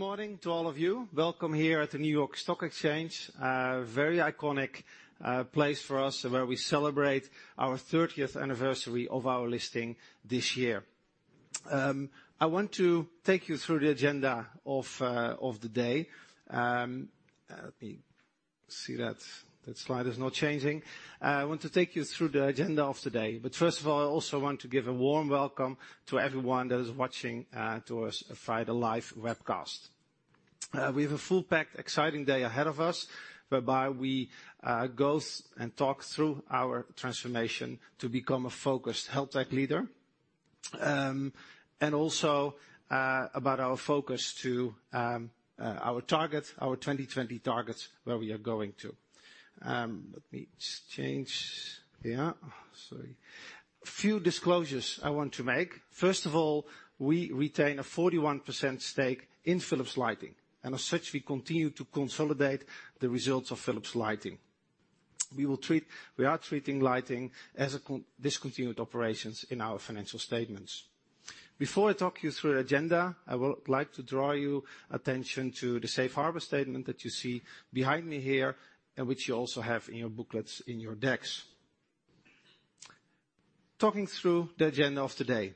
Good morning to all of you. Welcome here at the New York Stock Exchange, a very iconic place for us where we celebrate our 30th anniversary of our listing this year. I want to take you through the agenda of the day. I see that slide is not changing. I want to take you through the agenda of today. First of all, I also want to give a warm welcome to everyone that is watching to our Friday live webcast. We have a full-packed exciting day ahead of us, whereby we go and talk through our transformation to become a focused healthtech leader. Also about our focus to our 2020 targets where we are going to. Let me just change. Sorry. A few disclosures I want to make. First of all, we retain a 41% stake in Philips Lighting. As such, we continue to consolidate the results of Philips Lighting. We are treating lighting as discontinued operations in our financial statements. Before I talk you through the agenda, I would like to draw your attention to the safe harbor statement that you see behind me here, which you also have in your booklets in your decks. Talking through the agenda of today.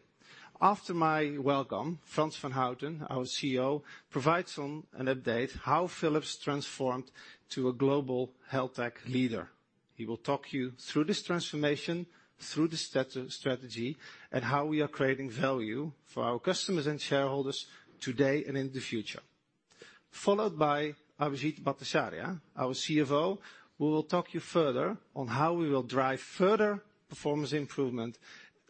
After my welcome, Frans van Houten, our CEO, provides an update how Philips transformed to a global healthtech leader. He will talk you through this transformation, through the strategy, how we are creating value for our customers and shareholders today and in the future. Followed by Abhijit Bhattacharya, our CFO, who will talk to you further on how we will drive further performance improvement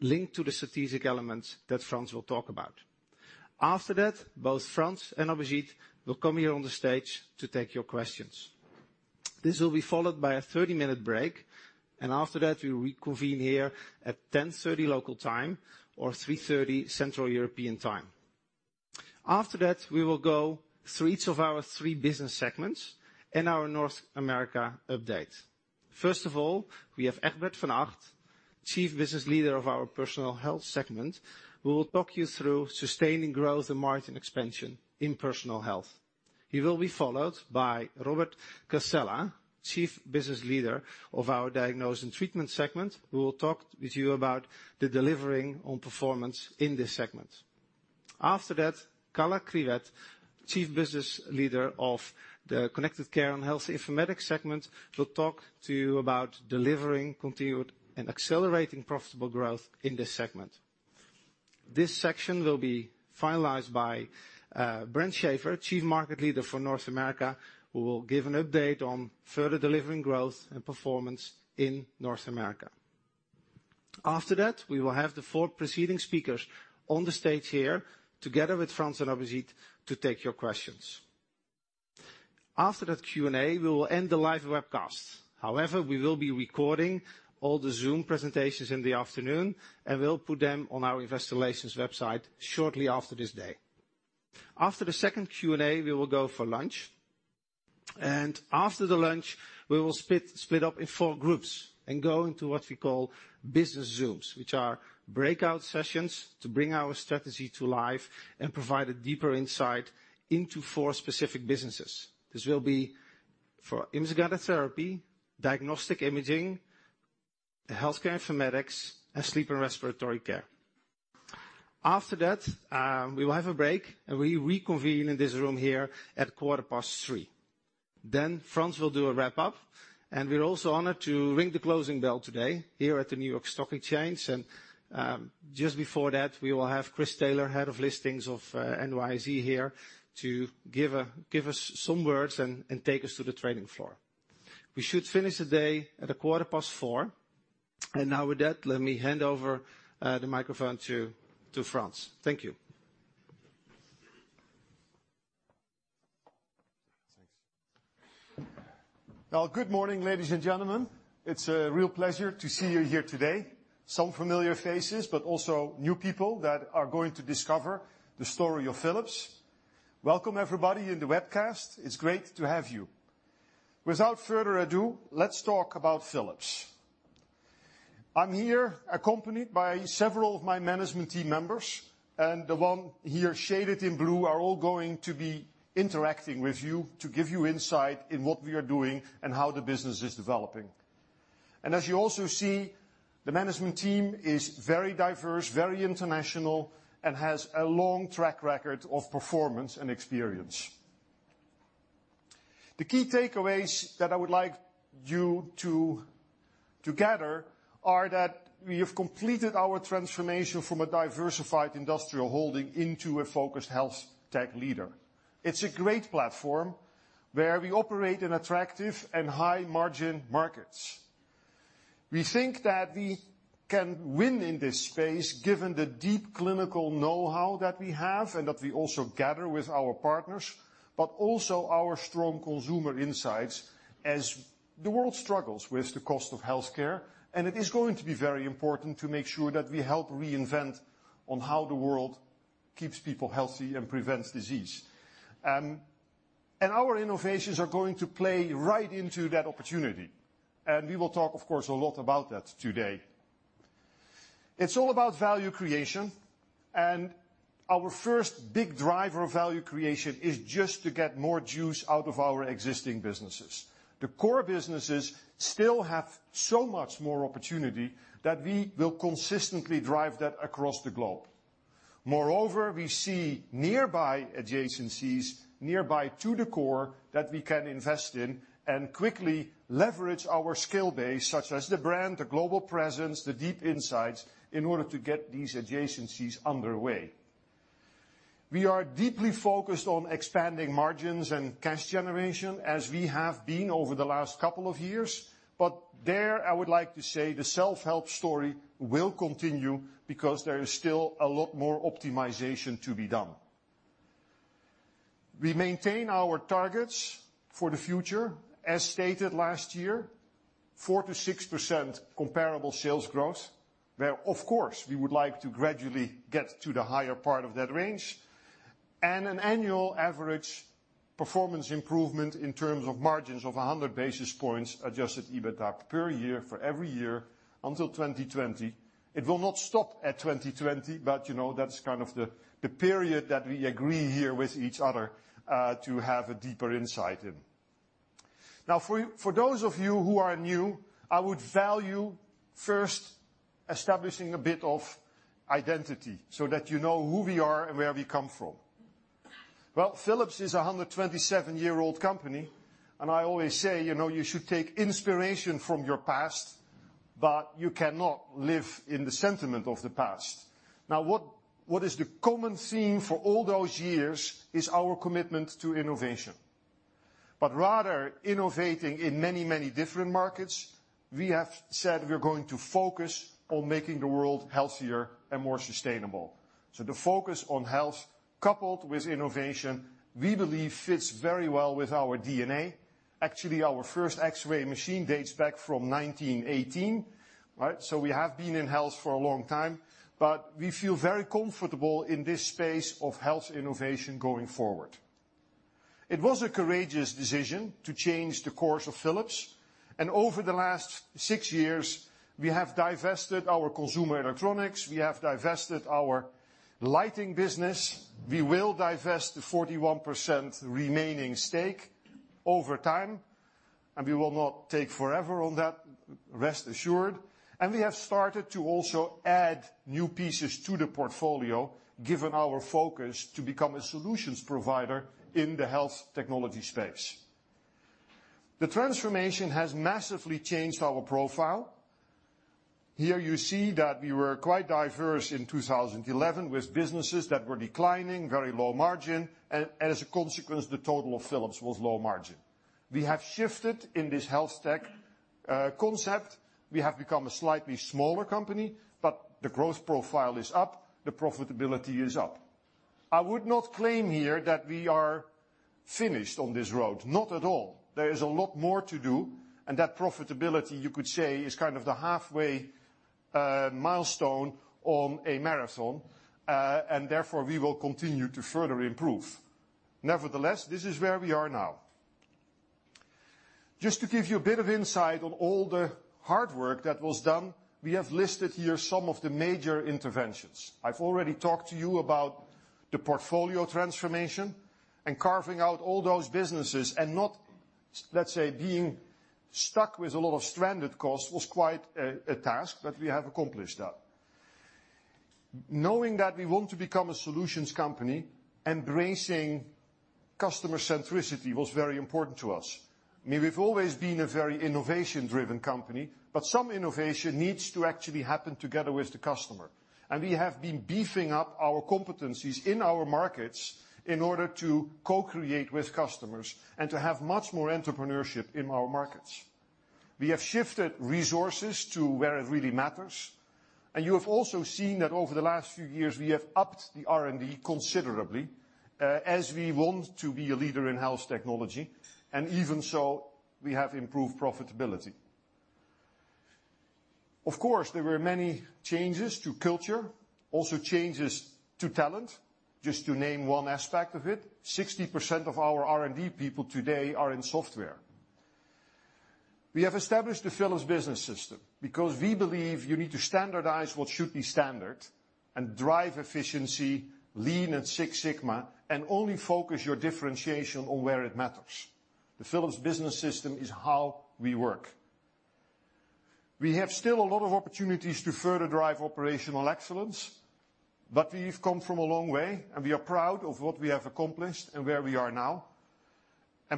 linked to the strategic elements that Frans will talk about. After that, both Frans and Abhijit will come here on the stage to take your questions. This will be followed by a 30-minute break. After that, we'll reconvene here at 10:30 local time, or 3:30 Central European Time. After that, we will go through each of our three business segments and our North America update. First of all, we have Egbert van Acht, Chief Business Leader of our Personal Health segment, who will talk you through sustaining growth and margin expansion in Personal Health. He will be followed by Robert Cascella, Chief Business Leader of our Diagnosis & Treatment segment, who will talk with you about delivering on performance in this segment. After that, Carla Kriwet, Chief Business Leader of the Connected Care & Health Informatics segment, will talk to you about delivering continued and accelerating profitable growth in this segment. This section will be finalized by Brent Shafer, Chief Market Leader for North America, who will give an update on further delivering growth and performance in North America. After that, we will have the four preceding speakers on the stage here together with Frans and Abhijit to take your questions. After that Q&A, we will end the live webcast. However, we will be recording all the Zoom presentations in the afternoon. We will put them on our investor relations website shortly after this day. After the second Q&A, we will go for lunch. After the lunch, we will split up in four groups and go into what we call business zooms. Which are breakout sessions to bring our strategy to life and provide a deeper insight into four specific businesses. This will be for Image-Guided Therapy, Diagnostic Imaging, Healthcare Informatics, and Sleep and Respiratory Care. After that, we will have a break, and we reconvene in this room here at quarter past three. Frans will do a wrap up. We are also honored to ring the closing bell today here at the New York Stock Exchange. Just before that, we will have Chris Taylor, Head of Listings of NYSE here to give us some words and take us to the trading floor. We should finish the day at a quarter past four. Now with that, let me hand over the microphone to Frans. Thank you. Thanks. Good morning, ladies and gentlemen. It's a real pleasure to see you here today. Some familiar faces, but also new people that are going to discover the story of Philips. Welcome everybody in the webcast. It's great to have you. Without further ado, let's talk about Philips. I am here accompanied by several of my management team members, the one here shaded in blue are all going to be interacting with you to give you insight in what we are doing and how the business is developing. As you also see, the management team is very diverse, very international, and has a long track record of performance and experience. The key takeaways that I would like you to gather are that we have completed our transformation from a diversified industrial holding into a focused health tech leader. It's a great platform where we operate in attractive and high margin markets. We think that we can win in this space given the deep clinical knowhow that we have and that we also gather with our partners, but also our strong consumer insights as the world struggles with the cost of healthcare. It is going to be very important to make sure that we help reinvent on how the world keeps people healthy and prevents disease. Our innovations are going to play right into that opportunity. We will talk, of course, a lot about that today. It's all about value creation. Our first big driver of value creation is just to get more juice out of our existing businesses. The core businesses still have so much more opportunity that we will consistently drive that across the globe. Moreover, we see nearby adjacencies nearby to the core that we can invest in and quickly leverage our skill base, such as the brand, the global presence, the deep insights, in order to get these adjacencies underway. We are deeply focused on expanding margins and cash generation as we have been over the last couple of years. There I would like to say the self-help story will continue because there is still a lot more optimization to be done. We maintain our targets for the future. As stated last year, 4%-6% comparable sales growth, where of course, we would like to gradually get to the higher part of that range. An annual average performance improvement in terms of margins of 100 basis points adjusted EBITDA per year for every year until 2020. It will not stop at 2020, but that's kind of the period that we agree here with each other, to have a deeper insight in. Now, for those of you who are new, I would value first establishing a bit of identity so that you know who we are and where we come from. Well, Philips is 127-year-old company, and I always say you should take inspiration from your past, but you cannot live in the sentiment of the past. Now, what is the common theme for all those years is our commitment to innovation. Rather innovating in many, many different markets, we have said we're going to focus on making the world healthier and more sustainable. The focus on health coupled with innovation, we believe fits very well with our DNA. Actually, our first X-ray machine dates back from 1918. We have been in health for a long time. We feel very comfortable in this space of health innovation going forward. It was a courageous decision to change the course of Philips, and over the last six years we have divested our consumer electronics, we have divested our Philips Lighting business, we will divest the 41% remaining stake over time, and we will not take forever on that, rest assured. We have started to also add new pieces to the portfolio, given our focus to become a solutions provider in the health technology space. The transformation has massively changed our profile. Here you see that we were quite diverse in 2011 with businesses that were declining, very low margin, and as a consequence, the total of Philips was low margin. We have shifted in this health tech concept. We have become a slightly smaller company, the growth profile is up, the profitability is up. I would not claim here that we are finished on this road. Not at all. There is a lot more to do, that profitability you could say, is kind of the halfway milestone on a marathon. Therefore, we will continue to further improve. Nevertheless, this is where we are now. Just to give you a bit of insight on all the hard work that was done, we have listed here some of the major interventions. I've already talked to you about the portfolio transformation and carving out all those businesses and not, let's say, being stuck with a lot of stranded costs was quite a task, but we have accomplished that. Knowing that we want to become a solutions company, embracing customer centricity was very important to us. I mean, we've always been a very innovation-driven company, some innovation needs to actually happen together with the customer. We have been beefing up our competencies in our markets in order to co-create with customers and to have much more entrepreneurship in our markets. We have shifted resources to where it really matters. You have also seen that over the last few years we have upped the R&D considerably, as we want to be a leader in health technology. Even so, we have improved profitability. Of course, there were many changes to culture, also changes to talent. Just to name one aspect of it, 60% of our R&D people today are in software. We have established the Philips Business System because we believe you need to standardize what should be standard and drive efficiency, Lean and Six Sigma, Only focus your differentiation on where it matters. The Philips Business System is how we work. We have still a lot of opportunities to further drive operational excellence, We've come from a long way, We are proud of what we have accomplished and where we are now.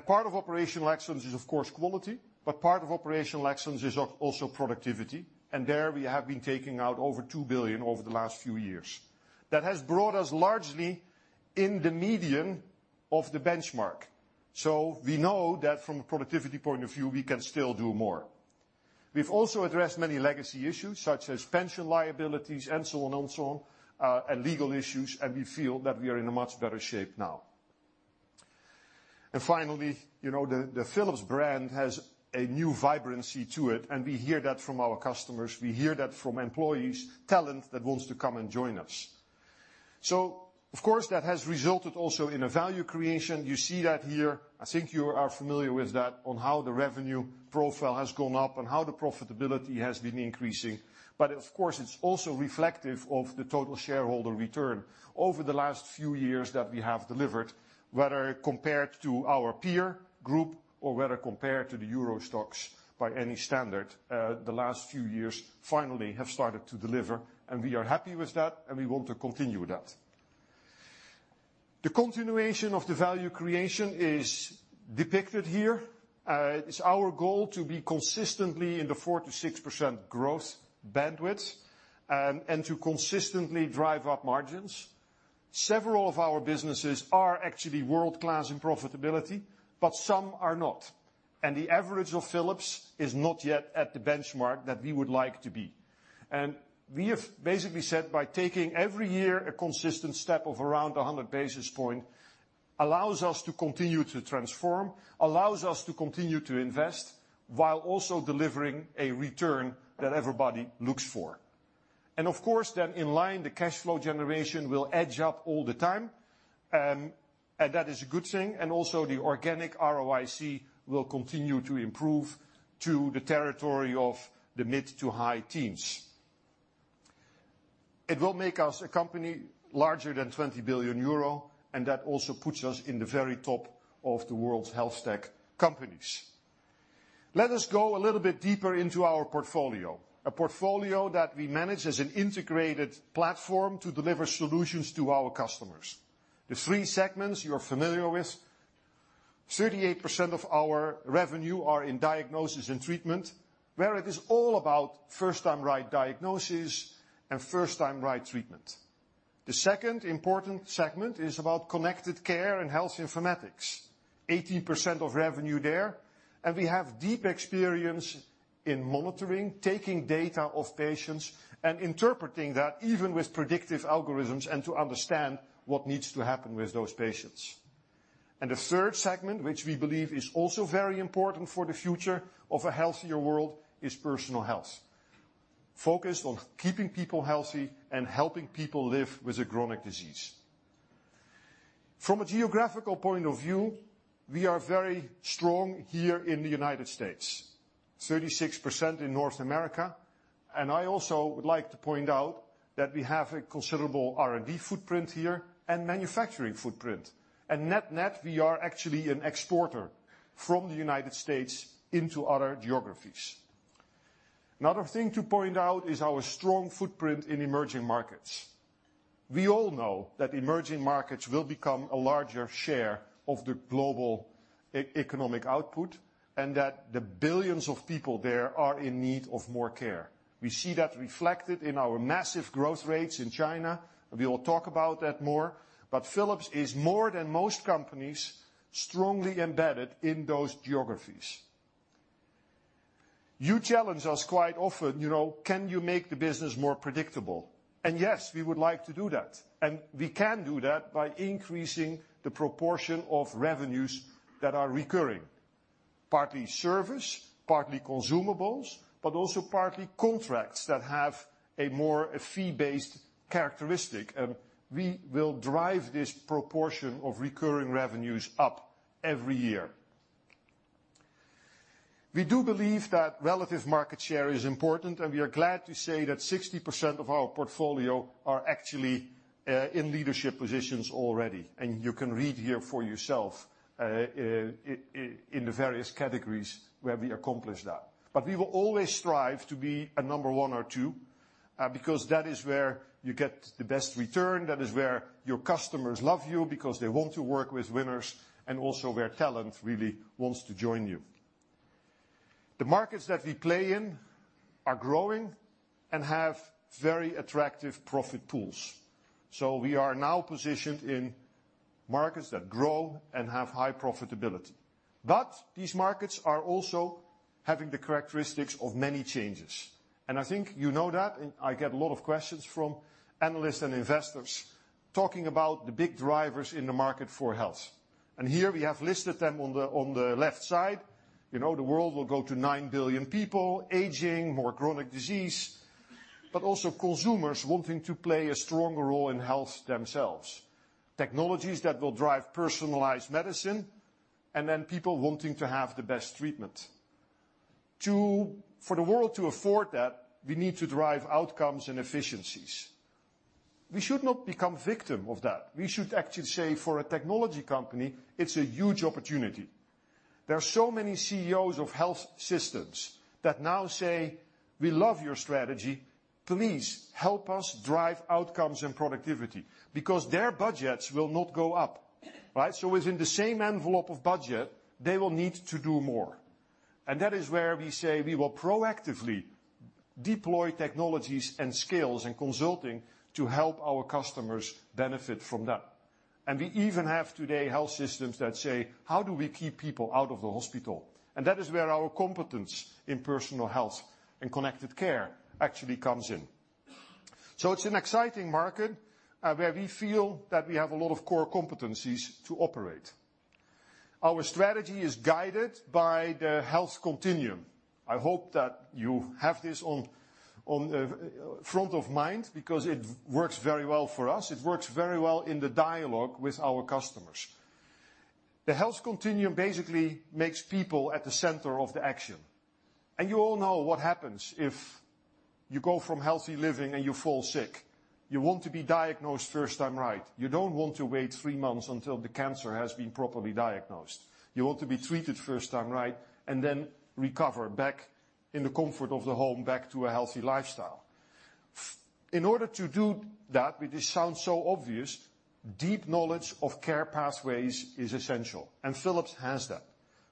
Part of operational excellence is of course quality, Part of operational excellence is also productivity, There we have been taking out over 2 billion over the last few years. That has brought us largely in the median of the benchmark. We know that from a productivity point of view, we can still do more. We've also addressed many legacy issues such as pension liabilities and so on, legal issues. We feel that we are in a much better shape now. Finally, the Philips brand has a new vibrancy to it, We hear that from our customers. We hear that from employees, talent that wants to come and join us. Of course, that has resulted also in value creation. You see that here. I think you are familiar with that, on how the revenue profile has gone up how the profitability has been increasing. Of course, it's also reflective of the total shareholder return over the last few years that we have delivered, whether compared to our peer group or whether compared to the Euro Stoxx by any standard. The last few years finally have started to deliver, We are happy with that, We want to continue that. The continuation of the value creation is depicted here. It's our goal to be consistently in the 4%-6% growth bandwidth, To consistently drive up margins. Several of our businesses are actually world-class in profitability, Some are not, The average of Philips is not yet at the benchmark that we would like to be. We have basically said by taking every year a consistent step of around 100 basis points allows us to continue to transform, allows us to continue to invest while also delivering a return that everybody looks for. Of course, then in line, the cash flow generation will edge up all the time, That is a good thing. Also, the organic ROIC will continue to improve to the territory of the mid to high teens. It will make us a company larger than 20 billion euro, That also puts us in the very top of the world's health tech companies. Let us go a little bit deeper into our portfolio. A portfolio that we manage as an integrated platform to deliver solutions to our customers. The three segments you are familiar with, 38% of our revenue are in Diagnosis & Treatment, where it is all about first-time right diagnosis first-time right treatment. The second important segment is about Connected Care & Health Informatics. 18% of revenue there, We have deep experience in monitoring, taking data of patients, interpreting that even with predictive algorithms, to understand what needs to happen with those patients. The third segment, which we believe is also very important for the future of a healthier world, is Personal Health. Focused on keeping people healthy and helping people live with a chronic disease. From a geographical point of view, we are very strong here in the U.S. 36% in North America. I also would like to point out that we have a considerable R&D footprint here and manufacturing footprint. Net, we are actually an exporter from the U.S. into other geographies. Another thing to point out is our strong footprint in emerging markets. We all know that emerging markets will become a larger share of the global economic output, and that the billions of people there are in need of more care. We see that reflected in our massive growth rates in China. We will talk about that more, Philips is more than most companies, strongly embedded in those geographies. You challenge us quite often, can you make the business more predictable? Yes, we would like to do that. We can do that by increasing the proportion of revenues that are recurring. Partly service, partly consumables, but also partly contracts that have a more fee-based characteristic. We will drive this proportion of recurring revenues up every year. We do believe that relative market share is important, and we are glad to say that 60% of our portfolio are actually in leadership positions already. You can read here for yourself in the various categories where we accomplish that. We will always strive to be a number 1 or 2, because that is where you get the best return. That is where your customers love you because they want to work with winners, and also where talent really wants to join you. The markets that we play in are growing and have very attractive profit pools. We are now positioned in markets that grow and have high profitability. These markets are also having the characteristics of many changes. I think you know that, I get a lot of questions from analysts and investors talking about the big drivers in the market for health. Here we have listed them on the left side. The world will go to 9 billion people, aging, more chronic disease, but also consumers wanting to play a stronger role in health themselves. Technologies that will drive personalized medicine, and then people wanting to have the best treatment. For the world to afford that, we need to drive outcomes and efficiencies. We should not become victim of that. We should actually say, for a technology company, it's a huge opportunity. There are so many CEOs of health systems that now say, "We love your strategy. Please help us drive outcomes and productivity." Because their budgets will not go up, right? Within the same envelope of budget, they will need to do more. That is where we say we will proactively deploy technologies and skills and consulting to help our customers benefit from that. We even have today health systems that say, "How do we keep people out of the hospital?" That is where our competence in Personal Health and Connected Care actually comes in. It's an exciting market, where we feel that we have a lot of core competencies to operate. Our strategy is guided by the health continuum. I hope that you have this on front of mind because it works very well for us. It works very well in the dialogue with our customers. The health continuum basically makes people at the center of the action. You all know what happens if you go from healthy living and you fall sick. You want to be diagnosed first time right. You don't want to wait three months until the cancer has been properly diagnosed. You want to be treated first time right, then recover back in the comfort of the home, back to a healthy lifestyle. In order to do that, which it sounds so obvious, deep knowledge of care pathways is essential, and Philips has that.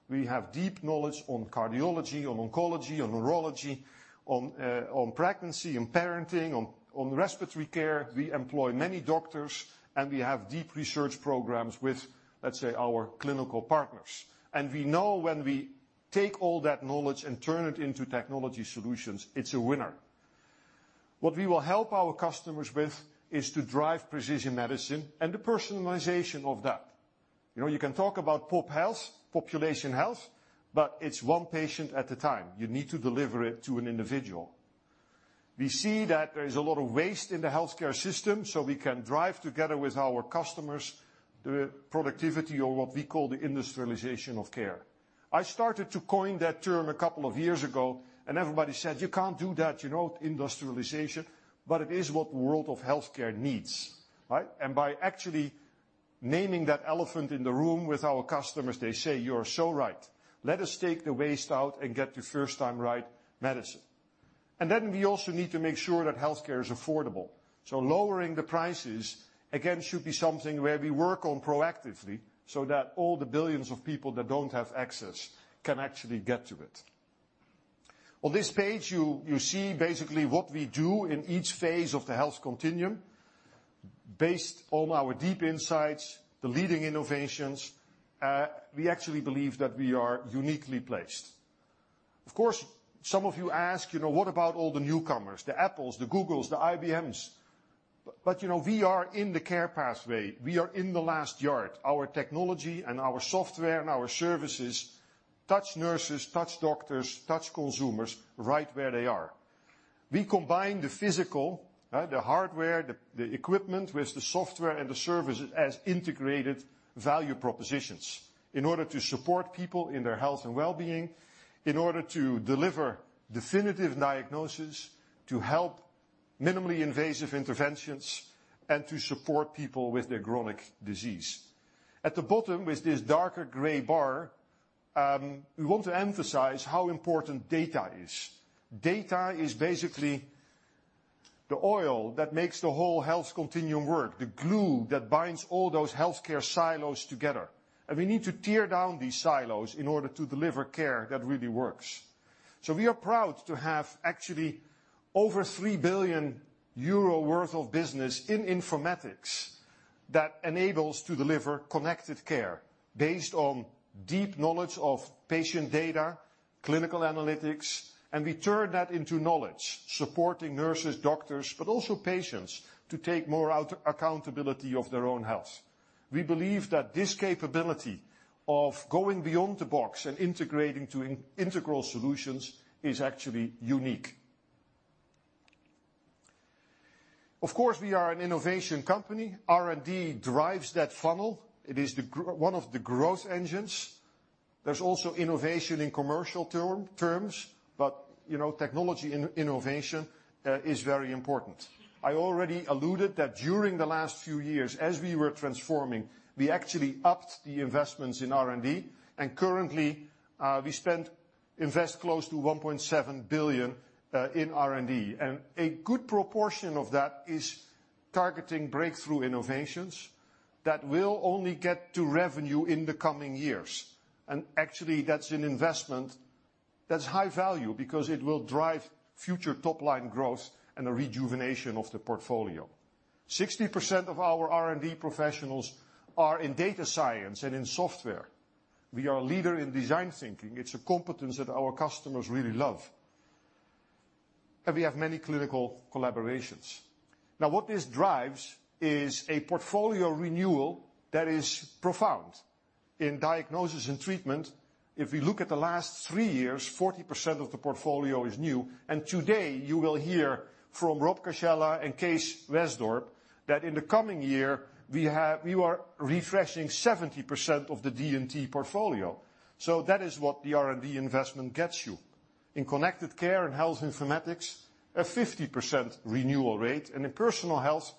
We have deep knowledge on cardiology, on oncology, on neurology, on pregnancy and parenting, on respiratory care. We employ many doctors, we have deep research programs with, let's say, our clinical partners. We know when we take all that knowledge and turn it into technology solutions, it's a winner. What we will help our customers with is to drive precision medicine and the personalization of that. You can talk about pop health, population health, but it's one patient at a time. You need to deliver it to an individual. We see that there is a lot of waste in the healthcare system, we can drive together with our customers the productivity or what we call the industrialization of care. I started to coin that term a couple of years ago, everybody said, "You can't do that, industrialization." It is what the world of healthcare needs, right? By actually naming that elephant in the room with our customers, they say, "You are so right. Let us take the waste out and get to first-time-right medicine." Then we also need to make sure that healthcare is affordable. Lowering the prices, again, should be something where we work on proactively so that all the billions of people that don't have access can actually get to it. On this page, you see basically what we do in each phase of the health continuum based on our deep insights, the leading innovations. We actually believe that we are uniquely placed. Of course, some of you ask, "What about all the newcomers, the Apples, the Googles, the IBMs?" We are in the care pathway. We are in the last yard. Our technology and our software and our services touch nurses, touch doctors, touch consumers right where they are. We combine the physical, the hardware, the equipment with the software and the services as integrated value propositions in order to support people in their health and wellbeing, in order to deliver definitive diagnosis, to help minimally invasive interventions, to support people with their chronic disease. At the bottom, with this darker gray bar, we want to emphasize how important data is. Data is basically the oil that makes the whole health continuum work, the glue that binds all those healthcare silos together. We need to tear down these silos in order to deliver care that really works. We are proud to have actually over 3 billion euro worth of business in informatics that enables to deliver connected care based on deep knowledge of patient data, clinical analytics, and we turn that into knowledge, supporting nurses, doctors, but also patients to take more accountability of their own health. We believe that this capability of going beyond the box and integrating to integral solutions is actually unique. Of course, we are an innovation company. R&D drives that funnel. It is one of the growth engines. There is also innovation in commercial terms, but technology innovation is very important. I already alluded that during the last few years, as we were transforming, we actually upped the investments in R&D, and currently, we invest close to 1.7 billion in R&D. A good proportion of that is targeting breakthrough innovations that will only get to revenue in the coming years. Actually, that's an investment that's high value because it will drive future top-line growth and a rejuvenation of the portfolio. 60% of our R&D professionals are in data science and in software. We are a leader in design thinking. It's a competence that our customers really love. We have many clinical collaborations. What this drives is a portfolio renewal that is profound. In Diagnosis & Treatment, if we look at the last three years, 40% of the portfolio is new. Today you will hear from Robert Cascella and Kees Wesdorp that in the coming year, we are refreshing 70% of the D&T portfolio. That is what the R&D investment gets you. In Connected Care & Health Informatics, a 50% renewal rate, and in Personal Health,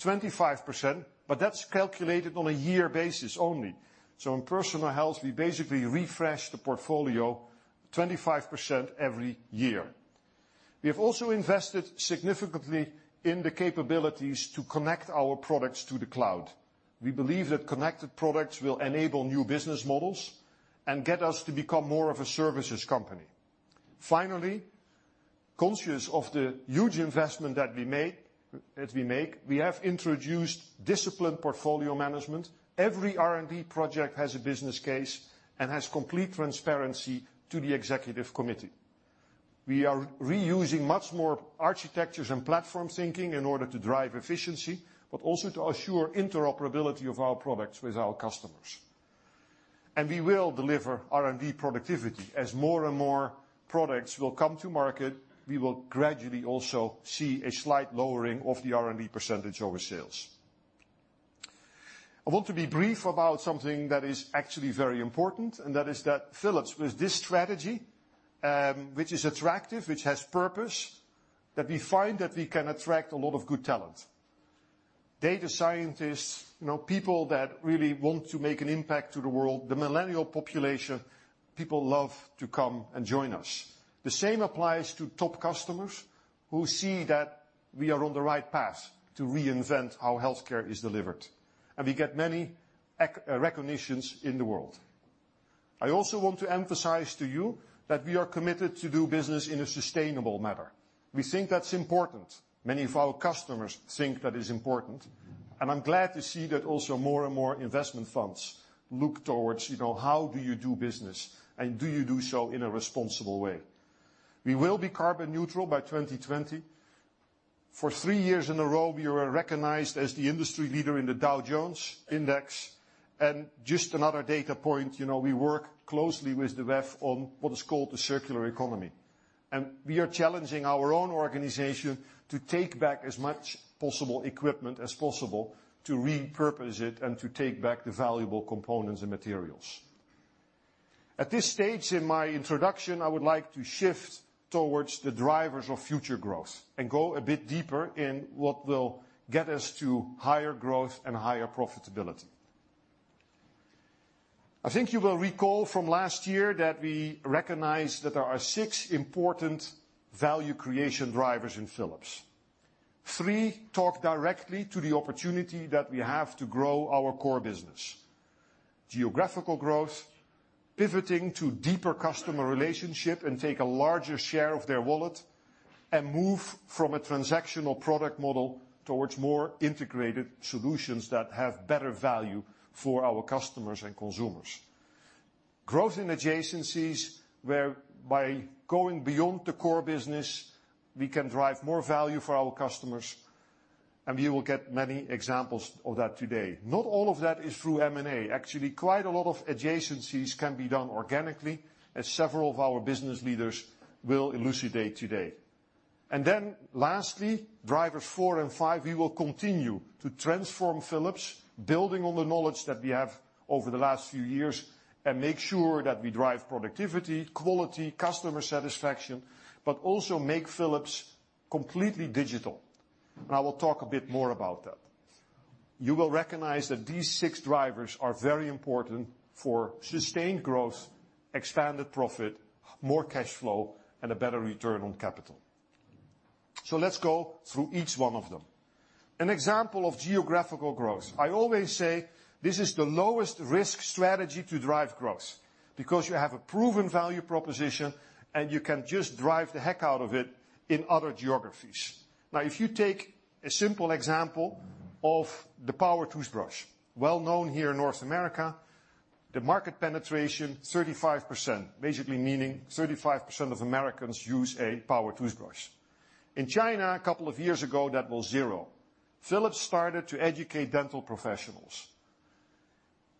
25%, but that's calculated on a year basis only. In Personal Health, we basically refresh the portfolio 25% every year. We have also invested significantly in the capabilities to connect our products to the cloud. We believe that connected products will enable new business models and get us to become more of a services company. Finally, conscious of the huge investment that we make, we have introduced disciplined portfolio management. Every R&D project has a business case and has complete transparency to the executive committee. We are reusing much more architectures and platform thinking in order to drive efficiency, but also to assure interoperability of our products with our customers. We will deliver R&D productivity. As more and more products will come to market, we will gradually also see a slight lowering of the R&D percentage over sales. I want to be brief about something that is actually very important. That is that Philips, with this strategy, which is attractive, which has purpose, that we find that we can attract a lot of good talent. Data scientists, people that really want to make an impact to the world, the millennial population, people love to come and join us. The same applies to top customers who see that we are on the right path to reinvent how healthcare is delivered. We get many recognitions in the world. I also want to emphasize to you that we are committed to do business in a sustainable manner. We think that's important. Many of our customers think that is important. I'm glad to see that also more and more investment funds look towards how do you do business, and do you do so in a responsible way? We will be carbon neutral by 2020. For three years in a row, we were recognized as the industry leader in the Dow Jones index. Just another data point, we work closely with the WEF on what is called the circular economy. We are challenging our own organization to take back as much equipment as possible to repurpose it and to take back the valuable components and materials. At this stage in my introduction, I would like to shift towards the drivers of future growth and go a bit deeper in what will get us to higher growth and higher profitability. I think you will recall from last year that we recognized that there are six important value creation drivers in Philips. Three talk directly to the opportunity that we have to grow our core business. Geographical growth, pivoting to deeper customer relationship and take a larger share of their wallet, and move from a transactional product model towards more integrated solutions that have better value for our customers and consumers. Growth in adjacencies, where by going beyond the core business, we can drive more value for our customers, and we will get many examples of that today. Not all of that is through M&A. Actually, quite a lot of adjacencies can be done organically, as several of our business leaders will elucidate today. Then lastly, drivers four and five, we will continue to transform Philips, building on the knowledge that we have over the last few years and make sure that we drive productivity, quality, customer satisfaction, but also make Philips completely digital. I will talk a bit more about that. You will recognize that these six drivers are very important for sustained growth, expanded profit, more cash flow, and a better return on capital. Let's go through each one of them. An example of geographical growth. I always say this is the lowest risk strategy to drive growth, because you have a proven value proposition and you can just drive the heck out of it in other geographies. Now, if you take a simple example of the power toothbrush, well known here in North America. The market penetration, 35%, basically meaning 35% of Americans use a power toothbrush. In China, a couple of years ago, that was zero. Philips started to educate dental professionals.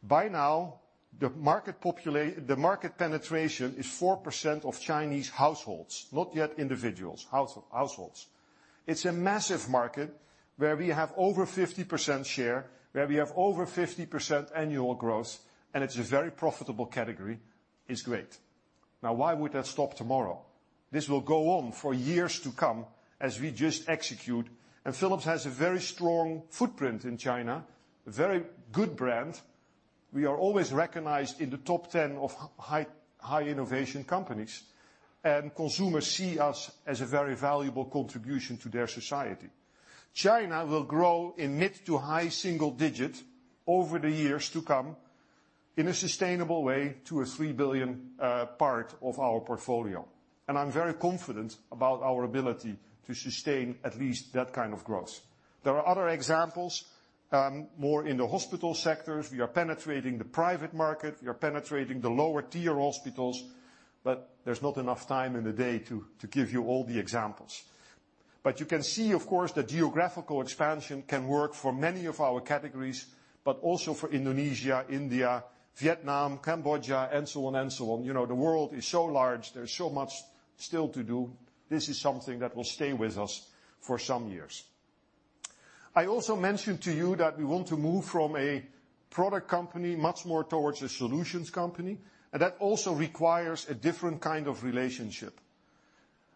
By now, the market penetration is 4% of Chinese households. Not yet individuals, households. It's a massive market where we have over 50% share, where we have over 50% annual growth, and it's a very profitable category. It's great. Now, why would that stop tomorrow? This will go on for years to come as we just execute. Philips has a very strong footprint in China, a very good brand. We are always recognized in the top 10 of high innovation companies, and consumers see us as a very valuable contribution to their society. China will grow in mid to high single digit over the years to come in a sustainable way to a 3 billion part of our portfolio, and I'm very confident about our ability to sustain at least that kind of growth. There are other examples, more in the hospital sectors. We are penetrating the private market. We are penetrating the lower tier hospitals, there's not enough time in the day to give you all the examples. You can see, of course, the geographical expansion can work for many of our categories, but also for Indonesia, India, Vietnam, Cambodia, and so on. The world is so large. There's so much still to do. This is something that will stay with us for some years. I also mentioned to you that we want to move from a product company much more towards a solutions company, and that also requires a different kind of relationship.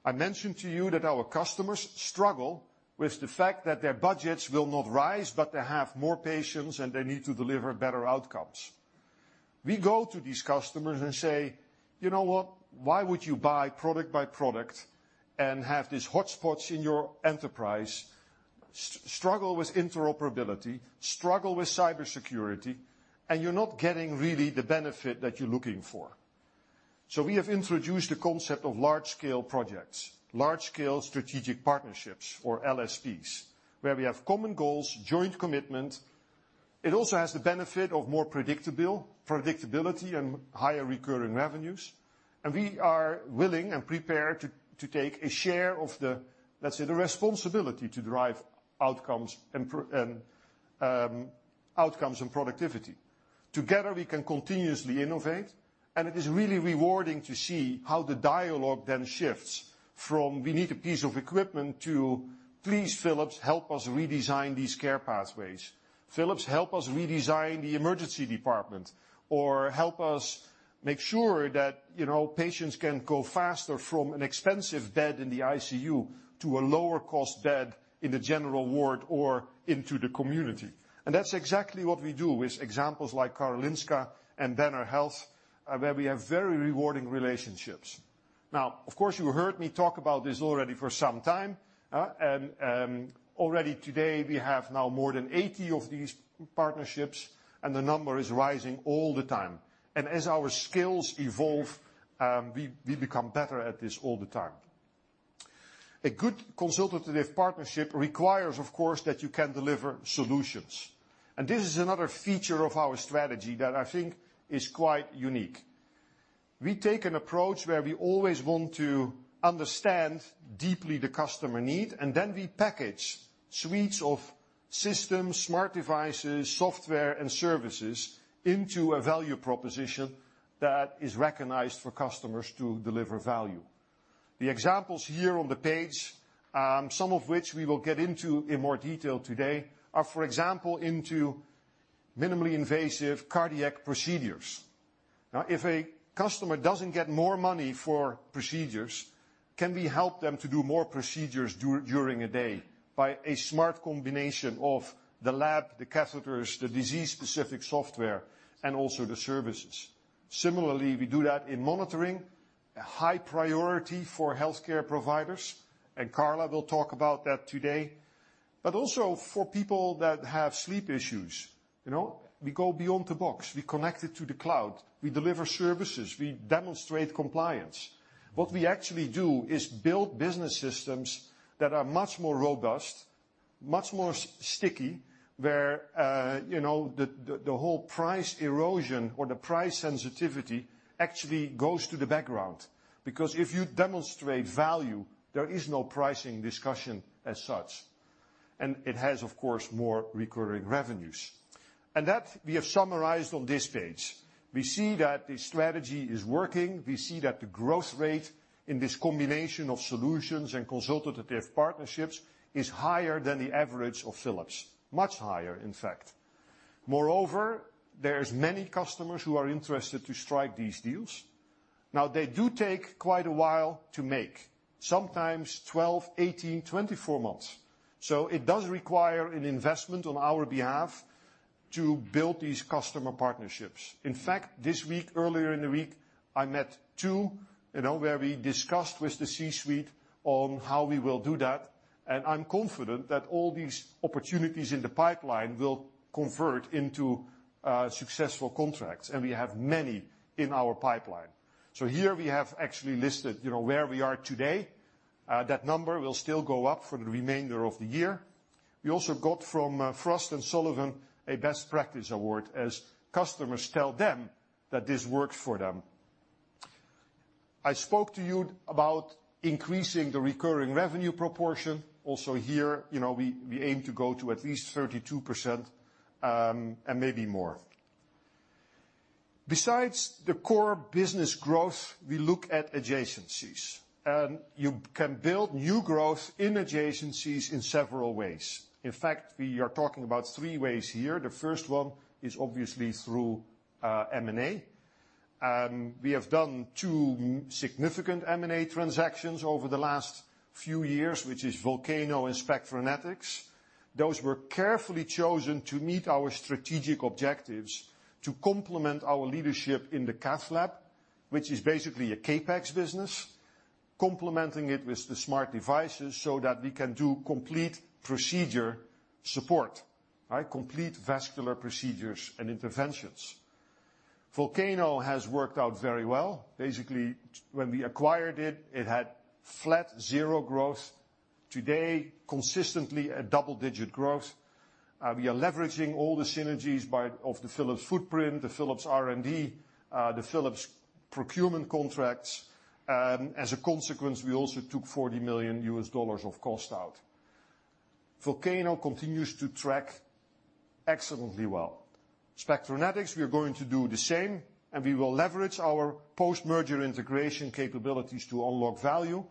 I mentioned to you that our customers struggle with the fact that their budgets will not rise, but they have more patients and they need to deliver better outcomes. We go to these customers and say, "You know what? Why would you buy product by product and have these hotspots in your enterprise, struggle with interoperability, struggle with cybersecurity, and you're not getting really the benefit that you're looking for?" We have introduced the concept of large scale projects, large scale strategic partnerships or LSPs, where we have common goals, joint commitment. It also has the benefit of more predictability and higher recurring revenues. We are willing and prepared to take a share of the, let's say, the responsibility to drive outcomes and productivity. Together, we can continuously innovate, and it is really rewarding to see how the dialogue then shifts from, "We need a piece of equipment," to, "Please, Philips, help us redesign these care pathways. Philips, help us redesign the emergency department," or, "Help us make sure that patients can go faster from an expensive bed in the ICU to a lower cost bed in the general ward or into the community." That's exactly what we do with examples like Karolinska and Banner Health, where we have very rewarding relationships. Now, of course, you heard me talk about this already for some time. Already today we have now more than 80 of these partnerships, and the number is rising all the time. As our skills evolve, we become better at this all the time. A good consultative partnership requires, of course, that you can deliver solutions. This is another feature of our strategy that I think is quite unique. We take an approach where we always want to understand deeply the customer need, and then we package suites of systems, smart devices, software, and services into a value proposition that is recognized for customers to deliver value. The examples here on the page, some of which we will get into in more detail today are, for example, into minimally invasive cardiac procedures. Now, if a customer doesn't get more money for procedures, can we help them to do more procedures during a day by a smart combination of the lab, the catheters, the disease-specific software, and also the services? Similarly, we do that in monitoring, a high priority for healthcare providers, and Carla will talk about that today. Also for people that have sleep issues. We go beyond the box. We connect it to the cloud. We deliver services. We demonstrate compliance. What we actually do is build business systems that are much more robust, much more sticky, where the whole price erosion or the price sensitivity actually goes to the background. Because if you demonstrate value, there is no pricing discussion as such. It has, of course, more recurring revenues. That we have summarized on this page. We see that the strategy is working. We see that the growth rate in this combination of solutions and consultative partnerships is higher than the average of Philips. Much higher, in fact. Moreover, there are many customers who are interested to strike these deals. They do take quite a while to make. Sometimes 12, 18, 24 months. It does require an investment on our behalf to build these customer partnerships. In fact, this week, earlier in the week, I met two, where we discussed with the C-suite on how we will do that, and I'm confident that all these opportunities in the pipeline will convert into successful contracts. We have many in our pipeline. Here we have actually listed where we are today. That number will still go up for the remainder of the year. We also got from Frost & Sullivan, a best practice award as customers tell them that this works for them. I spoke to you about increasing the recurring revenue proportion. Also here, we aim to go to at least 32%, and maybe more. Besides the core business growth, we look at adjacencies, you can build new growth in adjacencies in several ways. In fact, we are talking about three ways here. The first one is obviously through M&A. We have done two significant M&A transactions over the last few years, which is Volcano and Spectranetics. Those were carefully chosen to meet our strategic objectives to complement our leadership in the cath lab, which is basically a CapEx business, complementing it with the smart devices so that we can do complete procedure support. Complete vascular procedures and interventions. Volcano has worked out very well. Basically, when we acquired it had flat zero growth. Today, consistently a double-digit growth. We are leveraging all the synergies of the Philips footprint, the Philips R&D, the Philips procurement contracts. As a consequence, we also took EUR 40 million of cost out. Volcano continues to track excellently well. Spectranetics, we are going to do the same, and we will leverage our post-merger integration capabilities to unlock value.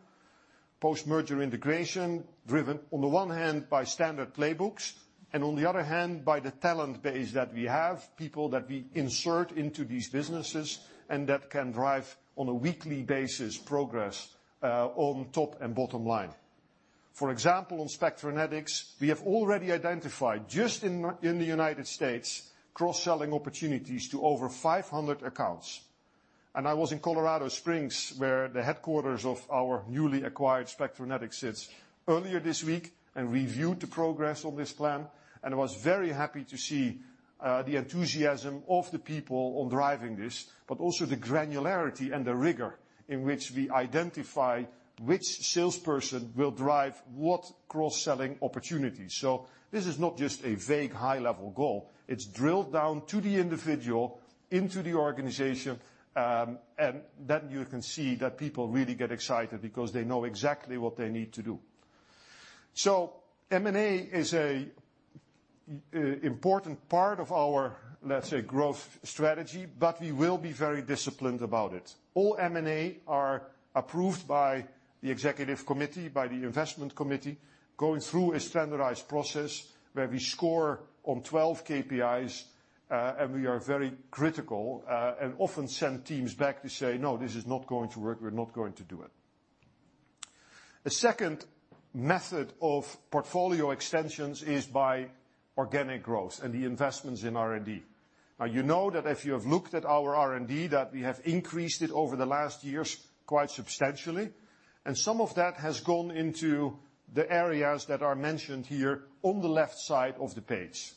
Post-merger integration driven, on the one hand, by standard playbooks, on the other hand, by the talent base that we have, people that we insert into these businesses, that can drive on a weekly basis progress on top and bottom line. For example, on Spectranetics, we have already identified just in the U.S., cross-selling opportunities to over 500 accounts. I was in Colorado Springs, where the headquarters of our newly acquired Spectranetics sits, earlier this week and reviewed the progress on this plan and was very happy to see the enthusiasm of the people on driving this, also the granularity and the rigor in which we identify which salesperson will drive what cross-selling opportunities. This is not just a vague high-level goal. It's drilled down to the individual, into the organization, you can see that people really get excited because they know exactly what they need to do. M&A is an important part of our, let's say, growth strategy, but we will be very disciplined about it. All M&A are approved by the executive committee, by the investment committee, going through a standardized process where we score on 12 KPIs, we are very critical and often send teams back to say, "No, this is not going to work. We're not going to do it." The second method of portfolio extensions is by organic growth and the investments in R&D. You know that if you have looked at our R&D, that we have increased it over the last years quite substantially, some of that has gone into the areas that are mentioned here on the left side of the page.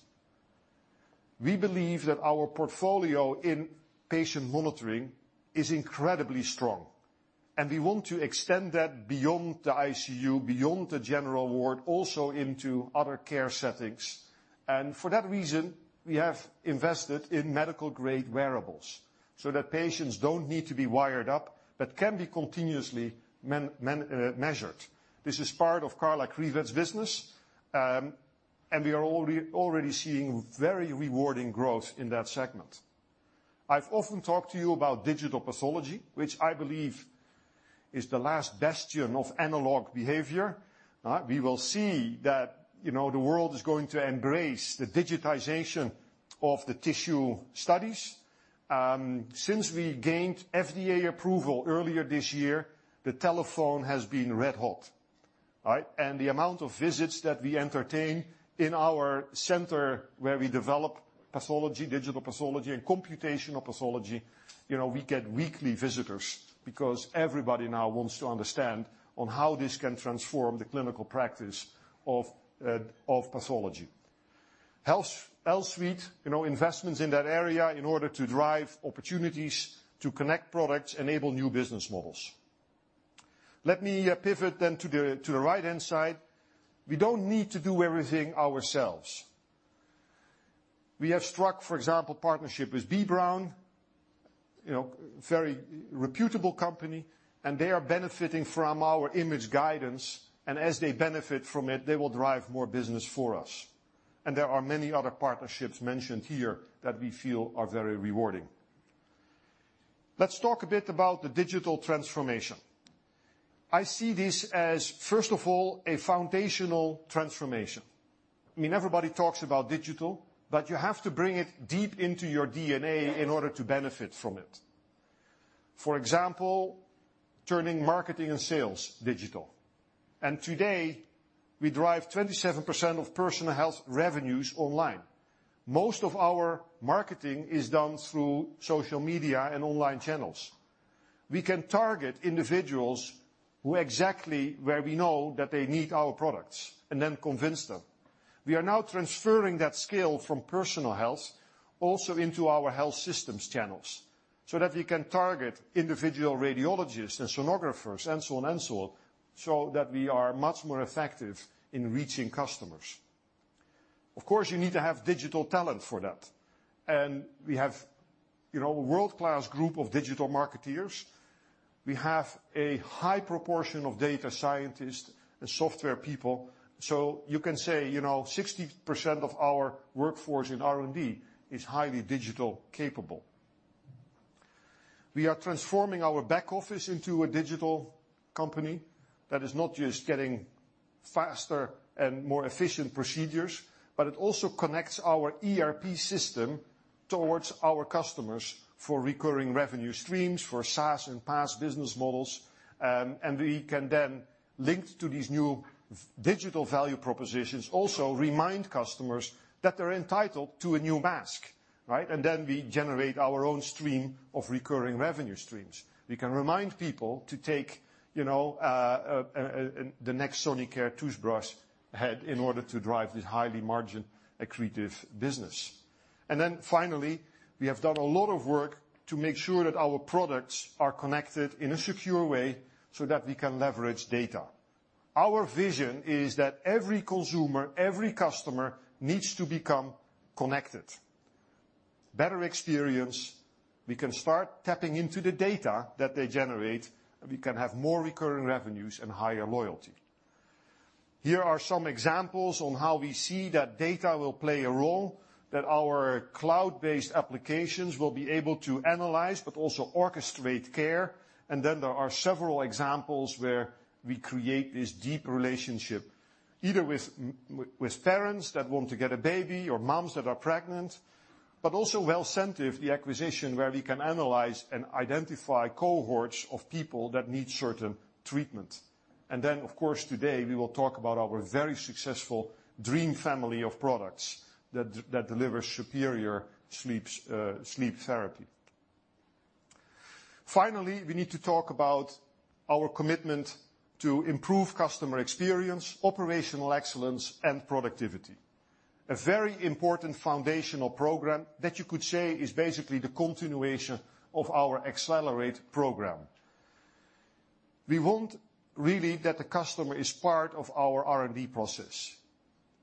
We believe that our portfolio in patient monitoring is incredibly strong, we want to extend that beyond the ICU, beyond the general ward, also into other care settings. For that reason, we have invested in medical grade wearables so that patients don't need to be wired up, but can be continuously measured. This is part of Carla Kriwet's business, we are already seeing very rewarding growth in that segment. I've often talked to you about digital pathology, which I believe is the last bastion of analog behavior. We will see that the world is going to embrace the digitization of the tissue studies. Since we gained FDA approval earlier this year, the telephone has been red hot. The amount of visits that we entertain in our center, where we develop pathology, digital pathology, and computational pathology, we get weekly visitors because everybody now wants to understand on how this can transform the clinical practice of pathology. HealthSuite, investments in that area in order to drive opportunities to connect products, enable new business models. Let me pivot then to the right-hand side. We don't need to do everything ourselves. We have struck, for example, partnership with B. Braun, very reputable company, they are benefiting from our image guidance. As they benefit from it, they will drive more business for us. There are many other partnerships mentioned here that we feel are very rewarding. Let's talk a bit about the digital transformation. I see this as, first of all, a foundational transformation. Everybody talks about digital, you have to bring it deep into your DNA in order to benefit from it. For example, turning marketing and sales digital. Today, we drive 27% of personal health revenues online. Most of our marketing is done through social media and online channels. We can target individuals who exactly where we know that they need our products and then convince them. We are now transferring that skill from personal health also into our health systems channels so that we can target individual radiologists and sonographers, and so on, and so on, so that we are much more effective in reaching customers. Of course, you need to have digital talent for that. We have a world-class group of digital marketeers. We have a high proportion of data scientists and software people. You can say, 60% of our workforce in R&D is highly digital capable. We are transforming our back office into a digital company that is not just getting faster and more efficient procedures, but it also connects our ERP system towards our customers for recurring revenue streams for SaaS and PaaS business models. We can then link to these new digital value propositions, also remind customers that they're entitled to a new mask. Then we generate our own stream of recurring revenue streams. We can remind people to take the next Sonicare toothbrush head in order to drive this highly margin accretive business. Finally, we have done a lot of work to make sure that our products are connected in a secure way so that we can leverage data. Our vision is that every consumer, every customer needs to become connected. Better experience, we can start tapping into the data that they generate, and we can have more recurring revenues and higher loyalty. Here are some examples on how we see that data will play a role, that our cloud-based applications will be able to analyze, but also orchestrate care. Then there are several examples where we create this deep relationship, either with parents that want to get a baby or moms that are pregnant. Also Wellcentive, the acquisition where we can analyze and identify cohorts of people that need certain treatment. Then, of course, today, we will talk about our very successful dream family of products that delivers superior sleep therapy. Finally, we need to talk about our commitment to improve customer experience, operational excellence, and productivity. A very important foundational program that you could say is basically the continuation of our Accelerate program. We want really that the customer is part of our R&D process.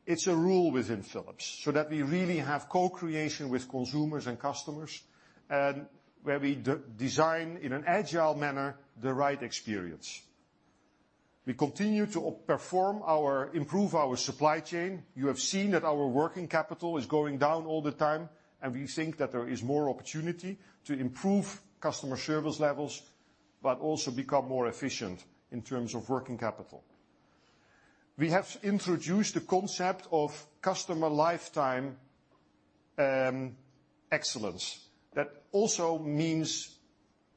It's a rule within Philips, so that we really have co-creation with consumers and customers, and where we design in an agile manner the right experience. We continue to improve our supply chain. You have seen that our working capital is going down all the time, and we think that there is more opportunity to improve customer service levels, but also become more efficient in terms of working capital. We have introduced the concept of customer lifetime excellence. That also means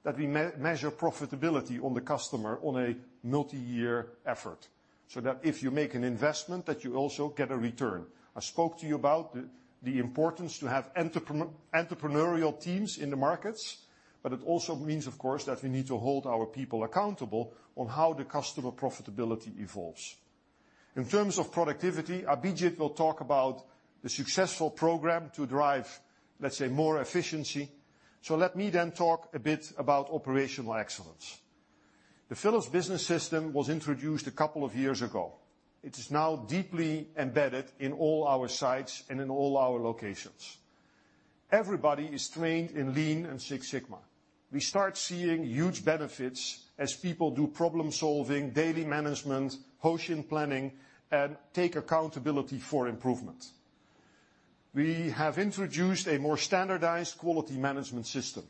that we measure profitability on the customer on a multi-year effort, so that if you make an investment, that you also get a return. I spoke to you about the importance to have entrepreneurial teams in the markets, but it also means, of course, that we need to hold our people accountable on how the customer profitability evolves. In terms of productivity, Abhijit will talk about the successful program to drive, let's say, more efficiency. Let me then talk a bit about operational excellence. The Philips Business System was introduced a couple of years ago. It is now deeply embedded in all our sites and in all our locations. Everybody is trained in Lean and Six Sigma. We start seeing huge benefits as people do problem-solving, daily management, Hoshin planning, and take accountability for improvement. We have introduced a more standardized quality management system.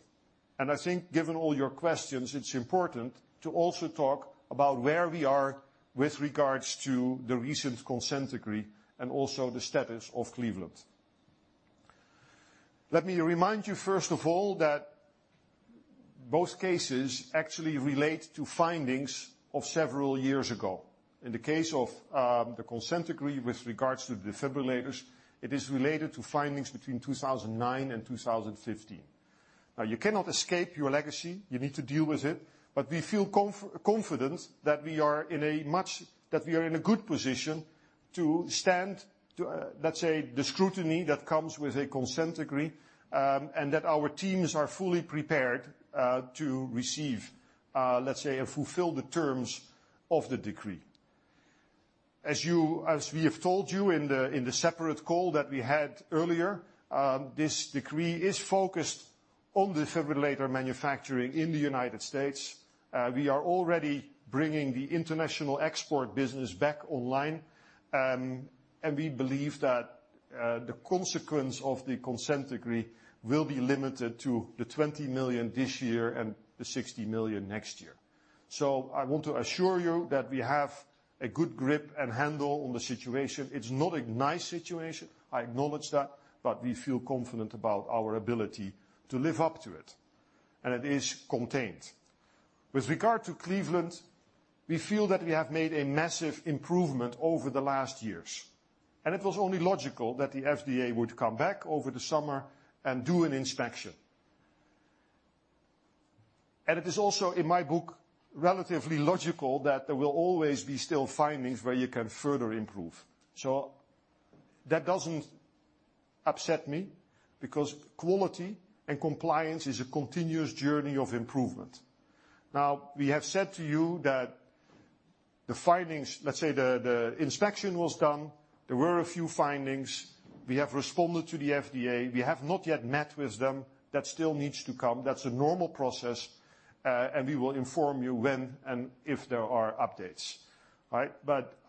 I think given all your questions, it's important to also talk about where we are with regards to the recent consent decree and also the status of Cleveland. Let me remind you, first of all, that both cases actually relate to findings of several years ago. In the case of the consent decree with regards to defibrillators, it is related to findings between 2009 and 2015. You cannot escape your legacy. You need to deal with it, but we feel confident that we are in a good position to stand, let's say, the scrutiny that comes with a consent decree, and that our teams are fully prepared to receive, let's say, and fulfill the terms of the decree. We have told you in the separate call that we had earlier, this decree is focused on defibrillator manufacturing in the U.S. We are already bringing the international export business back online, and we believe that the consequence of the consent decree will be limited to 20 million this year and 60 million next year. I want to assure you that we have a good grip and handle on the situation. It's not a nice situation, I acknowledge that, but we feel confident about our ability to live up to it, and it is contained. With regard to Cleveland, we feel that we have made a massive improvement over the last years, and it was only logical that the FDA would come back over the summer and do an inspection. It is also, in my book, relatively logical that there will always be still findings where you can further improve. That doesn't upset me because quality and compliance is a continuous journey of improvement. We have said to you that the findings, let's say the inspection was done, there were a few findings. We have responded to the FDA. We have not yet met with them. That still needs to come. That's a normal process. We will inform you when and if there are updates. All right?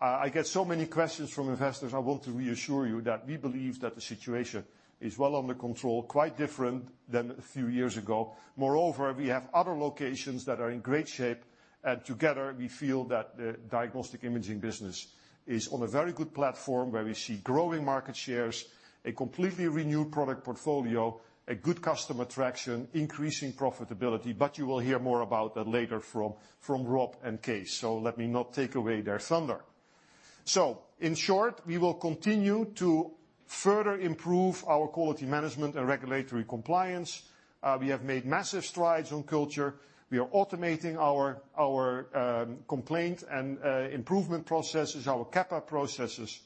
I get so many questions from investors. I want to reassure you that we believe that the situation is well under control, quite different than a few years ago. Moreover, we have other locations that are in great shape, and together we feel that the diagnostic imaging business is on a very good platform where we see growing market shares, a completely renewed product portfolio, a good customer traction, increasing profitability. You will hear more about that later from Rob and Kees. Let me not take away their thunder. In short, we will continue to further improve our quality management and regulatory compliance. We have made massive strides on culture. We are automating our complaint and improvement processes, our CAPA processes.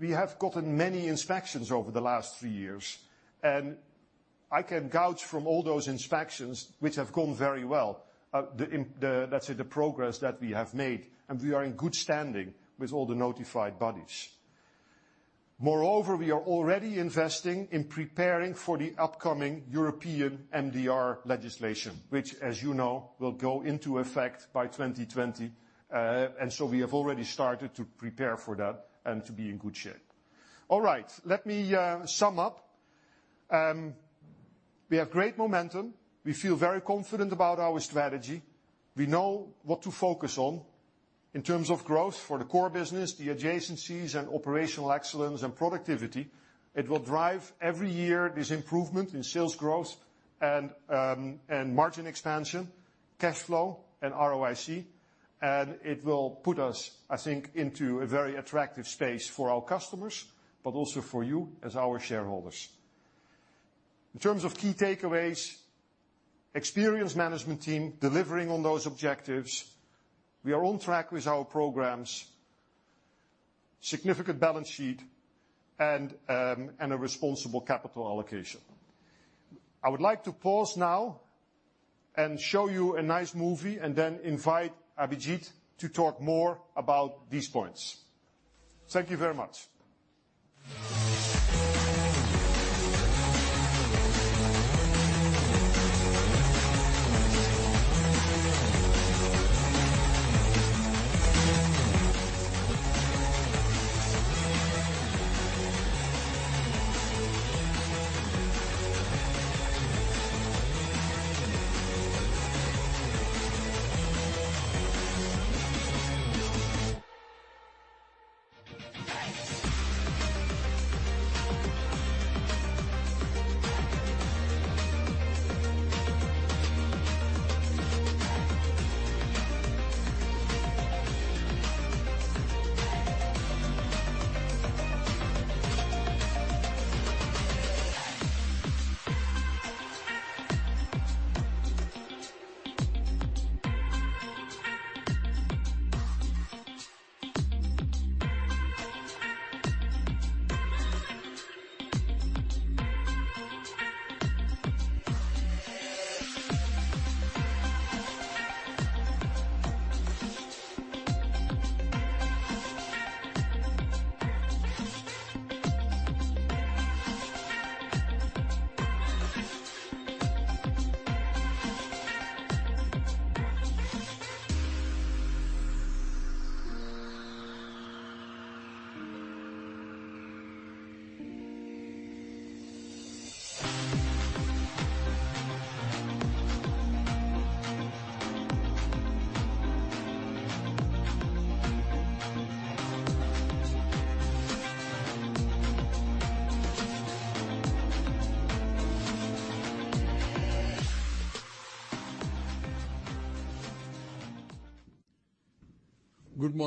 We have gotten many inspections over the last three years. I can gauge from all those inspections, which have gone very well, let's say, the progress that we have made, and we are in good standing with all the notified bodies. Moreover, we are already investing in preparing for the upcoming European MDR legislation, which as you know, will go into effect by 2020. We have already started to prepare for that and to be in good shape. All right. Let me sum up. We have great momentum. We feel very confident about our strategy. We know what to focus on in terms of growth for the core business, the adjacencies and operational excellence and productivity. It will drive every year this improvement in sales growth and margin expansion, cash flow and ROIC. It will put us, I think, into a very attractive space for our customers, but also for you as our shareholders. In terms of key takeaways, experienced management team delivering on those objectives. We are on track with our programs, significant balance sheet, and a responsible capital allocation. I would like to pause now and show you a nice movie and then invite Abhijit to talk more about these points. Thank you very much.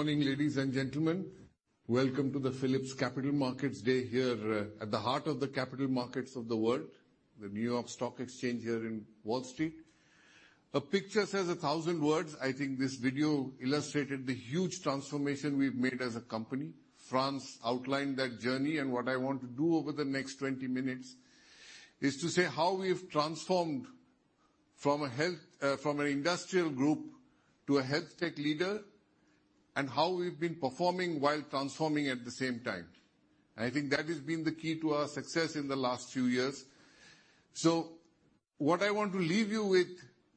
Good morning, ladies and gentlemen. Welcome to the Philips Capital Markets Day here at the heart of the capital markets of the world, the New York Stock Exchange here in Wall Street. A picture says 1,000 words. I think this video illustrated the huge transformation we've made as a company. Frans outlined that journey. What I want to do over the next 20 minutes is to say how we've transformed from an industrial group to a health tech leader, and how we've been performing while transforming at the same time. I think that has been the key to our success in the last few years. What I want to leave you with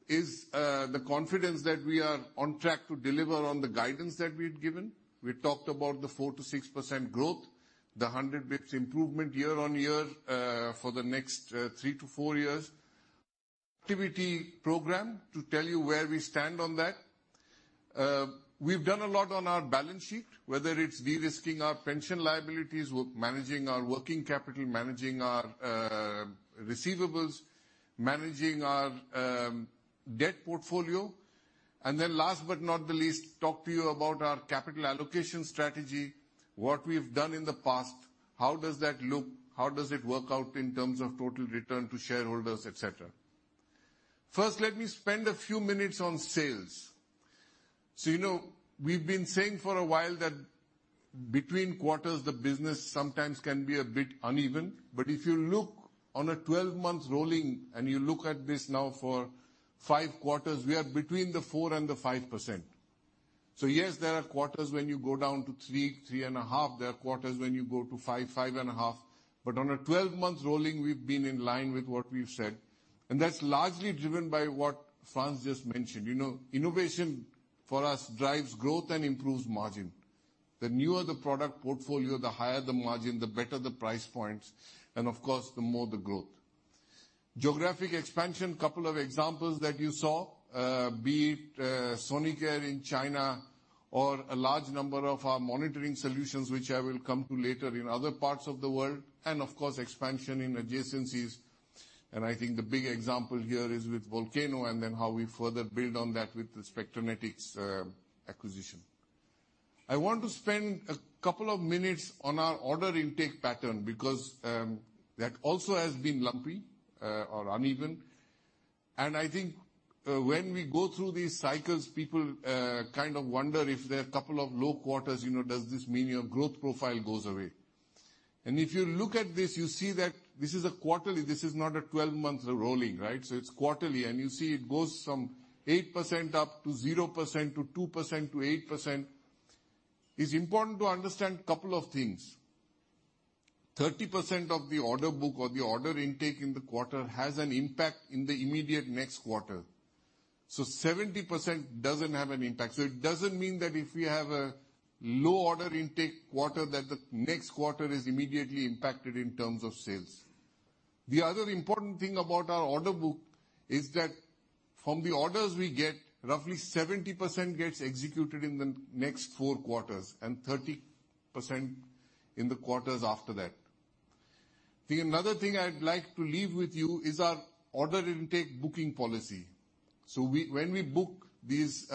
is the confidence that we are on track to deliver on the guidance that we've given. We talked about the 4%-6% growth, the 100 basis points improvement year-on-year for the next three to four years. Activity program, to tell you where we stand on that. We've done a lot on our balance sheet, whether it's de-risking our pension liabilities, managing our working capital, managing our receivables, managing our debt portfolio. Last but not the least, talk to you about our capital allocation strategy, what we've done in the past, how does that look, how does it work out in terms of total return to shareholders, et cetera. First, let me spend a few minutes on sales. You know, we've been saying for a while that between quarters, the business sometimes can be a bit uneven. But if you look on a 12-month rolling and you look at this now for five quarters, we are between the 4%-5%. Yes, there are quarters when you go down to 3%, 3.5%. There are quarters when you go to 5%, 5.5%. But on a 12-month rolling, we've been in line with what we've said. That's largely driven by what Frans just mentioned. Innovation for us drives growth and improves margin. The newer the product portfolio, the higher the margin, the better the price points, and of course, the more the growth. Geographic expansion, couple of examples that you saw. Be it Sonicare in China or a large number of our monitoring solutions, which I will come to later, in other parts of the world. Of course, expansion in adjacencies. I think the big example here is with Volcano and then how we further build on that with the Spectranetics acquisition. I want to spend a couple of minutes on our order intake pattern, because, that also has been lumpy or uneven. I think when we go through these cycles, people kind of wonder if there are a couple of low quarters, does this mean your growth profile goes away? If you look at this, you see that this is a quarterly. This is not a 12 months rolling, right? It's quarterly, and you see it goes from 8% up to 0% to 2% to 8%. It's important to understand couple of things. 30% of the order book or the order intake in the quarter has an impact in the immediate next quarter. 70% doesn't have an impact. It doesn't mean that if we have a low order intake quarter, that the next quarter is immediately impacted in terms of sales. The other important thing about our order book is that from the orders we get, roughly 70% gets executed in the next four quarters and 30% in the quarters after that. Another thing I'd like to leave with you is our order intake booking policy. When we book these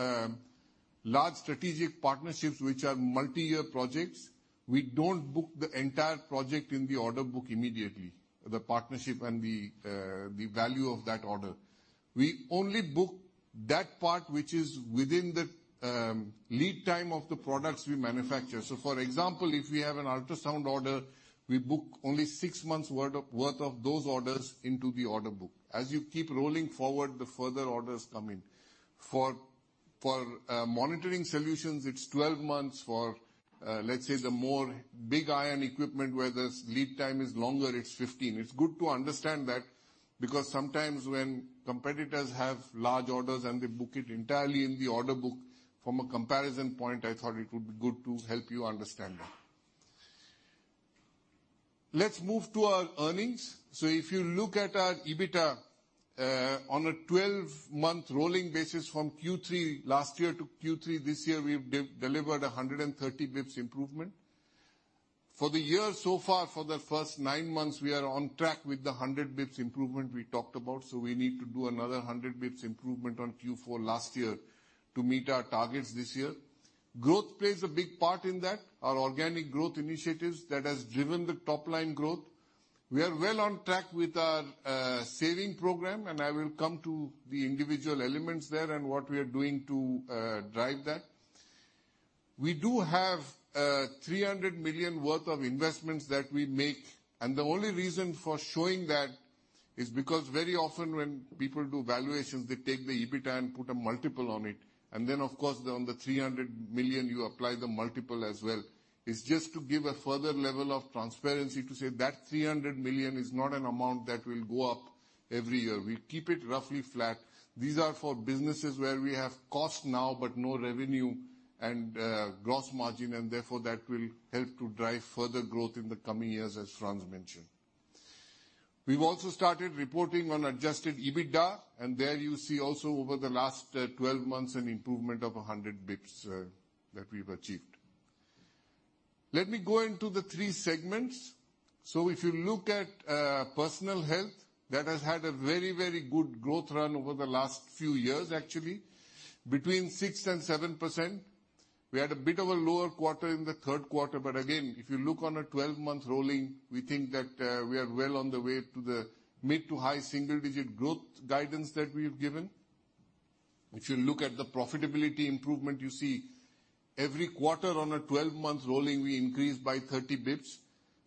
large strategic partnerships, which are multi-year projects, we don't book the entire project in the order book immediately, the partnership and the value of that order. We only book that part which is within the lead time of the products we manufacture. For example, if we have an ultrasound order, we book only six months worth of those orders into the order book. As you keep rolling forward, the further orders come in. For monitoring solutions, it's 12 months. For, let's say, the more big iron equipment, where the lead time is longer, it's 15. It's good to understand that, because sometimes when competitors have large orders and they book it entirely in the order book, from a comparison point, I thought it would be good to help you understand that. Let's move to our earnings. If you look at our EBITDA, on a 12-month rolling basis from Q3 last year to Q3 this year, we've delivered 130 basis points improvement. For the year so far, for the first nine months, we are on track with the 100 basis points improvement we talked about, we need to do another 100 basis points improvement on Q4 last year to meet our targets this year. Growth plays a big part in that. Our organic growth initiatives that has driven the top-line growth. We are well on track with our saving program, I will come to the individual elements there and what we are doing to drive that. We do have 300 million worth of investments that we make. The only reason for showing that is because very often, when people do valuations, they take the EBITDA and put a multiple on it. Then, of course, on the 300 million, you apply the multiple as well. It's just to give a further level of transparency to say that 300 million is not an amount that will go up every year. We keep it roughly flat. These are for businesses where we have cost now but no revenue and gross margin, and therefore, that will help to drive further growth in the coming years, as Frans mentioned. We've also started reporting on adjusted EBITDA, there you see also over the last 12 months an improvement of 100 basis points that we've achieved. Let me go into the three segments. If you look at Personal Health, that has had a very good growth run over the last few years, actually, between 6% and 7%. We had a bit of a lower quarter in the third quarter, but again, if you look on a 12-month rolling, we think that we are well on the way to the mid to high single-digit growth guidance that we've given. If you look at the profitability improvement, you see every quarter on a 12-month rolling, we increase by 30 basis points.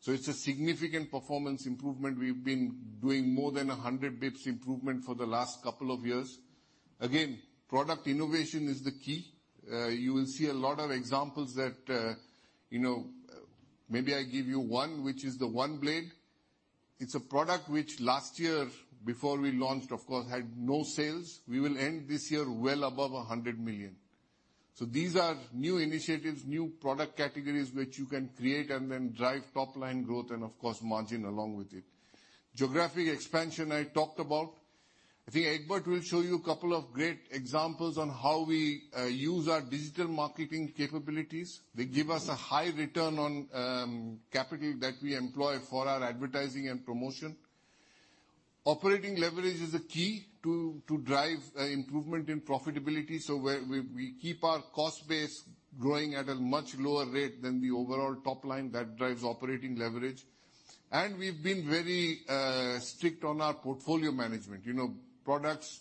It's a significant performance improvement. We've been doing more than 100 basis points improvement for the last couple of years. Again, product innovation is the key. You will see a lot of examples that Maybe I give you one, which is the OneBlade. It's a product which last year, before we launched, of course, had no sales. We will end this year well above 100 million. These are new initiatives, new product categories which you can create and then drive top-line growth and, of course, margin along with it. Geographic expansion, I talked about. I think Egbert will show you a couple of great examples on how we use our digital marketing capabilities. They give us a high return on capital that we employ for our advertising and promotion. Operating leverage is a key to drive improvement in profitability. We keep our cost base growing at a much lower rate than the overall top line. That drives operating leverage. We've been very strict on our portfolio management. Products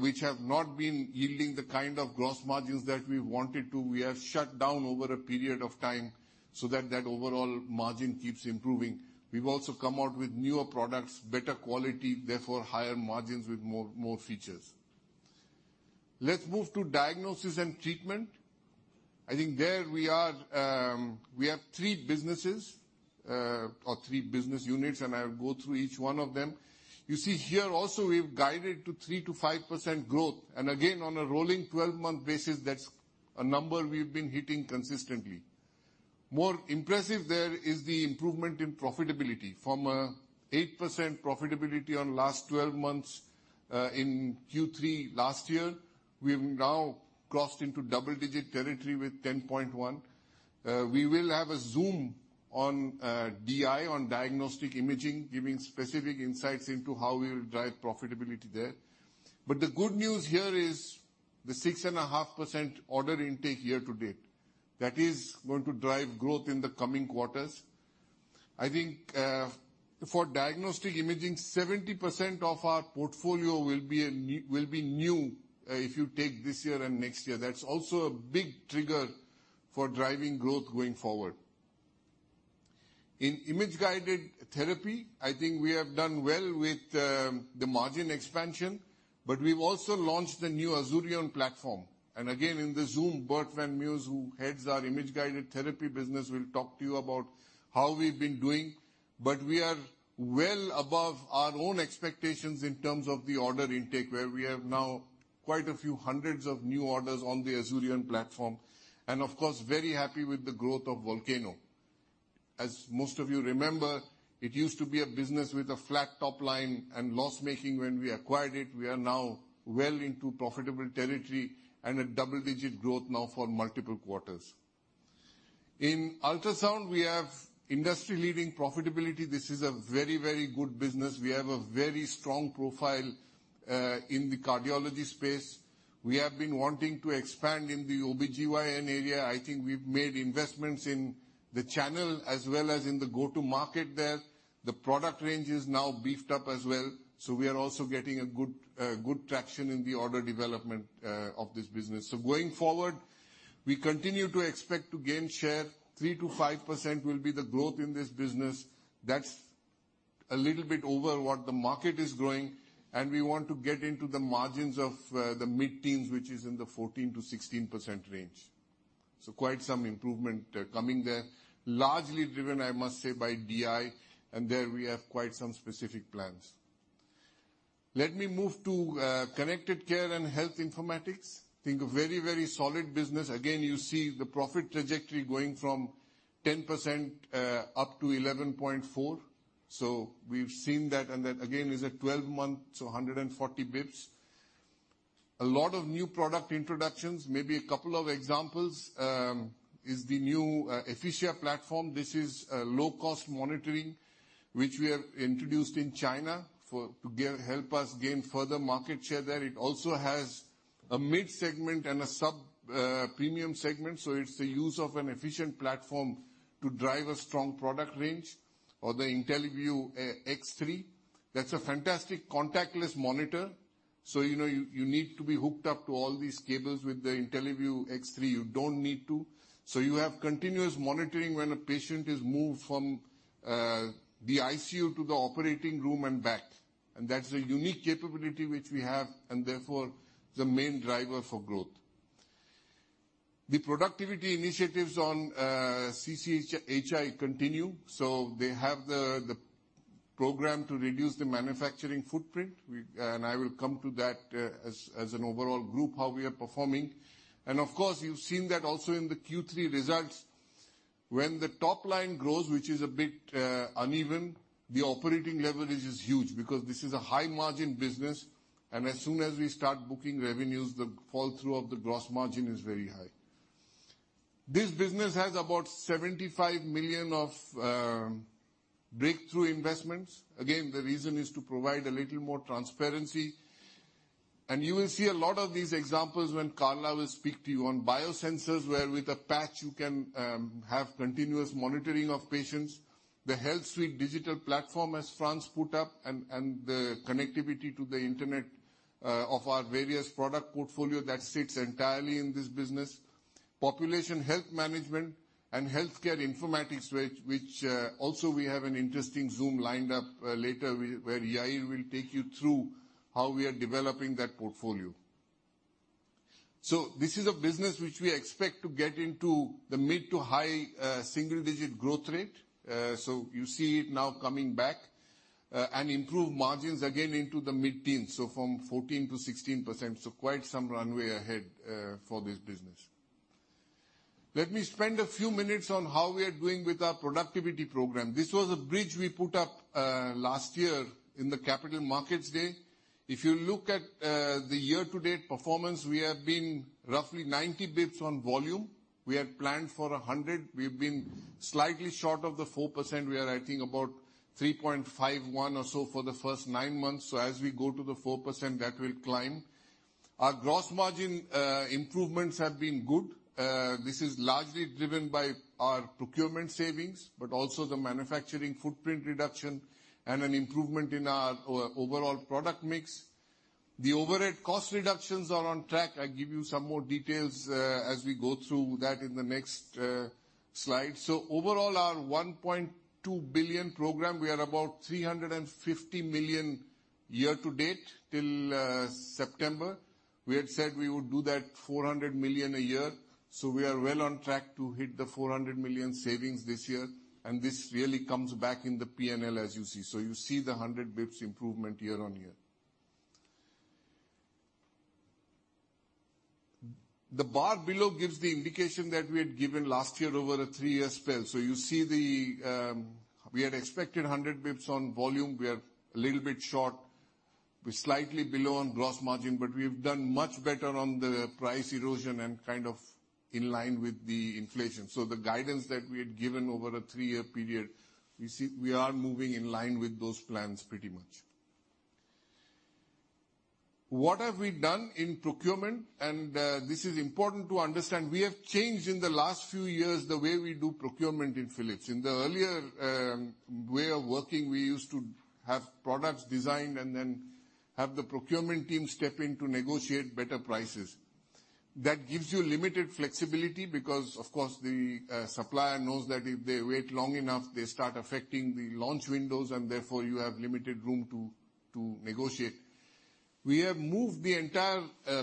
which have not been yielding the kind of gross margins that we wanted to, we have shut down over a period of time so that that overall margin keeps improving. We've also come out with newer products, better quality, therefore higher margins with more features. Let's move to Diagnosis & Treatment. I think there we have three businesses or three business units, and I'll go through each one of them. You see here also we've guided to 3%-5% growth. Again, on a rolling 12-month basis, that's a number we've been hitting consistently. More impressive there is the improvement in profitability. From 8% profitability on last 12 months in Q3 last year, we have now crossed into double-digit territory with 10.1%. We will have a zoom on DI, on Diagnostic Imaging, giving specific insights into how we will drive profitability there. The good news here is the 6.5% order intake year-to-date. That is going to drive growth in the coming quarters. I think for Diagnostic Imaging, 70% of our portfolio will be new if you take this year and next year. That's also a big trigger for driving growth going forward. In Image-Guided Therapy, I think we have done well with the margin expansion, but we've also launched the new Azurion platform. Again, in the zoom, Bert van Meurs, who heads our Image-Guided Therapy business, will talk to you about how we've been doing. We are well above our own expectations in terms of the order intake, where we have now quite a few hundreds of new orders on the Azurion platform. Of course, very happy with the growth of Volcano. As most of you remember, it used to be a business with a flat top line and loss-making when we acquired it. We are now well into profitable territory and at double-digit growth now for multiple quarters. In ultrasound, we have industry-leading profitability. This is a very good business. We have a very strong profile in the cardiology space. We have been wanting to expand in the OBGYN area. I think we've made investments in the channel as well as in the go-to market there. The product range is now beefed up as well, we are also getting a good traction in the order development of this business. Going forward, we continue to expect to gain share. 3%-5% will be the growth in this business. A little bit over what the market is growing, and we want to get into the margins of the mid-teens, which is in the 14%-16% range. Quite some improvement coming there, largely driven, I must say, by DI, and there we have quite some specific plans. Let me move to Connected Care & Health Informatics. I think a very solid business. Again, you see the profit trajectory going from 10%-11.4%. We've seen that, and that again is a 12-month, 140 basis points. A lot of new product introductions. Maybe a couple of examples is the new Efficia platform. This is a low-cost monitoring, which we have introduced in China to help us gain further market share there. It also has a mid-segment and a sub-premium segment, it's the use of an efficient platform to drive a strong product range. Or the IntelliVue X3, that's a fantastic contactless monitor. You need to be hooked up to all these cables. With the IntelliVue X3, you don't need to. You have continuous monitoring when a patient is moved from the ICU to the operating room and back. That's a unique capability which we have and therefore, the main driver for growth. The productivity initiatives on CCIHI continue. They have the program to reduce the manufacturing footprint. I will come to that as an overall group, how we are performing. Of course, you've seen that also in the Q3 results. When the top line grows, which is a bit uneven, the operating leverage is huge because this is a high margin business, and as soon as we start booking revenues, the fall through of the gross margin is very high. This business has about 75 million of breakthrough investments. Again, the reason is to provide a little more transparency. You will see a lot of these examples when Carla will speak to you on biosensors, where with a patch you can have continuous monitoring of patients. The HealthSuite digital platform, as Frans put up, and the connectivity to the internet of our various product portfolio, that sits entirely in this business. Population Health Management and Healthcare Informatics, which also we have an interesting Zoom lined up later where Yair will take you through how we are developing that portfolio. This is a business which we expect to get into the mid to high single-digit growth rate. You see it now coming back, and improved margins again into the mid-teens, from 14%-16%. Quite some runway ahead for this business. Let me spend a few minutes on how we are doing with our productivity program. This was a bridge we put up last year in the Capital Markets Day. If you look at the year-to-date performance, we have been roughly 90 basis points on volume. We had planned for 100 basis points. We've been slightly short of the 4%. We are, I think, about 3.51% or so for the first nine months. As we go to the 4%, that will climb. Our gross margin improvements have been good. This is largely driven by our procurement savings, but also the manufacturing footprint reduction and an improvement in our overall product mix. The overhead cost reductions are on track. I'll give you some more details as we go through that in the next slide. Overall, our 1.2 billion program, we are about 350 million year-to-date till September. We had said we would do that 400 million a year. We are well on track to hit the 400 million savings this year, and this really comes back in the P&L as you see. You see the 100 basis points improvement year-over-year. The bar below gives the indication that we had given last year over a three-year spell. You see we had expected 100 basis points on volume. We are a little bit short. We're slightly below on gross margin, but we've done much better on the price erosion and kind of in line with the inflation. The guidance that we had given over a three-year period, we are moving in line with those plans pretty much. What have we done in procurement? This is important to understand. We have changed in the last few years the way we do procurement in Philips. In the earlier way of working, we used to have products designed and then have the procurement team step in to negotiate better prices. That gives you limited flexibility because, of course, the supplier knows that if they wait long enough, they start affecting the launch windows and therefore you have limited room to negotiate. We have moved the entire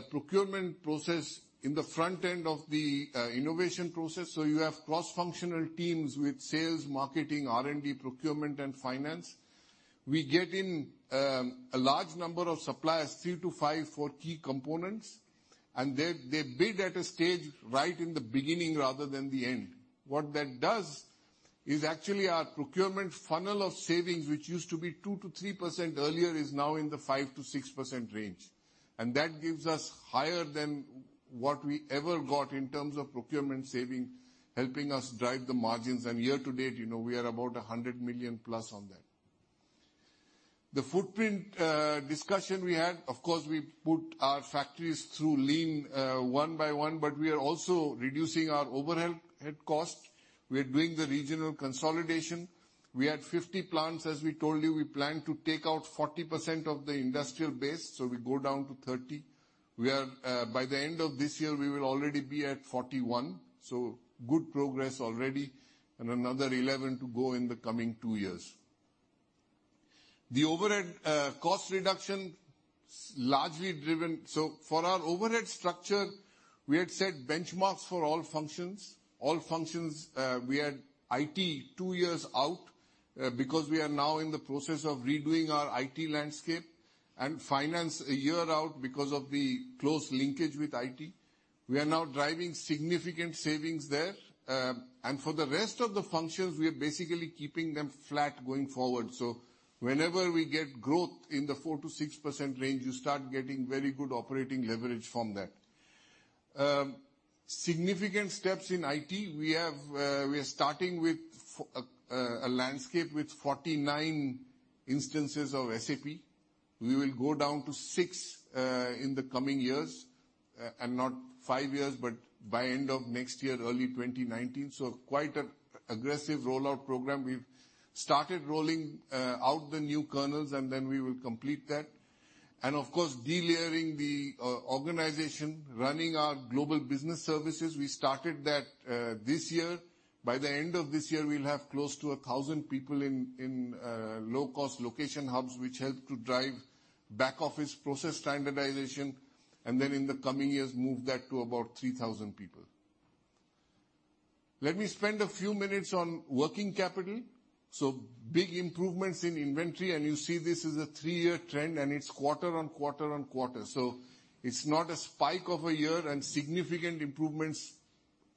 procurement process in the front end of the innovation process. You have cross-functional teams with sales, marketing, R&D, procurement, and finance. We get in a large number of suppliers, three to five for key components, and they bid at a stage right in the beginning rather than the end. What that does is actually our procurement funnel of savings, which used to be 2%-3% earlier, is now in the 5%-6% range. That gives us higher than what we ever got in terms of procurement saving, helping us drive the margins. Year-to-date, we are about 100 million plus on that. The footprint discussion we had, of course, we put our factories through Lean one by one, but we are also reducing our overall head cost. We are doing the regional consolidation. We had 50 plants, as we told you. We plan to take out 40% of the industrial base, so we go down to 30. We are, by the end of this year, we will already be at 41. Good progress already and another 11 to go in the coming two years. The overhead cost reduction largely driven. For our overhead structure, we had set benchmarks for all functions. All functions, we had IT two years out, because we are now in the process of redoing our IT landscape, and finance a year out because of the close linkage with IT. We are now driving significant savings there. For the rest of the functions, we are basically keeping them flat going forward. Whenever we get growth in the 4%-6% range, you start getting very good operating leverage from that. Significant steps in IT. We are starting with a landscape with 49 instances of SAP. We will go down to six in the coming years, not 5 years, but by end of next year, early 2019. Quite an aggressive rollout program. We've started rolling out the new kernels and then we will complete that. Of course, de-layering the organization, running our global business services. We started that this year. By the end of this year, we'll have close to 1,000 people in low-cost location hubs, which help to drive back office process standardization. Then in the coming years, move that to about 3,000 people. Let me spend a few minutes on working capital. Big improvements in inventory, and you see this is a 3-year trend, and it's quarter-on-quarter-on-quarter. It's not a spike of a year and significant improvements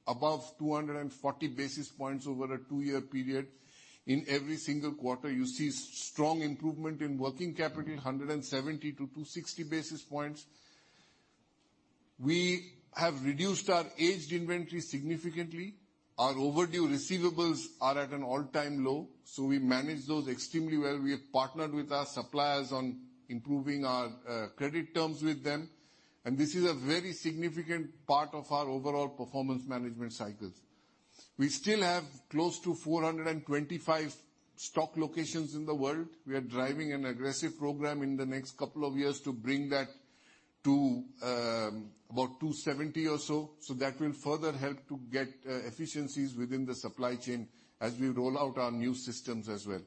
above 240 basis points over a 2-year period. In every single quarter, you see strong improvement in working capital, 170-260 basis points. We have reduced our aged inventory significantly. Our overdue receivables are at an all-time low. We manage those extremely well. We have partnered with our suppliers on improving our credit terms with them. This is a very significant part of our overall performance management cycles. We still have close to 425 stock locations in the world. We are driving an aggressive program in the next couple of years to bring that to about 270 or so. That will further help to get efficiencies within the supply chain as we roll out our new systems as well.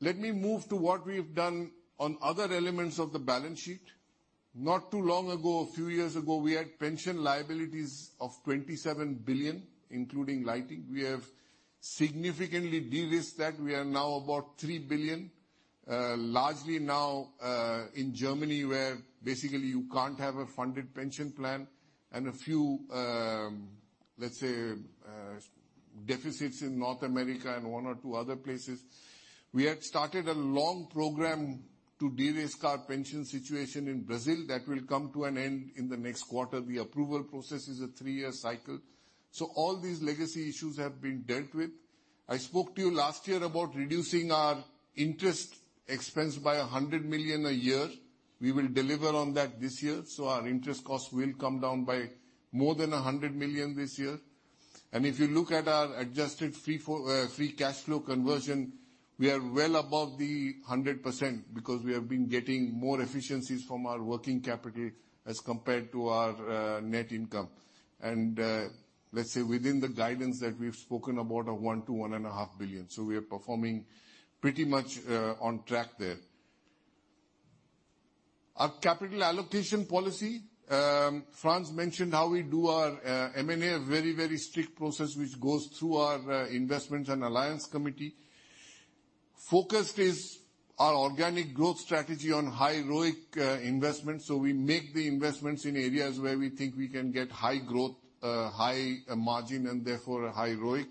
Let me move to what we've done on other elements of the balance sheet. Not too long ago, a few years ago, we had pension liabilities of 27 billion, including Lighting. We have significantly de-risked that. We are now about 3 billion, largely now, in Germany where basically you can't have a funded pension plan and a few, let's say, deficits in North America and one or two other places. We had started a long program to de-risk our pension situation in Brazil. That will come to an end in the next quarter. The approval process is a 3-year cycle. All these legacy issues have been dealt with. I spoke to you last year about reducing our interest expense by 100 million a year. We will deliver on that this year. Our interest cost will come down by more than 100 million this year. If you look at our adjusted free cash flow conversion, we are well above the 100% because we have been getting more efficiencies from our working capital as compared to our net income. Let's say within the guidance that we've spoken about of 1 billion-1.5 billion. We are performing pretty much on track there. Our capital allocation policy, Frans mentioned how we do our M&A, a very strict process which goes through our investments and alliance committee. Focus is our organic growth strategy on high ROIC investments. We make the investments in areas where we think we can get high growth, high margin, and therefore, a high ROIC.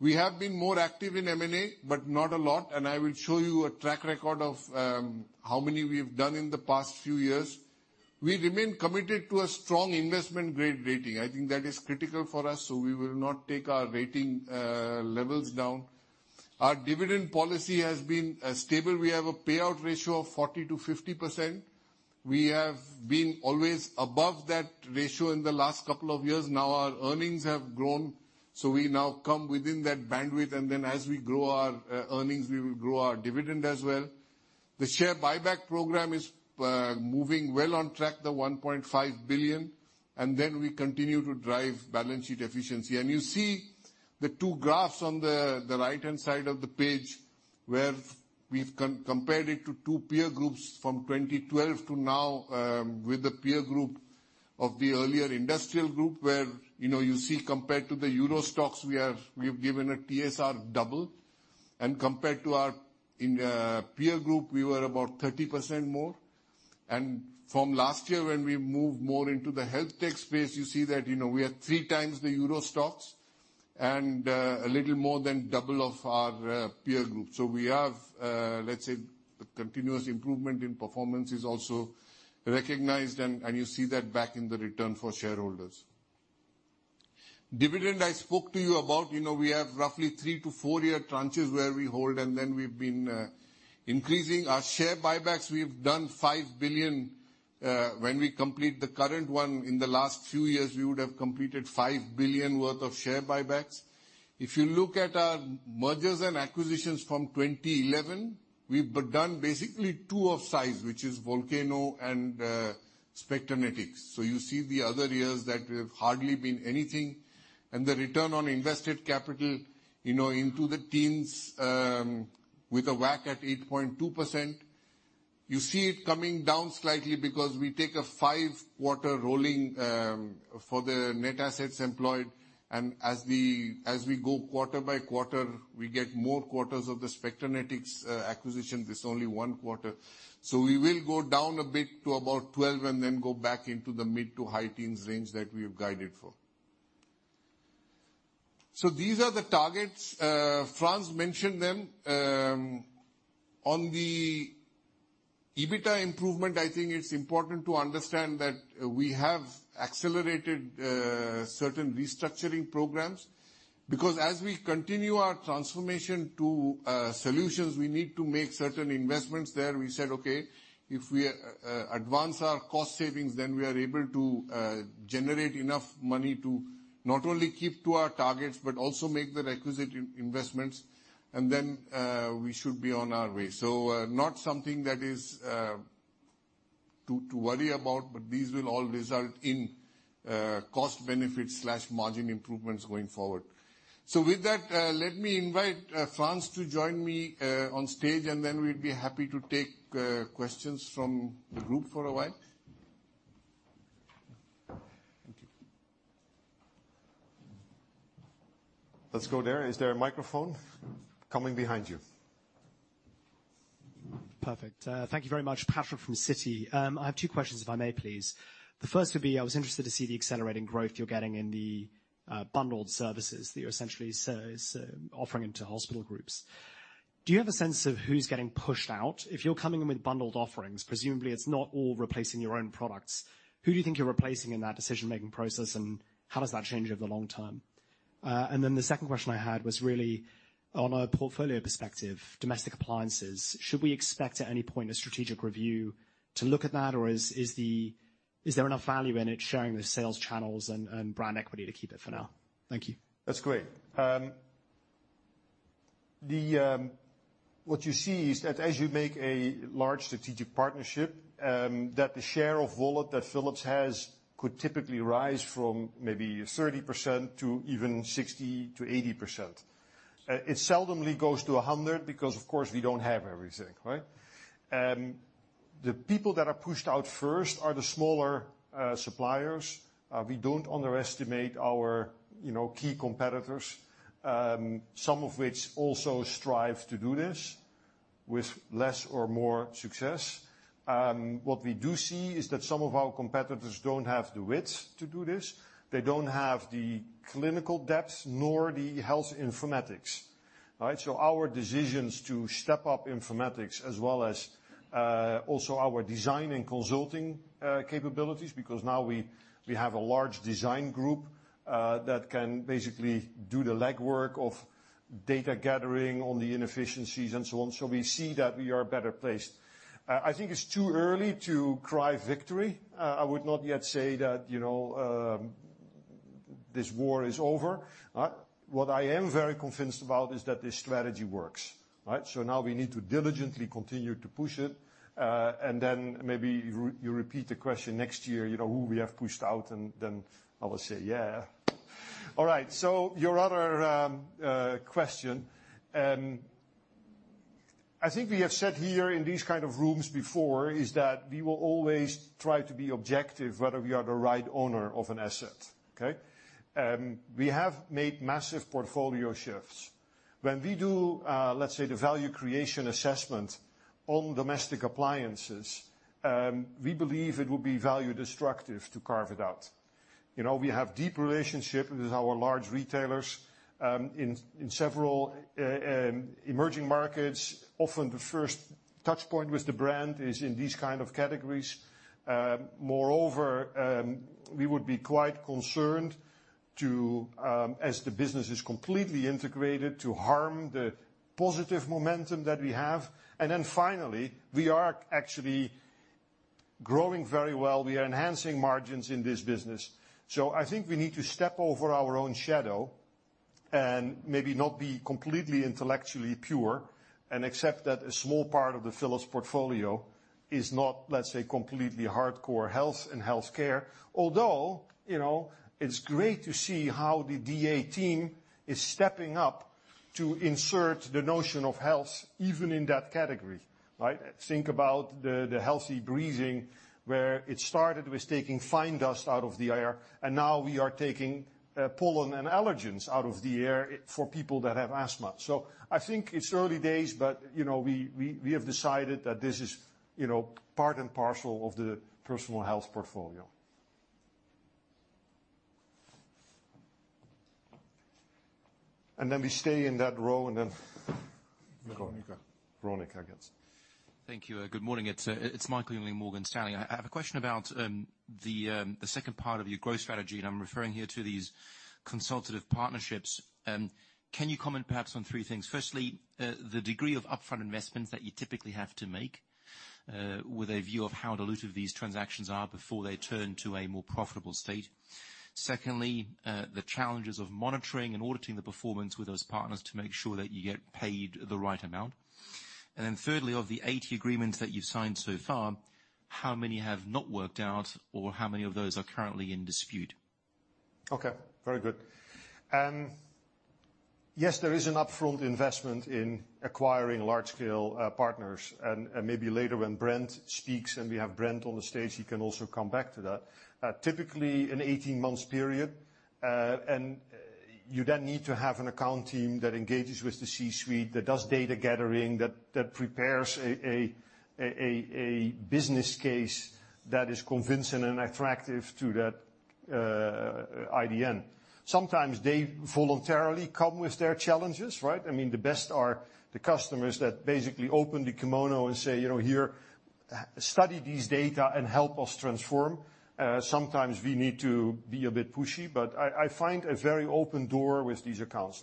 We have been more active in M&A, but not a lot. I will show you a track record of how many we've done in the past few years. We remain committed to a strong investment-grade rating. I think that is critical for us, so we will not take our rating levels down. Our dividend policy has been stable. We have a payout ratio of 40%-50%. We have been always above that ratio in the last couple of years. Our earnings have grown, so we now come within that bandwidth. As we grow our earnings, we will grow our dividend as well. The share buyback program is moving well on track, the $1.5 billion. We continue to drive balance sheet efficiency. You see the two graphs on the right-hand side of the page, where we've compared it to two peer groups from 2012 to now, with the peer group of the earlier industrial group, where you see compared to the Euro Stoxx, we have given a TSR double, and compared to our peer group, we were about 30% more. From last year, when we moved more into the health tech space, you see that we are three times the Euro Stoxx and a little more than double of our peer group. We have, let's say, continuous improvement in performance is also recognized, and you see that back in the return for shareholders. Dividend I spoke to you about, we have roughly 3-4 year tranches where we hold. We've been increasing our share buybacks. We've done $5 billion When we complete the current one, in the last few years, we would have completed $5 billion worth of share buybacks. If you look at our mergers and acquisitions from 2011, we've done basically two of size, which is Volcano and Spectranetics. You see the other years that we have hardly been anything. The return on invested capital, into the teens with a WACC at 8.2%. You see it coming down slightly because we take a five-quarter rolling for the net assets employed, and as we go quarter by quarter, we get more quarters of the Spectranetics acquisition. There's only one quarter. We will go down a bit to about 12 and then go back into the mid-to-high teens range that we have guided for. These are the targets. Frans mentioned them. On the EBITDA improvement, I think it's important to understand that we have accelerated certain restructuring programs because as we continue our transformation to solutions, we need to make certain investments there. We said, okay, if we advance our cost savings, then we are able to generate enough money to not only keep to our targets, but also make the requisite investments. We should be on our way. Not something that is to worry about, but these will all result in cost benefits/margin improvements going forward. With that, let me invite Frans to join me on stage. We'd be happy to take questions from the group for a while. Thank you. Let's go there. Is there a microphone? Coming behind you. Perfect. Thank you very much. Patrick from Citi. I have two questions, if I may, please. The first would be, I was interested to see the accelerating growth you're getting in the bundled services that you're essentially offering into hospital groups. Do you have a sense of who's getting pushed out? If you're coming in with bundled offerings, presumably it's not all replacing your own products. Who do you think you're replacing in that decision-making process, and how does that change over the long term? The second question I had was really on a portfolio perspective, domestic appliances. Should we expect at any point a strategic review to look at that, or is there enough value in it sharing the sales channels and brand equity to keep it for now? Thank you. That's great. What you see is that as you make a large strategic partnership, that the share of wallet that Philips has could typically rise from maybe 30% to even 60% to 80%. It seldomly goes to 100% because, of course, we don't have everything, right? The people that are pushed out first are the smaller suppliers. We don't underestimate our key competitors, some of which also strive to do this with less or more success. What we do see is that some of our competitors don't have the wit to do this. They don't have the clinical depth nor the health informatics. All right? Our decisions to step up informatics as well as also our design and consulting capabilities, because now we have a large design group that can basically do the legwork of data gathering on the inefficiencies and so on. We see that we are better placed. I think it's too early to cry victory. I would not yet say that this war is over. What I am very convinced about is that this strategy works. Right? Now we need to diligently continue to push it. Maybe you repeat the question next year, who we have pushed out, and then I will say, "Yeah." All right. Your other question. I think we have said here in these kind of rooms before is that we will always try to be objective whether we are the right owner of an asset. Okay? We have made massive portfolio shifts. When we do, let's say, the value creation assessment on domestic appliances, we believe it will be value destructive to carve it out. We have deep relationships with our large retailers in several emerging markets. Often the first touchpoint with the brand is in these kind of categories. Moreover, we would be quite concerned to, as the business is completely integrated, to harm the positive momentum that we have. Then finally, we are actually growing very well. We are enhancing margins in this business. I think we need to step over our own shadow and maybe not be completely intellectually pure and accept that a small part of the Philips portfolio is not, let's say, completely hardcore health and healthcare. Although, it's great to see how the DA team is stepping up to insert the notion of health even in that category. Right? Think about the healthy breathing where it started with taking fine dust out of the air, and now we are taking pollen and allergens out of the air for people that have asthma. I think it's early days, but we have decided that this is part and parcel of the personal health portfolio. We stay in that row and Veronika. Veronika, I guess. Thank you. Good morning. It's Michael Jüngling, Morgan Stanley. I have a question about the second part of your growth strategy, and I'm referring here to these consultative partnerships. Can you comment perhaps on three things? Firstly, the degree of upfront investments that you typically have to make, with a view of how dilutive these transactions are before they turn to a more profitable state. Secondly, the challenges of monitoring and auditing the performance with those partners to make sure that you get paid the right amount. How many of the 80 agreements that you've signed so far, how many have not worked out? How many of those are currently in dispute? Okay, very good. Yes, there is an upfront investment in acquiring large-scale partners. Maybe later when Brent speaks, and we have Brent on the stage, he can also come back to that. Typically, an 18-month period. You then need to have an account team that engages with the C-suite, that does data gathering, that prepares a business case that is convincing and attractive to that IDN. Sometimes they voluntarily come with their challenges, right? The best are the customers that basically open the kimono and say, "Here. Study these data and help us transform." Sometimes we need to be a bit pushy, but I find a very open door with these accounts.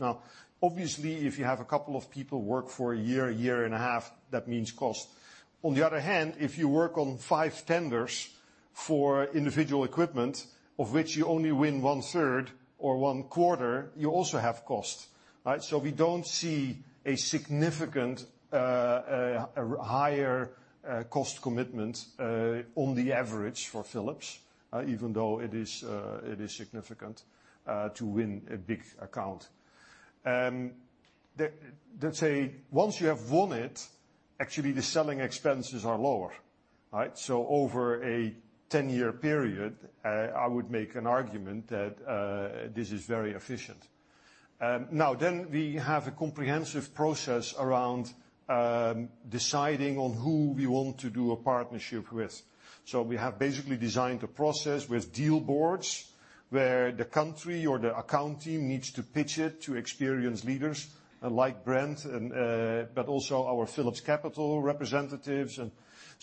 Obviously, if you have a couple of people work for a year, or a year and a half, that means cost. On the other hand, if you work on five tenders for individual equipment, of which you only win one-third or one-quarter, you also have cost. Right? We don't see a significant higher cost commitment on the average for Philips, even though it is significant to win a big account. Let's say, once you have won it, actually, the selling expenses are lower. Right? Over a 10-year period, I would make an argument that this is very efficient. We have a comprehensive process around deciding on who we want to do a partnership with. We have basically designed a process with deal boards where the country or the account team needs to pitch it to experienced leaders like Brent but also our Philips Capital representatives.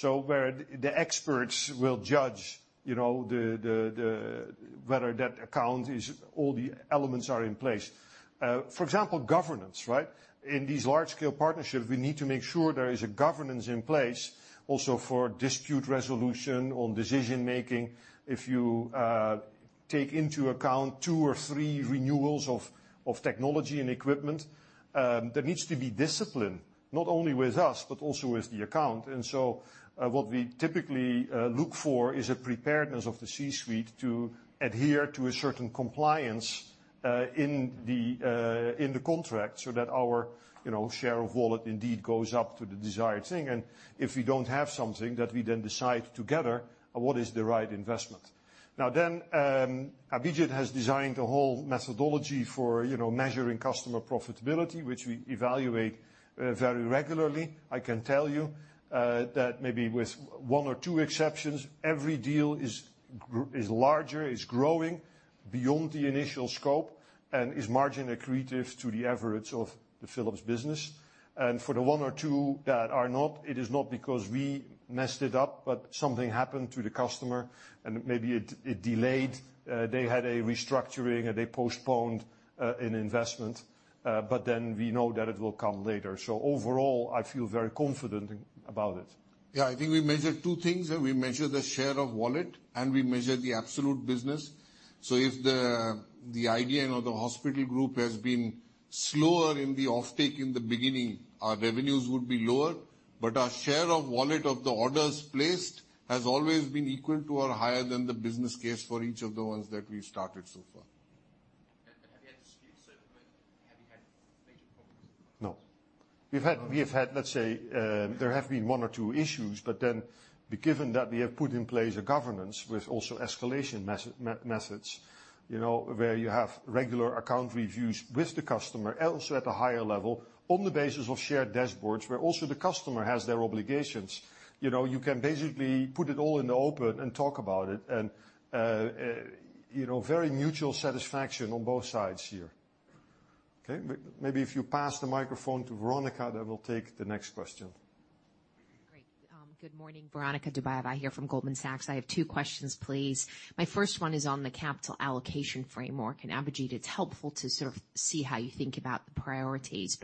Where the experts will judge whether that account, all the elements are in place. For example, governance. Right? In these large-scale partnerships, we need to make sure there is a governance in place also for dispute resolution on decision-making. If you take into account two or three renewals of technology and equipment, there needs to be discipline, not only with us but also with the account. What we typically look for is a preparedness of the C-suite to adhere to a certain compliance in the contract so that our share of wallet indeed goes up to the desired thing. If we don't have something, that we decide together what is the right investment. Abhijit has designed a whole methodology for measuring customer profitability, which we evaluate very regularly. I can tell you that maybe with one or two exceptions, every deal is larger, is growing beyond the initial scope, and is margin accretive to the efforts of the Philips business. For the one or two that are not, it is not because we messed it up, but something happened to the customer, and maybe it delayed. They had a restructuring, or they postponed an investment. We know that it will come later. Overall, I feel very confident about it. Yeah, I think we measure two things. We measure the share of wallet, and we measure the absolute business. If the IDN or the hospital group has been slower in the offtake in the beginning, our revenues would be lower. Our share of wallet of the orders placed has always been equal to or higher than the business case for each of the ones that we've started so far. Have you had disputes or have you had major problems? No. We have had, let's say, there have been one or two issues. Given that we have put in place a governance with also escalation methods where you have regular account reviews with the customer, also at a higher level on the basis of shared dashboards, where also the customer has their obligations. You can basically put it all in the open and talk about it and very mutual satisfaction on both sides here. Okay. Maybe if you pass the microphone to Veronika, we'll take the next question. Great. Good morning. Veronika Dubajova here from Goldman Sachs. I have two questions, please. My first one is on the capital allocation framework. Abhijit, it's helpful to sort of see how you think about the priorities.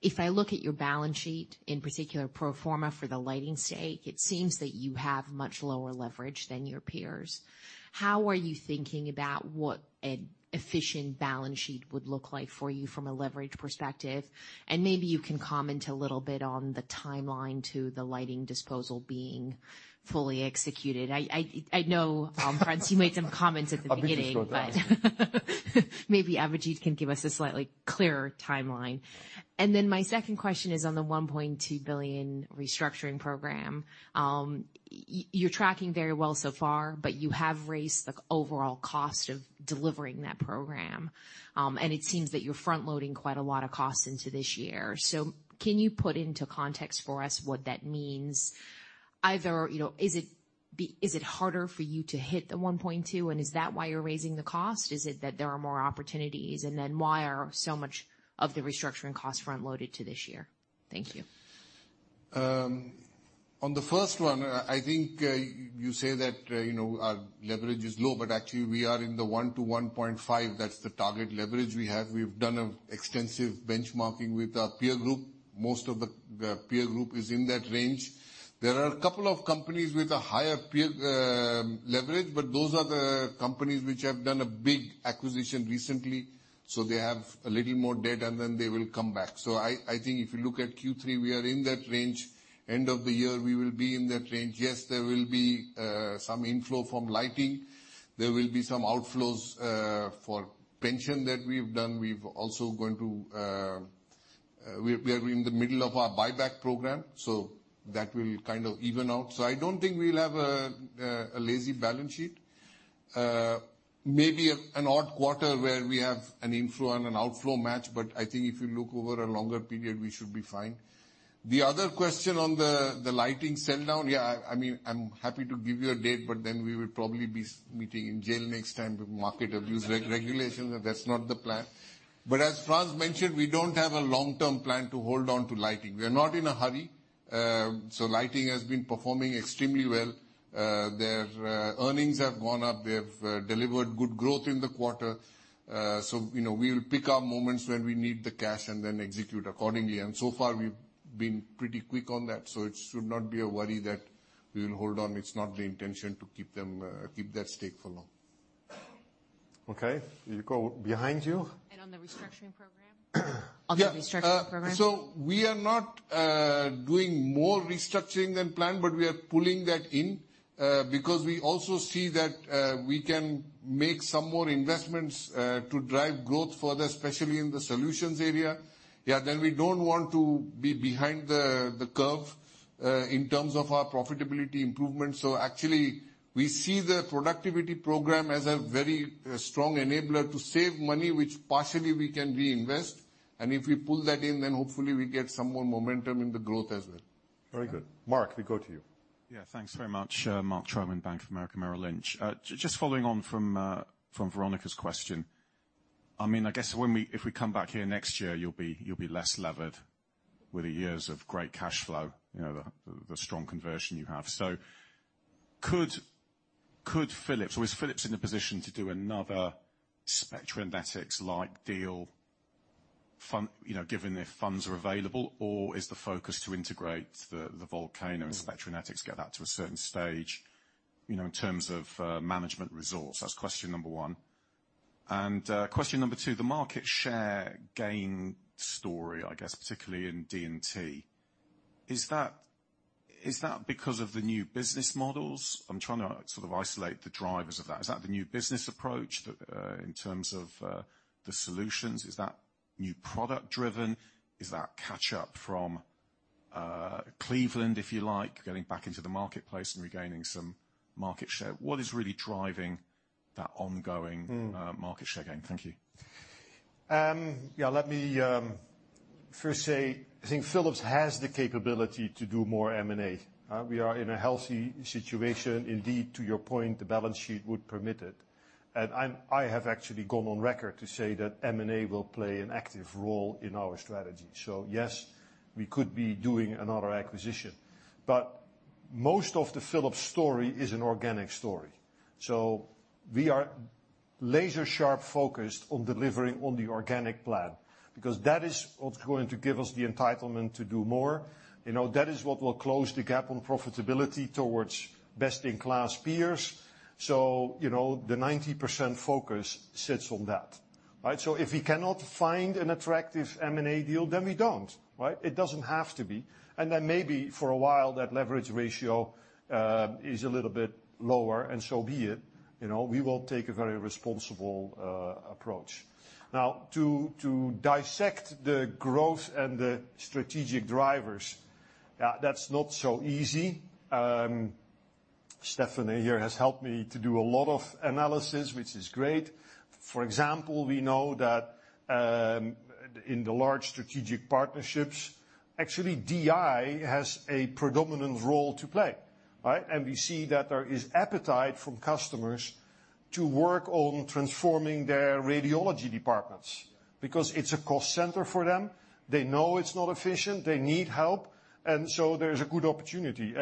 If I look at your balance sheet, in particular pro forma for the lighting stake, it seems that you have much lower leverage than your peers. How are you thinking about what an efficient balance sheet would look like for you from a leverage perspective? Maybe you can comment a little bit on the timeline to the lighting disposal being fully executed. I know, Frans, you made some comments at the beginning. Abhijit will talk. Maybe Abhijit can give us a slightly clearer timeline. My second question is on the 1.2 billion restructuring program. You're tracking very well so far, but you have raised the overall cost of delivering that program. It seems that you're front-loading quite a lot of costs into this year. Can you put into context for us what that means? Either is it harder for you to hit the 1.2? Is that why you're raising the cost? Is it that there are more opportunities? Why are so much of the restructuring costs front-loaded to this year? Thank you. On the first one, I think you say that our leverage is low, but actually we are in the 1 to 1.5. That's the target leverage we have. We've done extensive benchmarking with our peer group. Most of the peer group is in that range. There are a couple of companies with a higher peer leverage, but those are the companies which have done a big acquisition recently, so they have a little more debt, and then they will come back. I think if you look at Q3, we are in that range. End of the year, we will be in that range. Yes, there will be some inflow from lighting. There will be some outflows for pension that we've done. We're in the middle of our buyback program, so that will kind of even out. I don't think we'll have a lazy balance sheet. Maybe an odd quarter where we have an inflow and an outflow match, but I think if you look over a longer period, we should be fine. The other question on the lighting sell-down. Yeah, I'm happy to give you a date, but then we will probably be meeting in jail next time with market abuse regulations. That's not the plan. As Frans mentioned, we don't have a long-term plan to hold on to lighting. We are not in a hurry. Lighting has been performing extremely well. Their earnings have gone up. They have delivered good growth in the quarter. We will pick our moments when we need the cash and then execute accordingly. So far, we've been pretty quick on that, so it should not be a worry that we will hold on. It's not the intention to keep that stake for long. Okay. We go behind you. On the restructuring program? On the restructuring program. We are not doing more restructuring than planned, but we are pulling that in, because we also see that we can make some more investments to drive growth further, especially in the solutions area. We don't want to be behind the curve in terms of our profitability improvement. Actually, we see the productivity program as a very strong enabler to save money, which partially we can reinvest, and if we pull that in, then hopefully we get some more momentum in the growth as well. Very good. Mark, we go to you. Thanks very much. Mark Troman, Bank of America, Merrill Lynch. Just following on from Veronika's question. I guess if we come back here next year, you'll be less levered with the years of great cash flow, the strong conversion you have. Could Philips, or is Philips in a position to do another Spectranetics-like deal, given if funds are available, or is the focus to integrate the Volcano and Spectranetics, get that to a certain stage, in terms of management resource? That's question number 1. Question number 2, the market share gain story, I guess particularly in D&T. Is that because of the new business models? I'm trying to sort of isolate the drivers of that. Is that the new business approach in terms of the solutions? Is that new product driven? Is that catch-up from Cleveland, if you like, getting back into the marketplace and regaining some market share? What is really driving that ongoing market share gain? Thank you. Yeah, let me first say, I think Philips has the capability to do more M&A. We are in a healthy situation. Indeed, to your point, the balance sheet would permit it. I have actually gone on record to say that M&A will play an active role in our strategy. Yes, we could be doing another acquisition. Most of the Philips story is an organic story. We are laser sharp focused on delivering on the organic plan, because that is what's going to give us the entitlement to do more. That is what will close the gap on profitability towards best in class peers. The 90% focus sits on that. Right? If we cannot find an attractive M&A deal, then we don't. Right? It doesn't have to be. Maybe for a while, that leverage ratio is a little bit lower, and so be it. We will take a very responsible approach. Now, to dissect the growth and the strategic drivers, that's not so easy. Stephanie here has helped me to do a lot of analysis, which is great. For example, we know that in the large strategic partnerships, actually DI has a predominant role to play. Right? We see that there is appetite from customers to work on transforming their radiology departments because it's a cost center for them. They know it's not efficient. They need help. There's a good opportunity.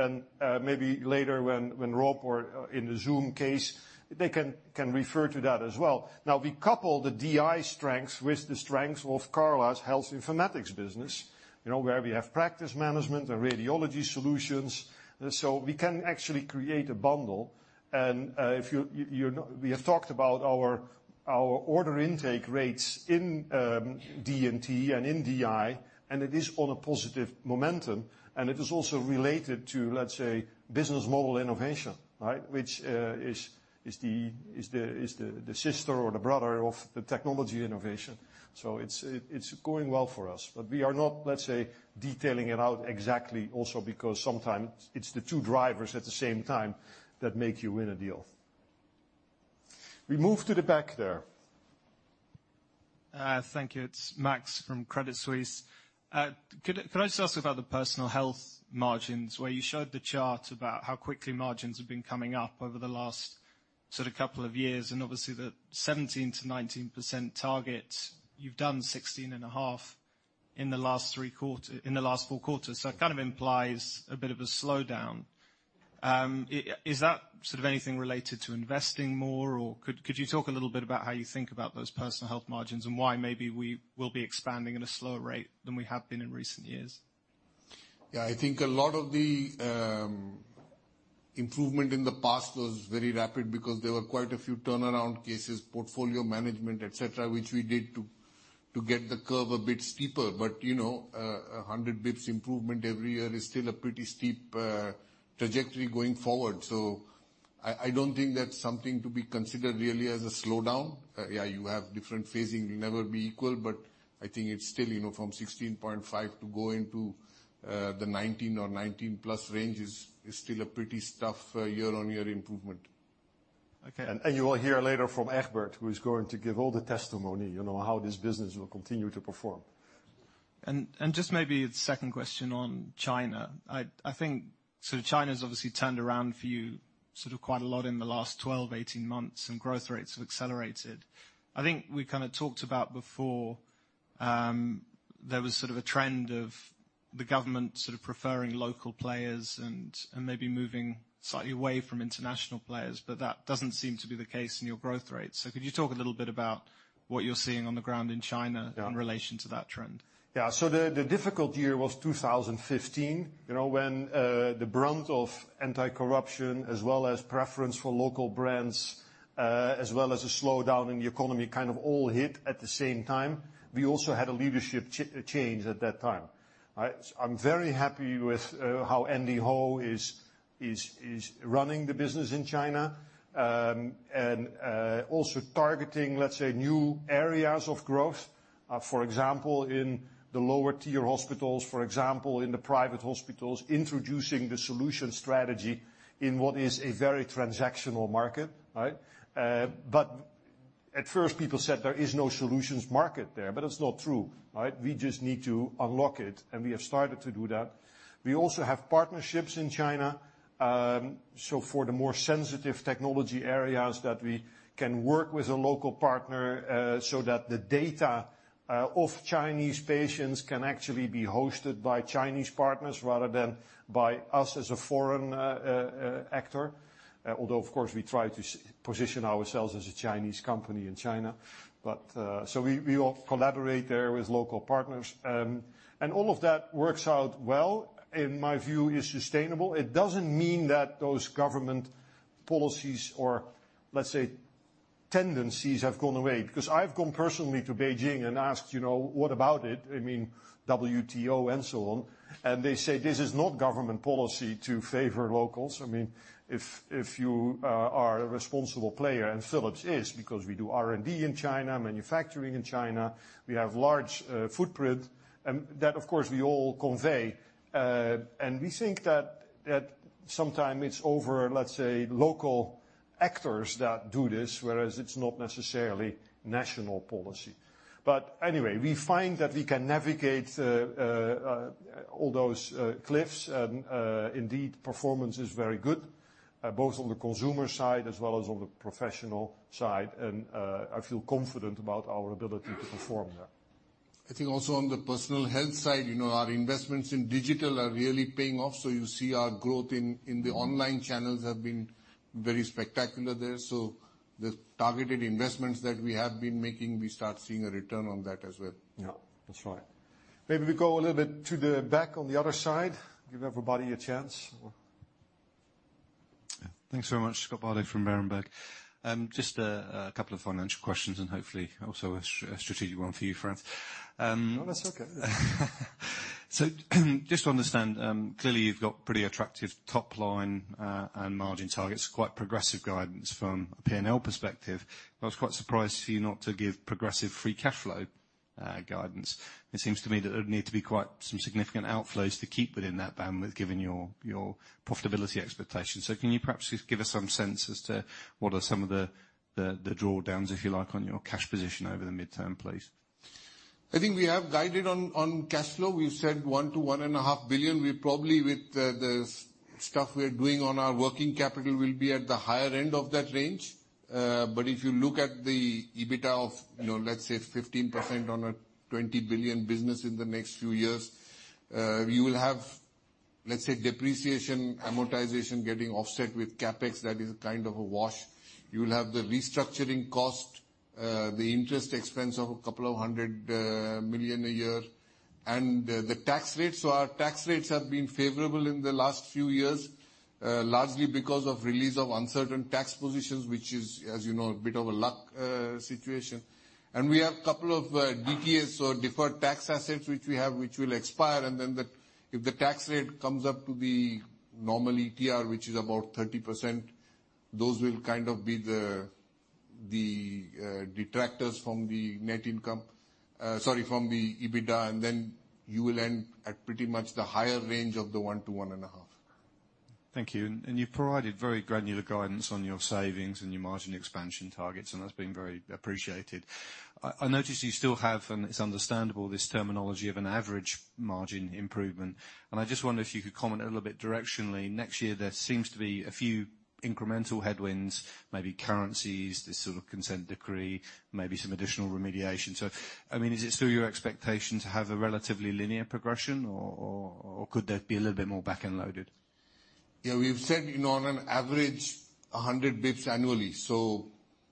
Maybe later when Rob or in the Zoom case, they can refer to that as well. Now we couple the DI strengths with the strengths of Carla's health informatics business, where we have practice management and radiology solutions. We can actually create a bundle. We have talked about our order intake rates in D&T and in DI, and it is on a positive momentum, and it is also related to, let's say, business model innovation. Right? Which is the sister or the brother of the technology innovation. It's going well for us. We are not, let's say, detailing it out exactly also because sometimes it's the two drivers at the same time that make you win a deal. We move to the back there. Thank you. It's Max from Crédit Suisse. Could I just ask about the personal health margins, where you showed the chart about how quickly margins have been coming up over the last sort of couple of years, and obviously the 17%-19% target, you've done 16.5% in the last four quarters. It kind of implies a bit of a slowdown. Is that sort of anything related to investing more? Could you talk a little bit about how you think about those personal health margins and why maybe we will be expanding at a slower rate than we have been in recent years? I think a lot of the improvement in the past was very rapid because there were quite a few turnaround cases, portfolio management, et cetera, which we did to get the curve a bit steeper. 100 basis points improvement every year is still a pretty steep trajectory going forward. I don't think that's something to be considered really as a slowdown. You have different phasing will never be equal, I think it's still from 16.5% to go into the 19% or 19%+ range is still a pretty tough year-over-year improvement. Okay. You will hear later from Egbert, who's going to give all the testimony, how this business will continue to perform. Just maybe a second question on China. I think China's obviously turned around for you sort of quite a lot in the last 12-18 months. Growth rates have accelerated. I think we kind of talked about before, there was sort of a trend of the government sort of preferring local players and maybe moving slightly away from international players, but that doesn't seem to be the case in your growth rates. Could you talk a little bit about what you're seeing on the ground in China? Yeah in relation to that trend? Yeah. The difficult year was 2015, when the brunt of anti-corruption as well as preference for local brands, as well as a slowdown in the economy kind of all hit at the same time. We also had a leadership change at that time. I'm very happy with how Andy Ho is running the business in China. Also targeting, let's say, new areas of growth. For example, in the lower tier hospitals, for example, in the private hospitals, introducing the solution strategy in what is a very transactional market. Right? At first people said there is no solutions market there, but it's not true. Right? We just need to unlock it, and we have started to do that. We also have partnerships in China. For the more sensitive technology areas that we can work with a local partner, so that the data of Chinese patients can actually be hosted by Chinese partners rather than by us as a foreign actor. Although, of course, we try to position ourselves as a Chinese company in China. We all collaborate there with local partners. All of that works out well, in my view, is sustainable. It doesn't mean that those government policies or, let's say, tendencies have gone away. Because I've gone personally to Beijing and asked, "What about it?" I mean, WTO and so on, and they say, "This is not government policy to favor locals." If you are a responsible player, and Philips is, because we do R&D in China, manufacturing in China, we have large footprint. That, of course, we all convey, and we think that sometime it's over, let's say, local actors that do this, whereas it's not necessarily national policy. Anyway, we find that we can navigate all those cliffs. Indeed, performance is very good, both on the consumer side as well as on the professional side. I feel confident about our ability to perform there. I think also on the Personal Health side, our investments in digital are really paying off. You see our growth in the online channels have been very spectacular there. The targeted investments that we have been making, we start seeing a return on that as well. Yeah. That's right. Maybe we go a little bit to the back on the other side, give everybody a chance. Thanks so much. Scott Bardo from Berenberg. Just a couple of financial questions and hopefully also a strategic one for you, Frans. No, that's okay. Yeah. Just to understand, clearly you've got pretty attractive top line and margin targets, quite progressive guidance from a P&L perspective. I was quite surprised for you not to give progressive free cash flow guidance. It seems to me that there would need to be quite some significant outflows to keep within that bandwidth given your profitability expectations. Can you perhaps give us some sense as to what are some of the drawdowns, if you like, on your cash position over the midterm, please? I think we have guided on cash flow. We've said 1 billion to 1.5 billion. We probably with the stuff we're doing on our working capital will be at the higher end of that range. If you look at the EBITDA of, let's say, 15% on a 20 billion business in the next few years, you will have, let's say, depreciation, amortization, getting offset with CapEx that is kind of a wash. You'll have the restructuring cost, the interest expense of 200 million a year. Our tax rates have been favorable in the last few years, largely because of release of uncertain tax positions, which is, as you know, a bit of a luck situation. We have couple of DTAs, deferred tax assets, which we have, which will expire, and if the tax rate comes up to the normal ETR, which is about 30%, those will kind of be the detractors from the net income. Sorry, from the EBITDA, and then you will end at pretty much the higher range of the 1 billion to 1.5 billion. Thank you. You've provided very granular guidance on your savings and your margin expansion targets, that's been very appreciated. I notice you still have, it's understandable, this terminology of an average margin improvement. I just wonder if you could comment a little bit directionally. Next year, there seems to be a few incremental headwinds, maybe currencies, this sort of consent decree, maybe some additional remediation. Is it still your expectation to have a relatively linear progression, or could that be a little bit more back-end loaded? Yeah, we've said, on an average, 100 basis points annually.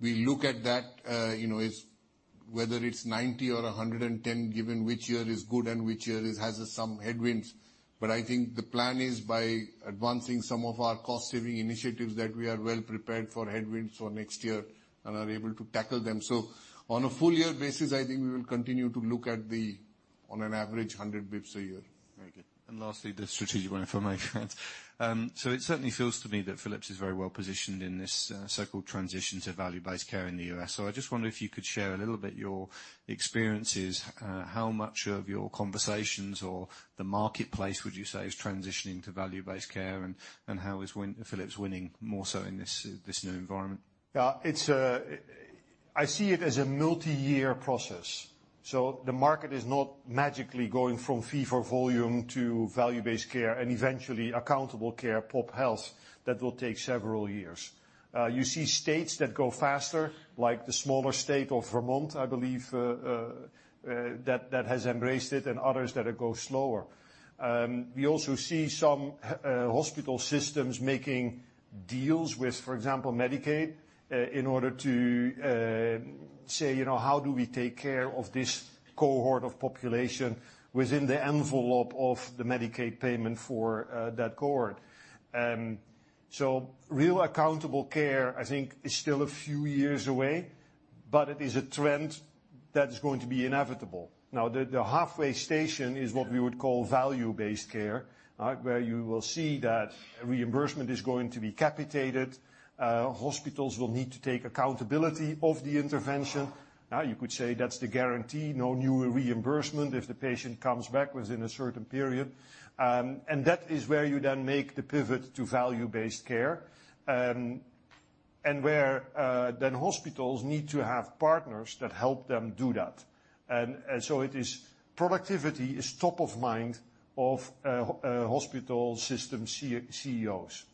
We look at that, whether it's 90 or 110, given which year is good and which year has some headwinds. I think the plan is by advancing some of our cost-saving initiatives, that we are well prepared for headwinds for next year and are able to tackle them. On a full year basis, I think we will continue to look at on an average 100 basis points a year. Very good. Lastly, the strategic information. It certainly feels to me that Philips is very well positioned in this so-called transition to value-based care in the U.S. I just wonder if you could share a little bit your experiences, how much of your conversations or the marketplace would you say is transitioning to value-based care, and how is Philips winning more so in this new environment? I see it as a multi-year process. The market is not magically going from fee for volume to value-based care and eventually accountable care pop health. That will take several years. You see states that go faster, like the smaller state of Vermont, I believe, that has embraced it, and others that go slower. We also see some hospital systems making deals with, for example, Medicaid, in order to say, how do we take care of this cohort of population within the envelope of the Medicaid payment for that cohort? Real accountable care, I think is still a few years away, but it is a trend that is going to be inevitable. The halfway station is what we would call value-based care, where you will see that reimbursement is going to be capitated. Hospitals will need to take accountability of the intervention. You could say that's the guarantee. No new reimbursement if the patient comes back within a certain period. That is where you then make the pivot to value-based care, and where then hospitals need to have partners that help them do that. Productivity is top of mind of hospital system CEOs.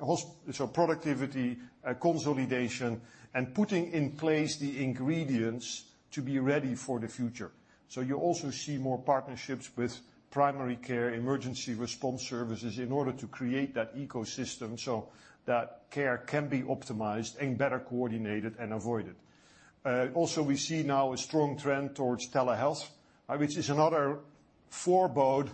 Right? Productivity, consolidation, and putting in place the ingredients to be ready for the future. You also see more partnerships with primary care emergency response services in order to create that ecosystem so that care can be optimized and better coordinated and avoided. Also, we see now a strong trend towards telehealth, which is another forebode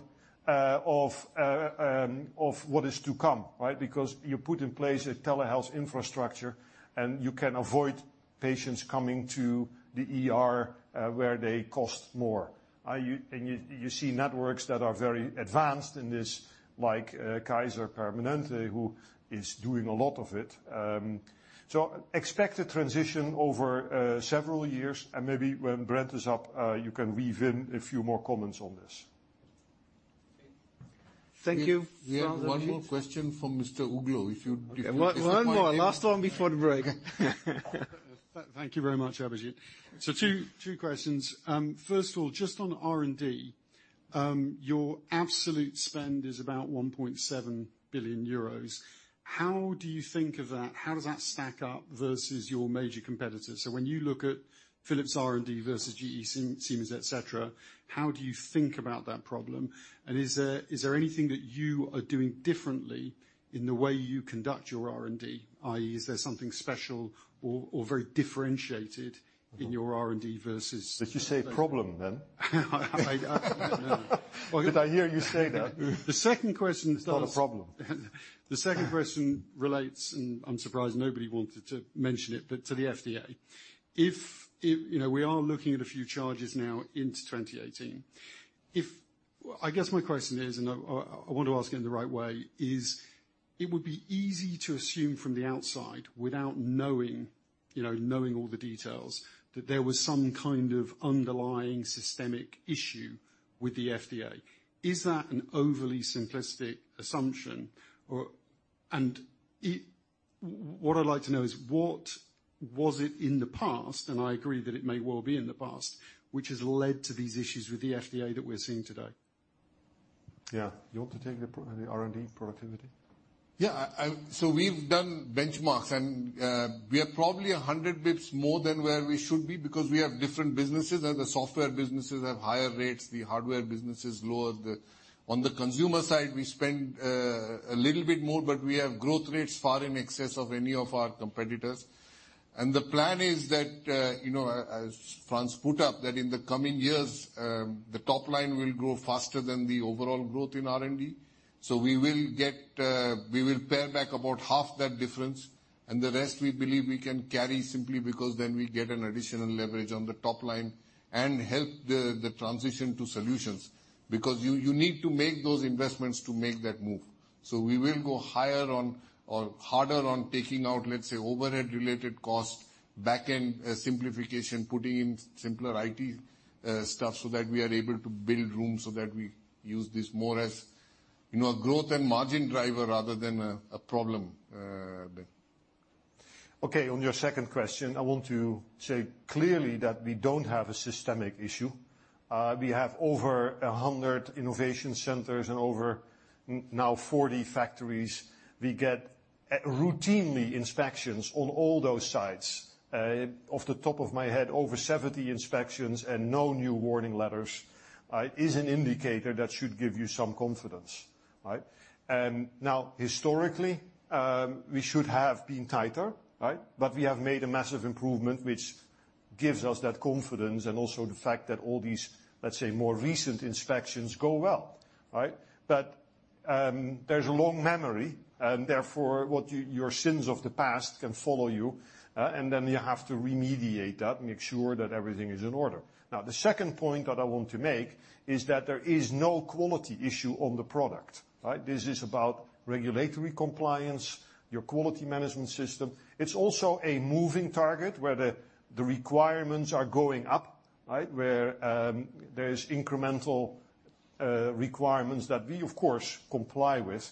of what is to come. Because you put in place a telehealth infrastructure, and you can avoid patients coming to the ER, where they cost more. You see networks that are very advanced in this, like Kaiser Permanente, who is doing a lot of it. Expect a transition over several years, and maybe when Brent is up, you can weave in a few more comments on this. Thank you. We have one more question from Mr. Uglo. One more. Last one before the break. Thank you very much, Abhijit. Two questions. First of all, just on R&D, your absolute spend is about 1.7 billion euros. How do you think of that? How does that stack up versus your major competitors? When you look at Philips R&D versus GE, Siemens, et cetera, how do you think about that problem, and is there anything that you are doing differently in the way you conduct your R&D? Is there something special or very differentiated in your R&D versus- Did you say problem then? I absolutely did. Did I hear you say that? The second question is. It's not a problem. The second question relates, and I'm surprised nobody wanted to mention it, but to the FDA. We are looking at a few charges now into 2018. I guess my question is, and I want to ask it in the right way, is it would be easy to assume from the outside, without knowing all the details, that there was some kind of underlying systemic issue with the FDA. Is that an overly simplistic assumption? What I'd like to know is what was it in the past, and I agree that it may well be in the past, which has led to these issues with the FDA that we're seeing today? Yeah. You want to take the R&D productivity? Yeah. We've done benchmarks, and we are probably 100 basis points more than where we should be because we have different businesses, and the software businesses have higher rates, the hardware business is lower. On the consumer side, we spend a little bit more, but we have growth rates far in excess of any of our competitors. The plan is that, as Frans put up, that in the coming years, the top line will grow faster than the overall growth in R&D. We will pare back about half that difference, and the rest we believe we can carry simply because then we get an additional leverage on the top line and help the transition to solutions. You need to make those investments to make that move. We will go harder on taking out, let's say, overhead related cost, back-end simplification, putting in simpler IT stuff so that we are able to build room so that we use this more as a growth and margin driver rather than a problem. On your second question, I want to say clearly that we don't have a systemic issue. We have over 100 innovation centers and over now 40 factories. We get routinely inspections on all those sites. Off the top of my head, over 70 inspections and no new warning letters is an indicator that should give you some confidence. Historically, we should have been tighter. We have made a massive improvement, which gives us that confidence, and also the fact that all these, let's say, more recent inspections go well. There's a long memory, and therefore, your sins of the past can follow you, and then you have to remediate that and make sure that everything is in order. The second point that I want to make is that there is no quality issue on the product. This is about regulatory compliance, your quality management system. It's also a moving target where the requirements are going up, where there is incremental requirements that we, of course, comply with,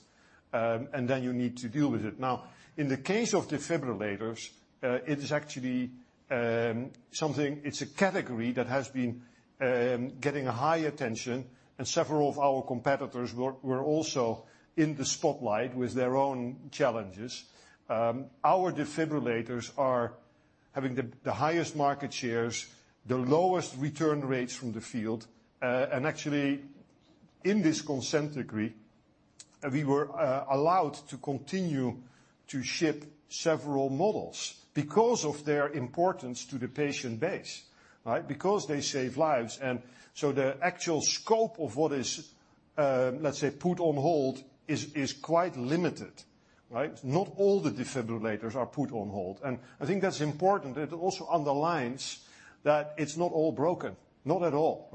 and then you need to deal with it. In the case of defibrillators, it's a category that has been getting high attention and several of our competitors were also in the spotlight with their own challenges. Our defibrillators are having the highest market shares, the lowest return rates from the field. Actually, in this consent decree, we were allowed to continue to ship several models because of their importance to the patient base. They save lives. The actual scope of what is, let's say, put on hold is quite limited. Not all the defibrillators are put on hold. I think that's important. It also underlines that it's not all broken. Not at all.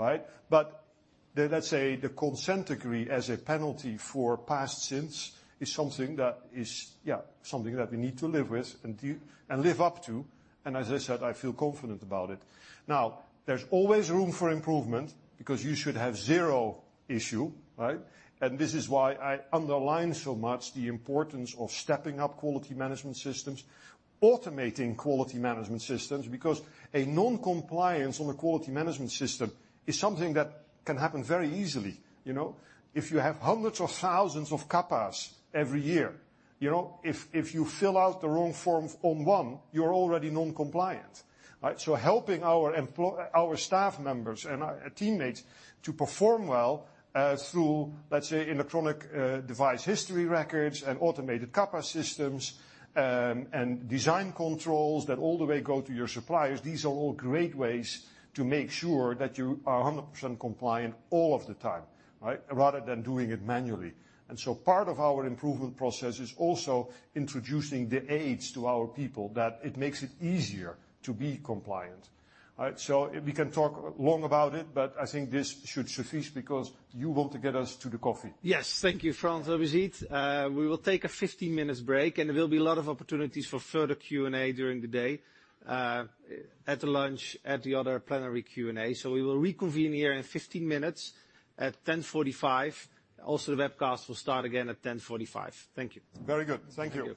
Let's say the consent decree as a penalty for past sins is something that we need to live with and live up to. As I said, I feel confident about it. Now, there's always room for improvement because you should have zero issue. This is why I underline so much the importance of stepping up quality management systems, automating quality management systems, because a non-compliance on the quality management system is something that can happen very easily. If you have hundreds of thousands of CAPAs every year, if you fill out the wrong form on one, you're already non-compliant. Helping our staff members and our teammates to perform well through, let's say, electronic device history records and automated CAPA systems, and design controls that all the way go to your suppliers, these are all great ways to make sure that you are 100% compliant all of the time, rather than doing it manually. Part of our improvement process is also introducing the aids to our people that it makes it easier to be compliant. We can talk long about it, but I think this should suffice because you want to get us to the coffee. Yes. Thank you, Frans van Houten. We will take a 15 minutes break, there will be a lot of opportunities for further Q&A during the day, at the lunch, at the other plenary Q&A. We will reconvene here in 15 minutes at 10:45. Also, the webcast will start again at 10:45. Thank you. Very good. Thank you.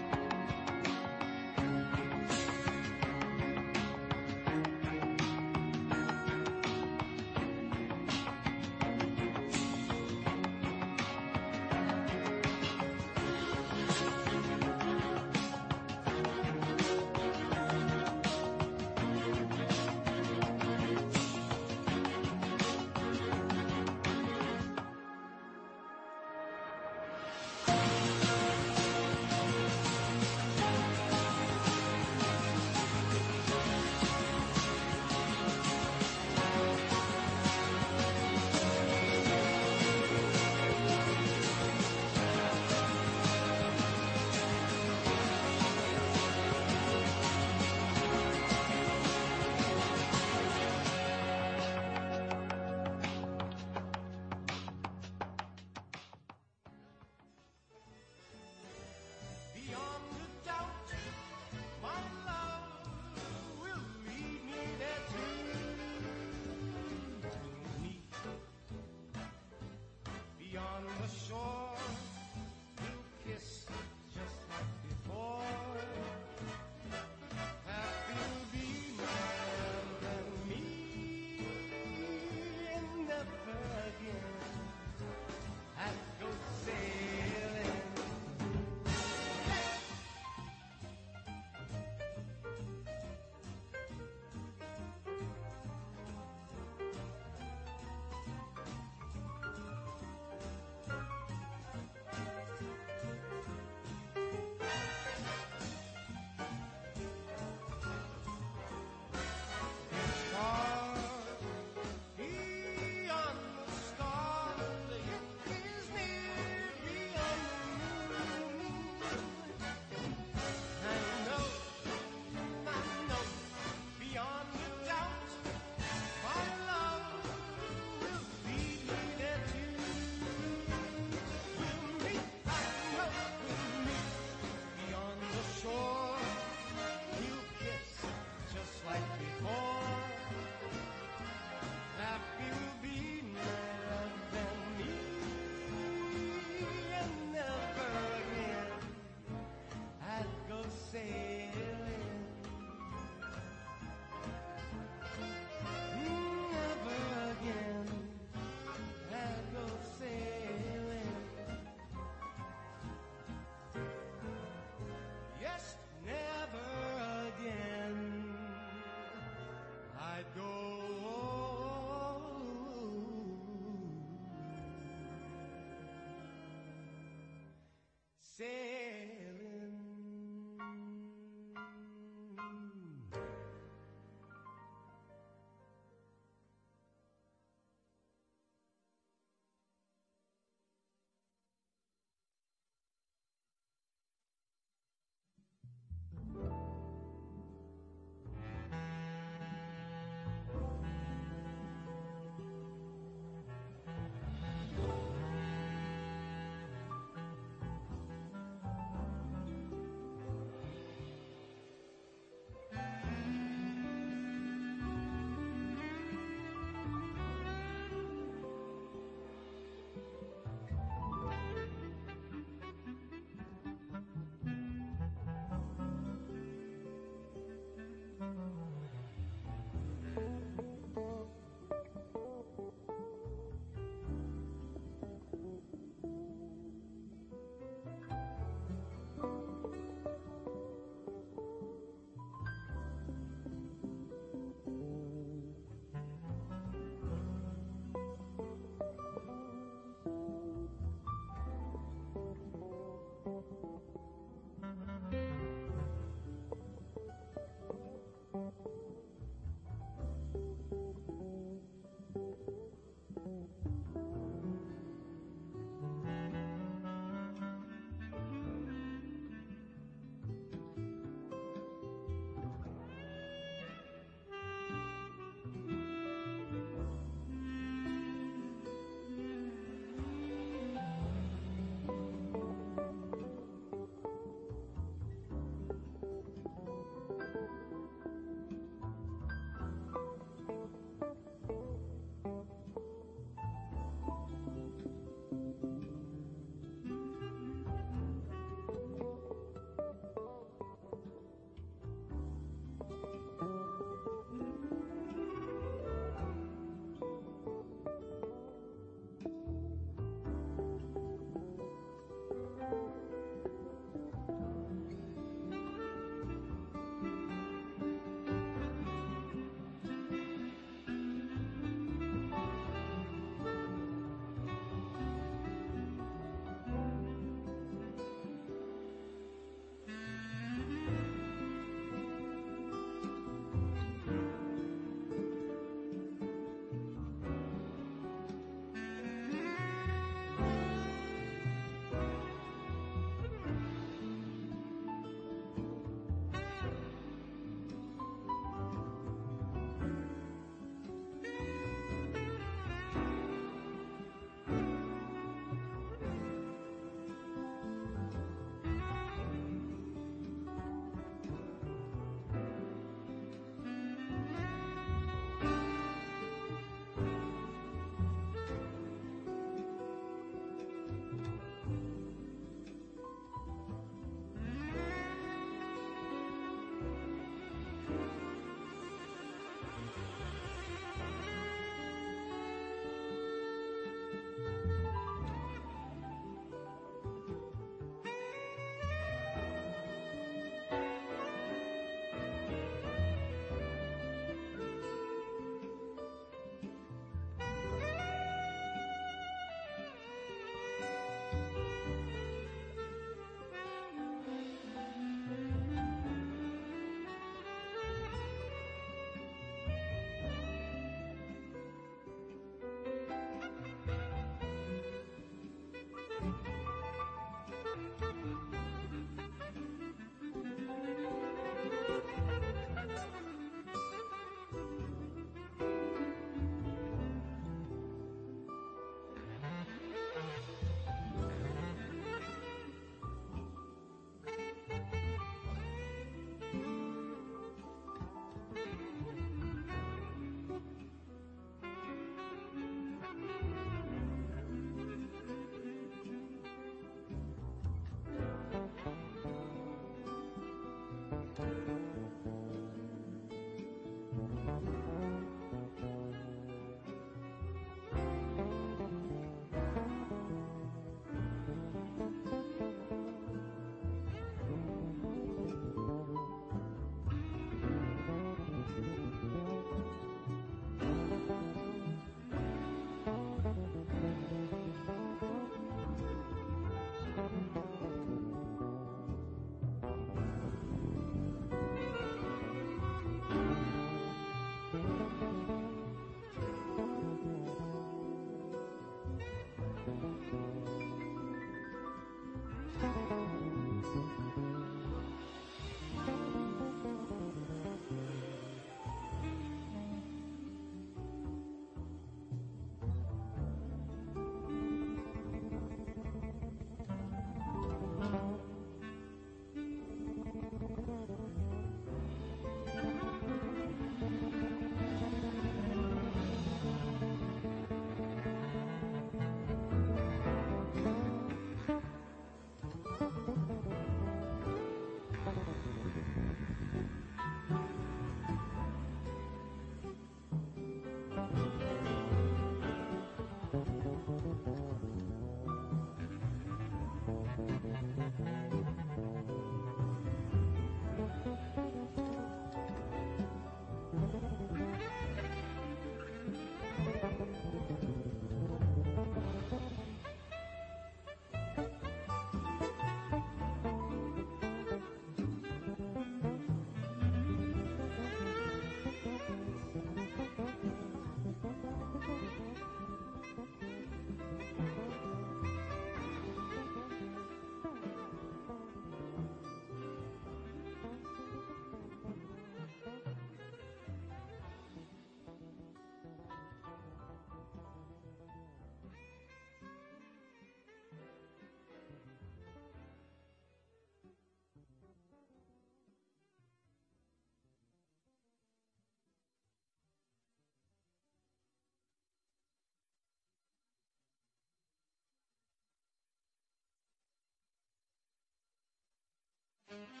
Thank you.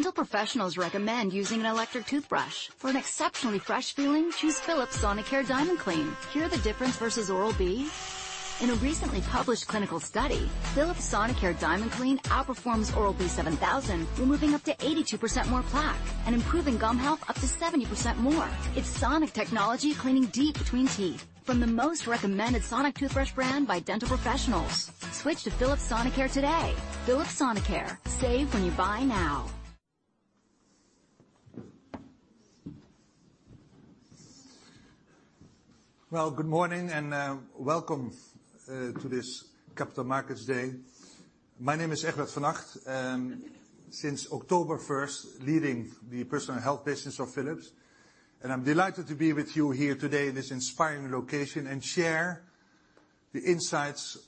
Beyond a doubt, my love will lead me there to meet you. Beyond the shore, we'll kiss just like before. Happy will be the welcome. Meeting up again, at good sailing. In part, beyond the stars. Yet near beyond the moon. I know. I know beyond a doubt. You'll kiss just like before. Life will be mad and mean. Never again, I'd go sailing. Never again, I'd go sailing. Never again, I'd go sailing. Dental professionals recommend using an electric toothbrush. For an exceptionally fresh feeling, choose Philips Sonicare DiamondClean. Hear the difference versus Oral-B? In a recently published clinical study, Philips Sonicare DiamondClean outperforms Oral-B 7000, removing up to 82% more plaque and improving gum health up to 70% more. It's sonic technology cleaning deep between teeth. From the most recommended sonic toothbrush brand by dental professionals. Switch to Philips Sonicare today. Philips Sonicare. Save when you buy now. Well, good morning, and welcome to this Capital Markets Day. My name is Egbert van Acht. Since October 1st, leading the personal health business of Philips. I'm delighted to be with you here today in this inspiring location and share the insights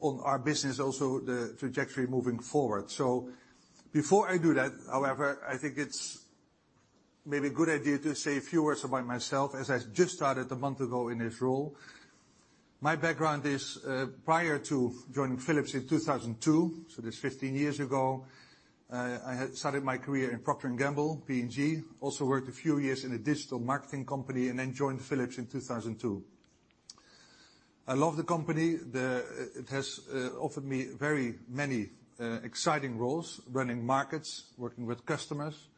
on our business, also the trajectory moving forward. Before I do that, however, I think it's maybe a good idea to say a few words about myself as I just started a month ago in this role. My background is, prior to joining Philips in 2002, so that's 15 years ago, I had started my career in Procter & Gamble, P&G. Also worked a few years in a digital marketing company and then joined Philips in 2002. I love the company. It has offered me very many exciting roles, running markets, working with customers,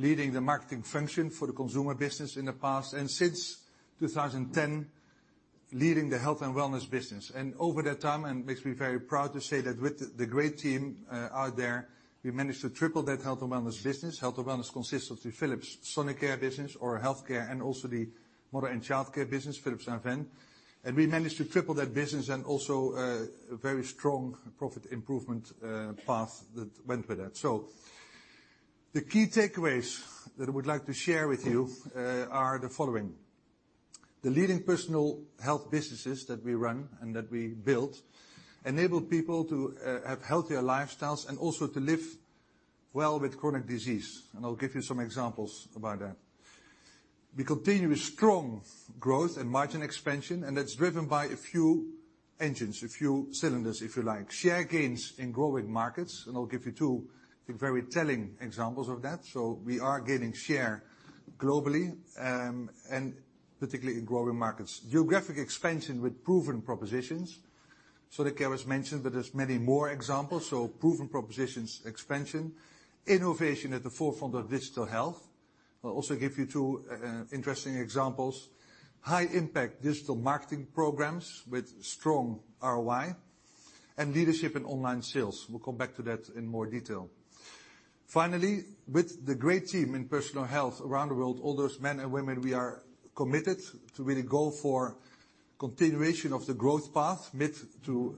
leading the marketing function for the consumer business in the past, since 2010, leading the health and wellness business. Over that time, it makes me very proud to say that with the great team out there, we managed to triple that health and wellness business. Health and wellness consists of the Philips Sonicare business, oral healthcare, and also the mother and childcare business, Philips Avent. We managed to triple that business and also a very strong profit improvement path that went with that. The key takeaways that I would like to share with you are the following. The leading personal health businesses that we run and that we built enable people to have healthier lifestyles and also to live well with chronic disease. I'll give you some examples about that. We continue a strong growth and margin expansion, that's driven by a few engines, a few cylinders, if you like. Share gains in growing markets, I'll give you two very telling examples of that. We are gaining share globally, particularly in growing markets. Geographic expansion with proven propositions. Sonicare was mentioned, but there's many more examples. Proven propositions expansion. Innovation at the forefront of digital health. I'll also give you two interesting examples. High impact digital marketing programs with strong ROI. Leadership in online sales. We'll come back to that in more detail. Finally, with the great team in personal health around the world, all those men and women, we are committed to really go for continuation of the growth path, mid- to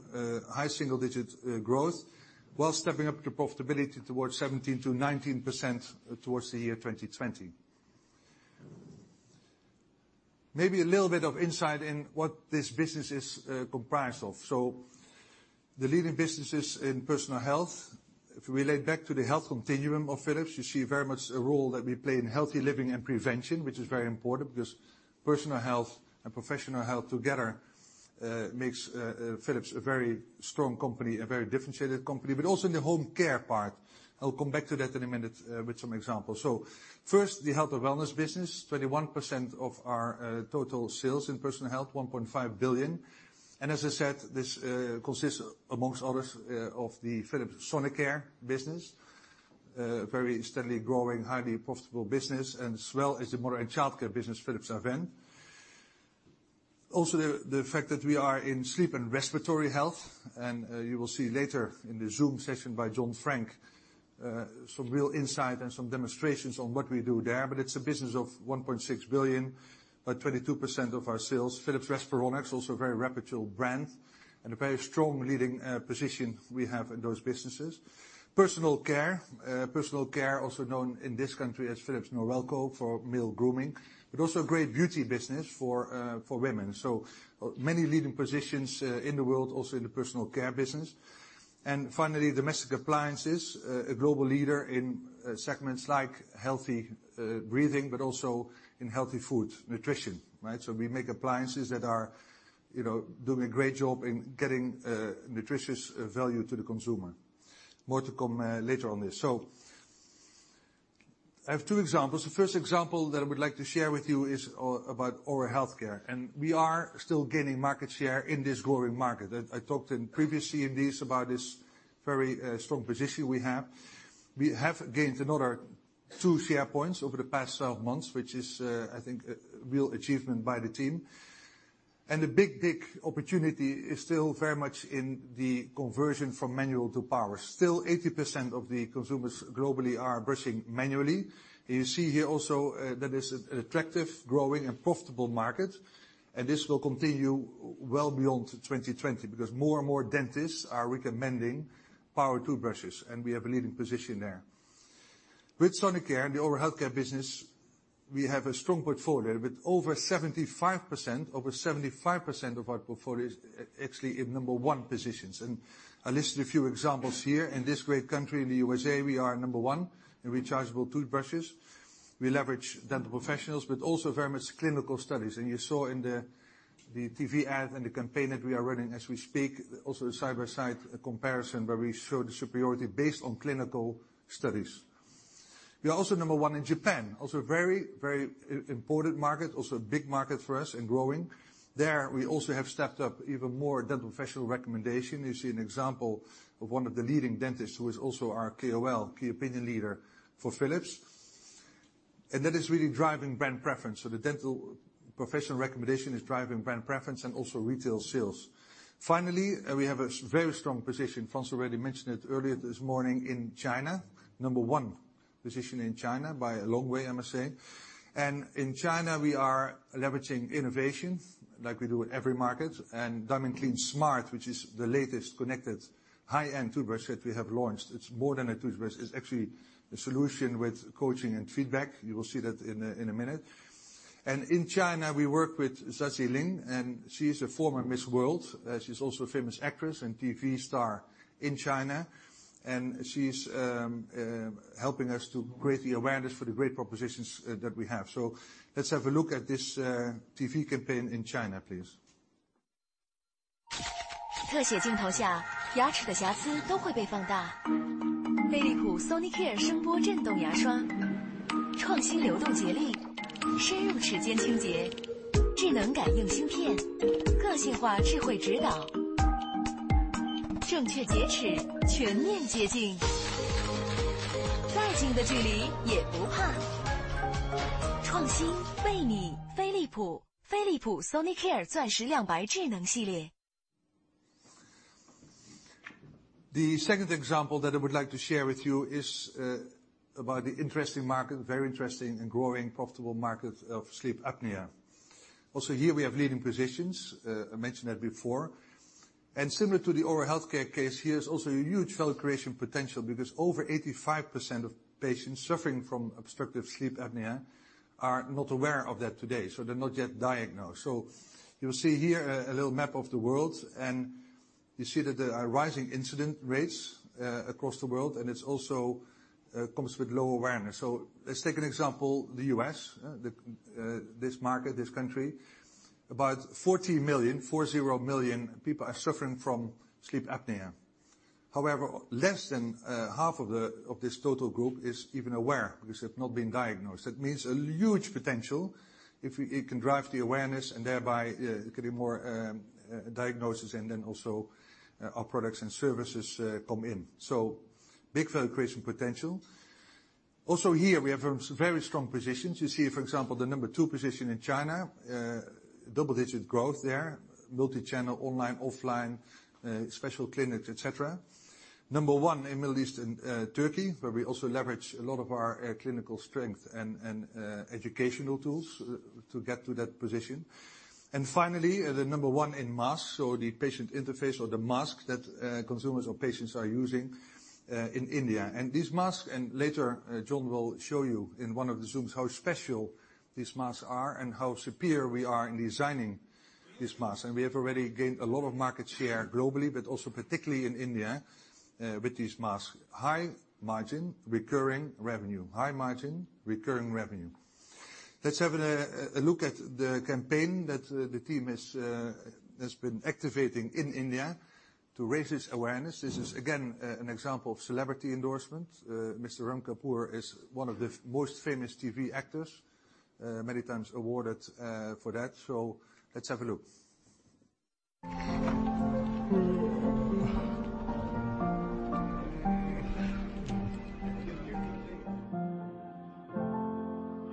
high-single digit growth, while stepping up the profitability towards 17%-19% towards 2020. Maybe a little bit of insight in what this business is comprised of. The leading businesses in personal health, if we relate back to the health continuum of Philips, you see very much a role that we play in healthy living and prevention, which is very important because personal health and professional health together makes Philips a very strong company, a very differentiated company, but also in the homecare part. I'll come back to that in a minute with some examples. First, the health and wellness business, 21% of our total sales in personal health, 1.5 billion. As I said, this consists, amongst others, of the Philips Sonicare business. A very steadily growing, highly profitable business. As well as the mother and childcare business, Philips Avent. Also, the fact that we are in sleep and respiratory health, you will see later in the Zoom session by John Frank, some real insight and some demonstrations on what we do there. It's a business of 1.6 billion, about 22% of our sales. Philips Respironics, also a very reputable brand and a very strong leading position we have in those businesses. Personal care. Personal care, also known in this country as Philips Norelco for male grooming, but also a great beauty business for women. Many leading positions in the world, also in the personal care business. Finally, domestic appliances, a global leader in segments like healthy breathing, but also in healthy food, nutrition, right? We make appliances that are doing a great job in getting nutritious value to the consumer. More to come later on this. I have two examples. The first example that I would like to share with you is about oral healthcare, we are still gaining market share in this growing market. I talked in previous CMDs about this very strong position we have. We have gained another 2 share points over the past 12 months, which is, I think, a real achievement by the team. The big opportunity is still very much in the conversion from manual to power. Still 80% of the consumers globally are brushing manually. You see here also that is an attractive, growing, and profitable market. This will continue well beyond 2020 because more and more dentists are recommending power toothbrushes, and we have a leading position there. With Sonicare and the oral healthcare business, we have a strong portfolio with over 75% of our portfolio is actually in number 1 positions. I listed a few examples here. In this great country, in the USA, we are number 1 in rechargeable toothbrushes. We leverage dental professionals, but also very much clinical studies. You saw in the TV ad and the campaign that we are running as we speak, also a side-by-side comparison where we show the superiority based on clinical studies. We are also number 1 in Japan. Also a very important market. Also a big market for us, and growing. There we also have stepped up even more dental professional recommendation. You see an example of one of the leading dentists who is also our KOL, key opinion leader, for Philips. That is really driving brand preference. The dental professional recommendation is driving brand preference and also retail sales. Finally, we have a very strong position, Frans already mentioned it earlier this morning, in China. Number 1 position in China, by a long way I must say. In China we are leveraging innovation like we do in every market, and DiamondClean Smart, which is the latest connected high-end toothbrush that we have launched. It's more than a toothbrush. It's actually a solution with coaching and feedback. You will see that in a minute. In China, we work with Zhang Zilin, and she's a former Miss World. She's also a famous actress and TV star in China, and she's helping us to create the awareness for the great propositions that we have. Let's have a look at this TV campaign in China, please. The second example that I would like to share with you is about the interesting market, very interesting and growing profitable market of sleep apnea. Also here we have leading positions, I mentioned that before. Similar to the oral healthcare case, here is also a huge value creation potential because over 85% of patients suffering from obstructive sleep apnea are not aware of that today. They're not yet diagnosed. You'll see here a little map of the world, you see that there are rising incident rates across the world, it also comes with low awareness. Let's take an example. The U.S., this market, this country. About 40 million people are suffering from sleep apnea. However, less than half of this total group is even aware because they've not been diagnosed. That means a huge potential if we can drive the awareness and thereby it could be more diagnosis and then also our products and services come in. Big value creation potential. Also here we have very strong positions. You see, for example, the number two position in China. Double-digit growth there. Multi-channel, online, offline, special clinics, et cetera. Finally, the number one in Middle East and Turkey, where we also leverage a lot of our clinical strength and educational tools to get to that position. The number one in masks, so the patient interface or the mask that consumers or patients are using in India. This mask, and later John will show you in one of the Zooms how special these masks are and how superior we are in designing this mask. We have already gained a lot of market share globally, but also particularly in India with these masks. High margin, recurring revenue. High margin, recurring revenue. Let's have a look at the campaign that the team has been activating in India to raise this awareness. This is again, an example of celebrity endorsement. Mr. Ram Kapoor is one of the most famous TV actors, many times awarded for that. Let's have a look.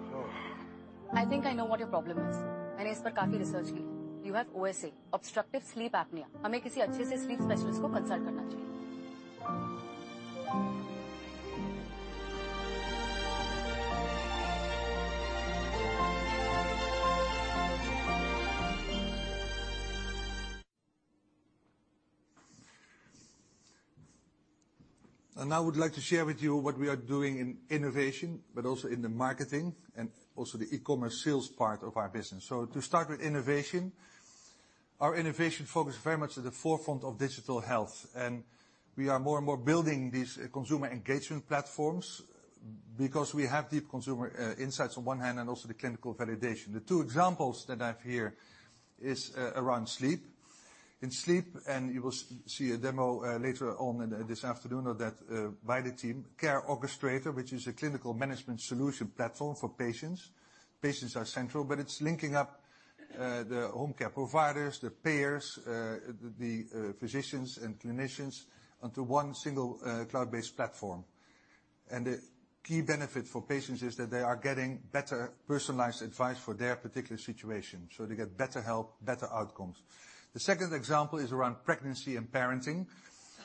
Sure. I think I know what your problem is. You have OSA, obstructive sleep apnea. Now I would like to share with you what we are doing in innovation, but also in the marketing and also the e-commerce sales part of our business. To start with innovation, our innovation focus very much at the forefront of digital health. We are more and more building these consumer engagement platforms because we have deep consumer insights on one hand, and also the clinical validation. The two examples that I have here is around sleep. In sleep, and you will see a demo later on this afternoon of that by the team. Care Orchestrator, which is a clinical management solution platform for patients. Patients are central, but it's linking up the home care providers, the payers, the physicians and clinicians onto one single cloud-based platform. The key benefit for patients is that they are getting better personalized advice for their particular situation. They get better help, better outcomes. The second example is around pregnancy and parenting.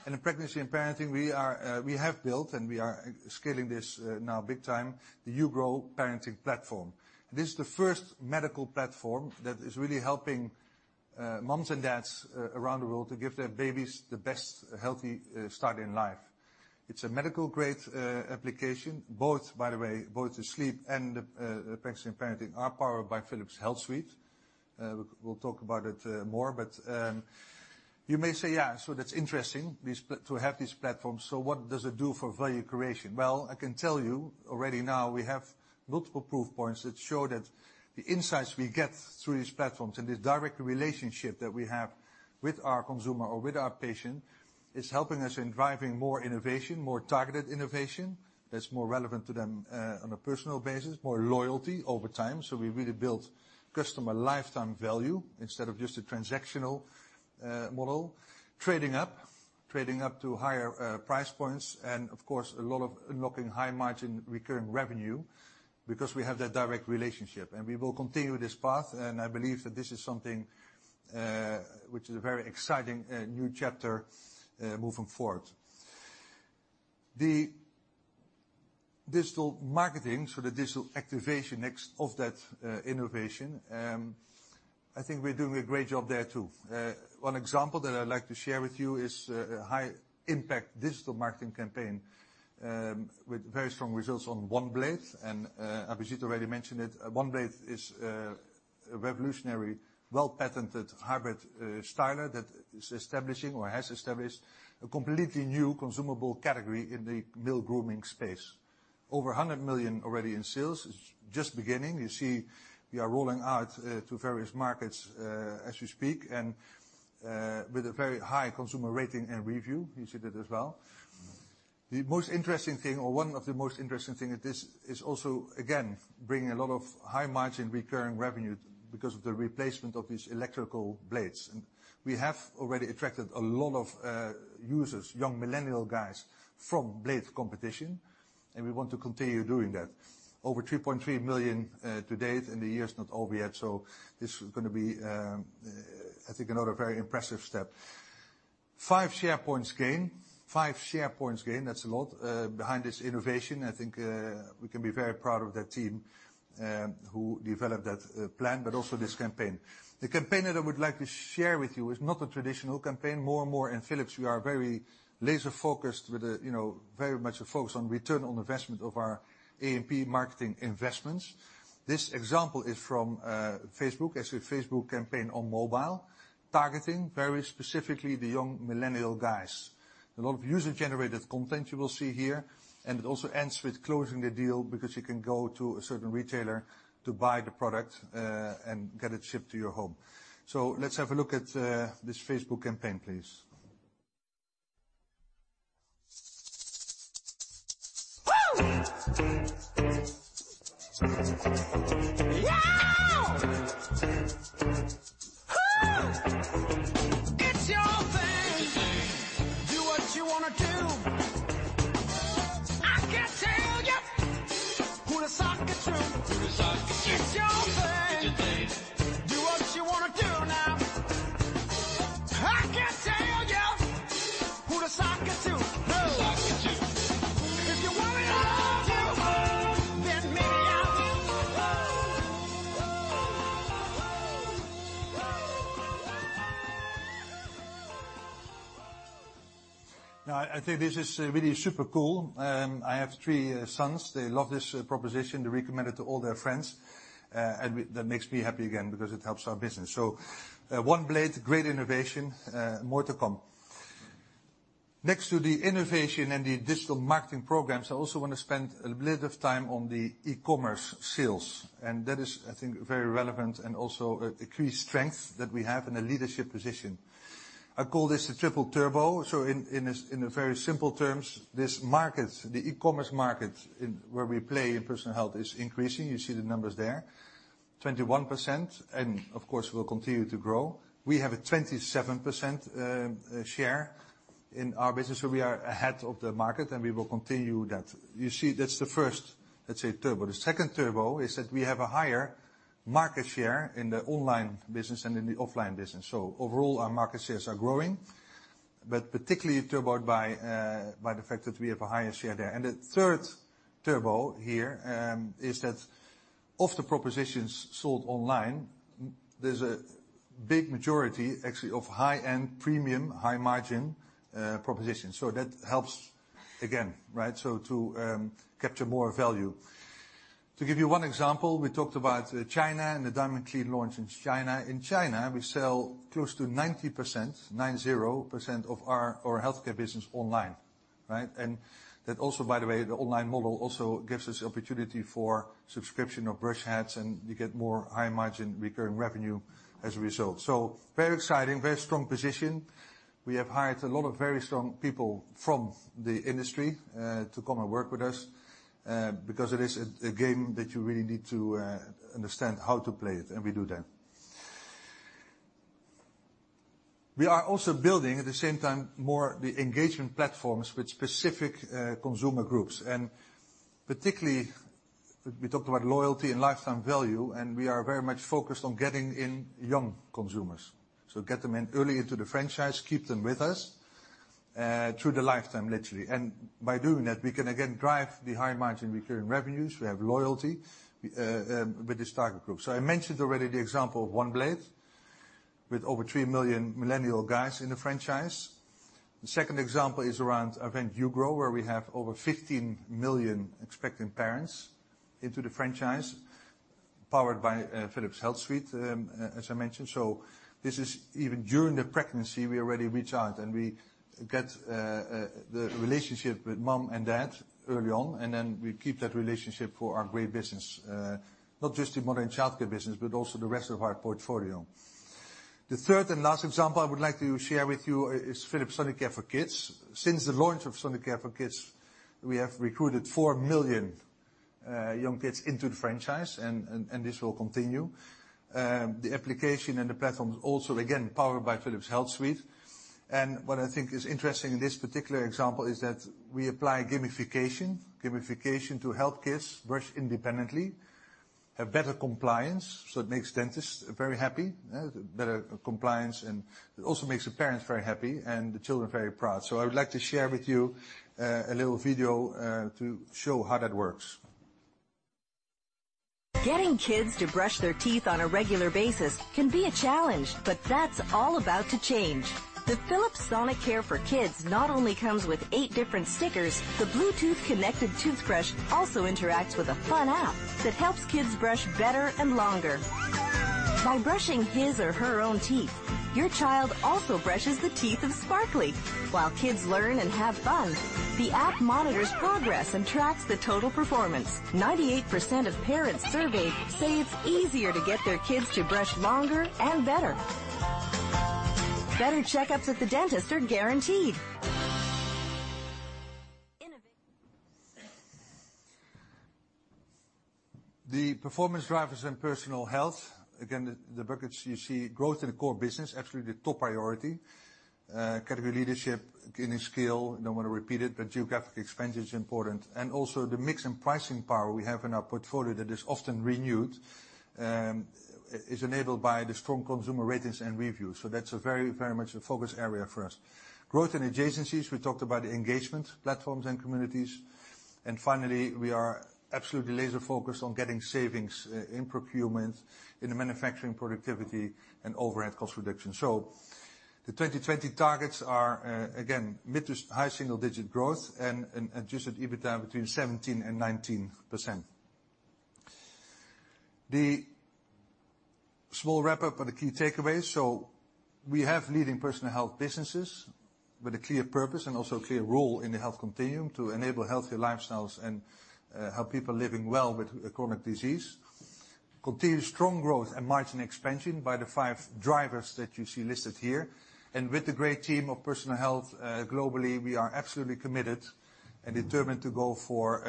In pregnancy and parenting, we have built, and we are scaling this now big time, the uGrow parenting platform. This is the first medical platform that is really helping moms and dads around the world to give their babies the best healthy start in life. It's a medical-grade application. Both, by the way, both the sleep and the pregnancy and parenting are powered by Philips HealthSuite. We'll talk about it more. You may say, "Yeah, that's interesting to have these platforms. What does it do for value creation?" Well, I can tell you already now we have multiple proof points that show that the insights we get through these platforms and this direct relationship that we have with our consumer or with our patient is helping us in driving more innovation, more targeted innovation, that's more relevant to them on a personal basis, more loyalty over time. We really built customer lifetime value instead of just a transactional model. Trading up to higher price points and, of course, a lot of unlocking high margin recurring revenue because we have that direct relationship. We will continue this path, I believe that this is something which is a very exciting new chapter moving forward. The digital marketing, the digital activation next of that innovation, I think we're doing a great job there, too. One example that I'd like to share with you is a high impact digital marketing campaign, with very strong results on OneBlade. Abhijit already mentioned it. OneBlade is a revolutionary, well-patented hybrid styler that is establishing or has established a completely new consumable category in the male grooming space. Over 100 million already in sales. It's just beginning. You see we are rolling out to various markets, as we speak, and with a very high consumer rating and review. You see that as well. The most interesting thing, or one of the most interesting thing at this is also, again, bringing a lot of high margin recurring revenue because of the replacement of these electrical blades. We have already attracted a lot of users, young millennial guys from blade competition, we want to continue doing that. Over 3.3 million to date, the year's not over yet, this is going to be, I think, another very impressive step. 5 share points gain. 5 share points gain, that's a lot, behind this innovation. I think we can be very proud of that team who developed that plan, but also this campaign. The campaign that I would like to share with you is not a traditional campaign. More and more in Philips we are very laser focused with very much a focus on return on investment of our A&P marketing investments. This example is from Facebook. It's a Facebook campaign on mobile targeting very specifically the young millennial guys. A lot of user-generated content you will see here, it also ends with closing the deal because you can go to a certain retailer to buy the product, get it shipped to your home. Let's have a look at this Facebook campaign, please. Whoo. Yeah. Ooh. It's your thing. It's your thing. Do what you wanna do. I can tell you who to sock it to. Who to sock it to. It's your thing. It's your thing. Do what you wanna do now. I can tell you who to sock it to. Who to sock it to. If you want me to love you. Maybe I will. Whoo. Whoo. Whoo. Whoo. Whoo. Now, I think this is really super cool. I have three sons. They love this proposition. They recommend it to all their friends. That makes me happy again because it helps our business. OneBlade, great innovation, more to come. Next to the innovation and the digital marketing programs, I also want to spend a little bit of time on the e-commerce sales. That is, I think, very relevant and also increased strength that we have in a leadership position. I call this the triple turbo. In very simple terms, this market, the e-commerce market where we play in personal health, is increasing. You see the numbers there, 21%, and of course, will continue to grow. We have a 27% share in our business. We are ahead of the market, and we will continue that. You see that's the first, let's say turbo. The second turbo is that we have a higher market share in the online business than in the offline business. Overall, our market shares are growing, but particularly turboed by the fact that we have a higher share there. The third turbo here is that of the propositions sold online, there's a big majority actually of high-end premium, high margin propositions. That helps again, right, to capture more value. To give you one example, we talked about China and the DiamondClean launch in China. In China, we sell close to 90%, nine zero percent, of our healthcare business online, right? That also, by the way, the online model also gives us the opportunity for subscription of brush heads, and you get more high margin recurring revenue as a result. Very exciting, very strong position. We have hired a lot of very strong people from the industry to come and work with us, because it is a game that you really need to understand how to play it, and we do that. We are also building, at the same time, more the engagement platforms with specific consumer groups. Particularly, we talked about loyalty and lifetime value, and we are very much focused on getting in young consumers. Get them in early into the franchise, keep them with us. Through the lifetime, literally. By doing that, we can again drive the high margin recurring revenues. We have loyalty with this target group. I mentioned already the example of OneBlade, with over three million millennial guys in the franchise. The second example is around Avent uGrow, where we have over 15 million expectant parents into the franchise, powered by Philips HealthSuite, as I mentioned. This is even during the pregnancy, we already reach out and we get the relationship with mom and dad early on, and then we keep that relationship for our great business. Not just the modern childcare business, but also the rest of our portfolio. The third and last example I would like to share with you is Philips Sonicare for Kids. Since the launch of Sonicare for Kids, we have recruited four million young kids into the franchise, and this will continue. The application and the platform is also again powered by Philips HealthSuite. What I think is interesting in this particular example is that we apply gamification to help kids brush independently, have better compliance, it makes dentists very happy. Better compliance and it also makes the parents very happy and the children very proud. I would like to share with you a little video, to show how that works. Getting kids to brush their teeth on a regular basis can be a challenge, but that's all about to change. The Philips Sonicare for Kids not only comes with eight different stickers, the Bluetooth connected toothbrush also interacts with a fun app that helps kids brush better and longer. By brushing his or her own teeth, your child also brushes the teeth of Sparkly. While kids learn and have fun, the app monitors progress and tracks the total performance. 98% of parents surveyed say it's easier to get their kids to brush longer and better. Better checkups at the dentist are guaranteed. Innova- The performance drivers in Personal Health, again, the buckets you see, growth in the core business, absolutely the top priority. Category leadership, gaining scale. I don't want to repeat it, but geographic expansion is important. Also the mix and pricing power we have in our portfolio that is often renewed, is enabled by the strong consumer ratings and reviews. That's very much a focus area for us. Growth in adjacencies. We talked about the engagement platforms and communities. Finally, we are absolutely laser focused on getting savings in procurement, in manufacturing productivity and overhead cost reduction. The 2020 targets are, again, mid to high single-digit growth and adjusted EBITDA between 17% and 19%. The small wrap-up of the key takeaways. We have leading Personal Health Businesses with a clear purpose and also a clear role in the health continuum to enable healthier lifestyles and help people living well with chronic disease. Continued strong growth and margin expansion by the five drivers that you see listed here. With the great team of Personal Health, globally, we are absolutely committed and determined to go for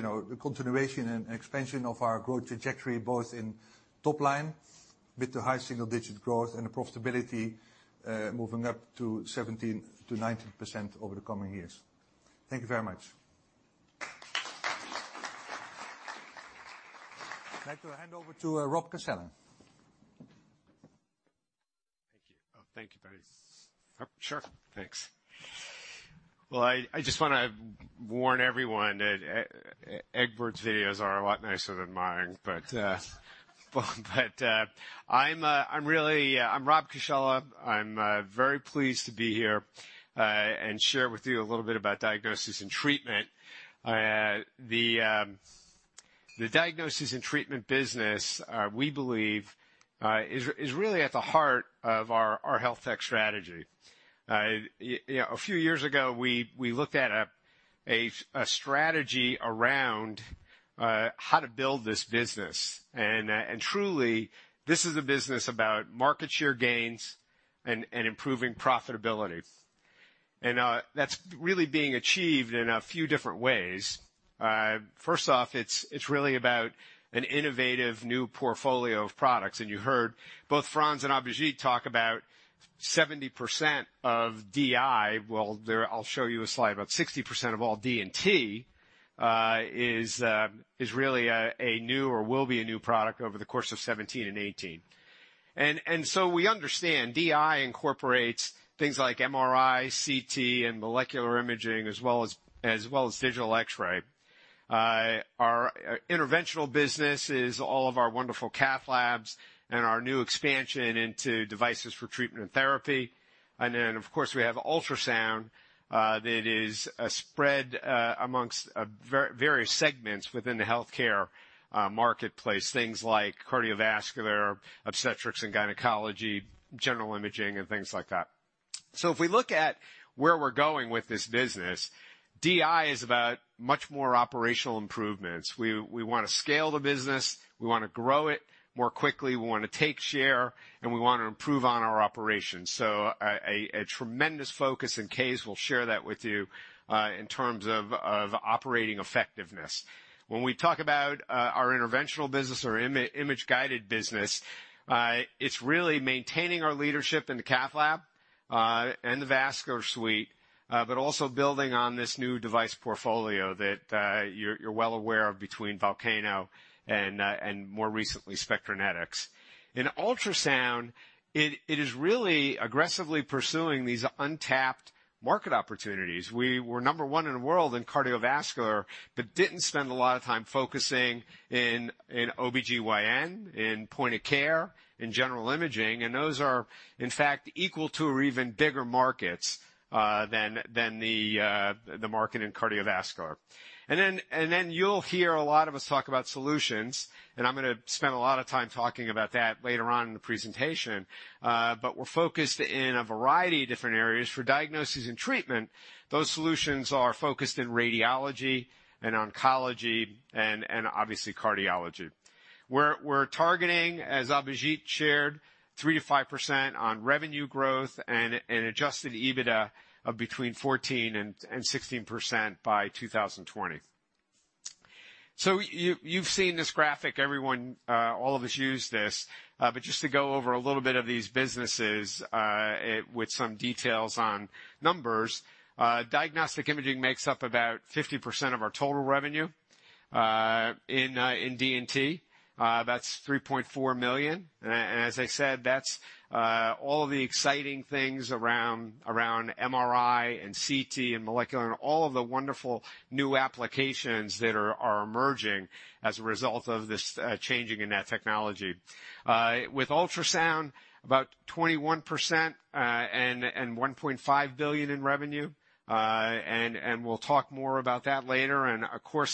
the continuation and expansion of our growth trajectory, both in top line with the high single-digit growth and the profitability, moving up to 17%-19% over the coming years. Thank you very much. I'd like to hand over to Robert Cascella. Thank you. Oh, thank you. Sure. Thanks. Well, I just want to warn everyone that Egbert's videos are a lot nicer than mine. I'm Rob Cascella. I'm very pleased to be here and share with you a little bit about Diagnosis & Treatment. The Diagnosis & Treatment business, we believe, is really at the heart of our health tech strategy. A few years ago, we looked at a strategy around how to build this business. Truly, this is a business about market share gains and improving profitability. That's really being achieved in a few different ways. First off, it's really about an innovative new portfolio of products. You heard both Frans and Abhijit talk about 70% of DI. Well, I'll show you a slide. About 60% of all D&T is really a new or will be a new product over the course of 2017 and 2018. We understand DI incorporates things like MRI, CT, and molecular imaging, as well as digital X-ray. Our interventional business is all of our wonderful cath labs and our new expansion into devices for treatment and therapy. Of course, we have ultrasound, that is spread amongst various segments within the healthcare marketplace, things like cardiovascular, obstetrics and gynecology, general imaging and things like that. If we look at where we're going with this business, DI is about much more operational improvements. We want to scale the business. We want to grow it more quickly. We want to take share, and we want to improve on our operations. A tremendous focus, and Kees will share that with you, in terms of operating effectiveness. When we talk about our interventional business or image-guided business, it's really maintaining our leadership in the cath lab. The Vasco suite, but also building on this new device portfolio that you're well aware of between Volcano and more recently Spectranetics. In ultrasound, it is really aggressively pursuing these untapped market opportunities. We were number one in the world in cardiovascular but didn't spend a lot of time focusing in OBGYN, in point of care, in general imaging, and those are, in fact, equal to or even bigger markets than the market in cardiovascular. You'll hear a lot of us talk about solutions, and I'm going to spend a lot of time talking about that later on in the presentation. We're focused in a variety of different areas for diagnosis and treatment. Those solutions are focused in radiology and oncology and obviously cardiology. We're targeting, as Abhijit shared, 3%-5% on revenue growth and an adjusted EBITDA of between 14% and 16% by 2020. You've seen this graphic. All of us use this. Just to go over a little bit of these businesses with some details on numbers. Diagnostic imaging makes up about 50% of our total revenue in D&T. That's 3.4 billion. As I said, that's all of the exciting things around MRI and CT and molecular and all of the wonderful new applications that are emerging as a result of this changing in that technology. With ultrasound, about 21% and EUR 1.5 billion in revenue. Of course,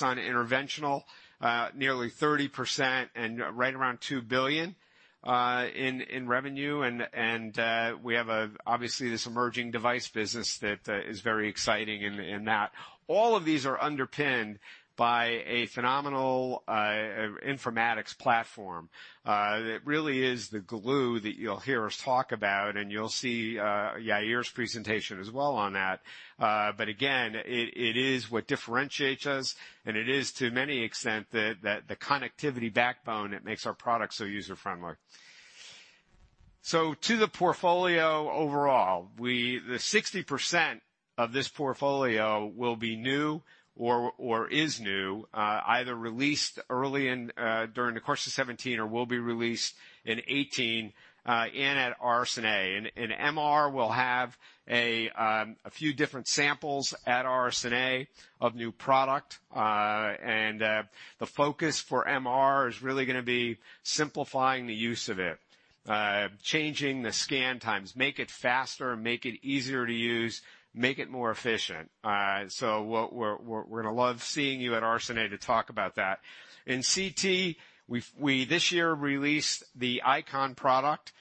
on interventional, nearly 30% and right around 2 billion in revenue. We have, obviously, this emerging device business that is very exciting in that all of these are underpinned by a phenomenal informatics platform that really is the glue that you'll hear us talk about, and you'll see Yair's presentation as well on that. Again, it is what differentiates us, and it is to many extent the connectivity backbone that makes our product so user-friendly. To the portfolio overall, the 60% of this portfolio will be new or is new, either released early during the course of 2017 or will be released in 2018 at RSNA. MR will have a few different samples at RSNA of new product. The focus for MR is really going to be simplifying the use of it, changing the scan times, make it faster, make it easier to use, make it more efficient. We're going to love seeing you at RSNA to talk about that. In CT, we this year released the IQon product,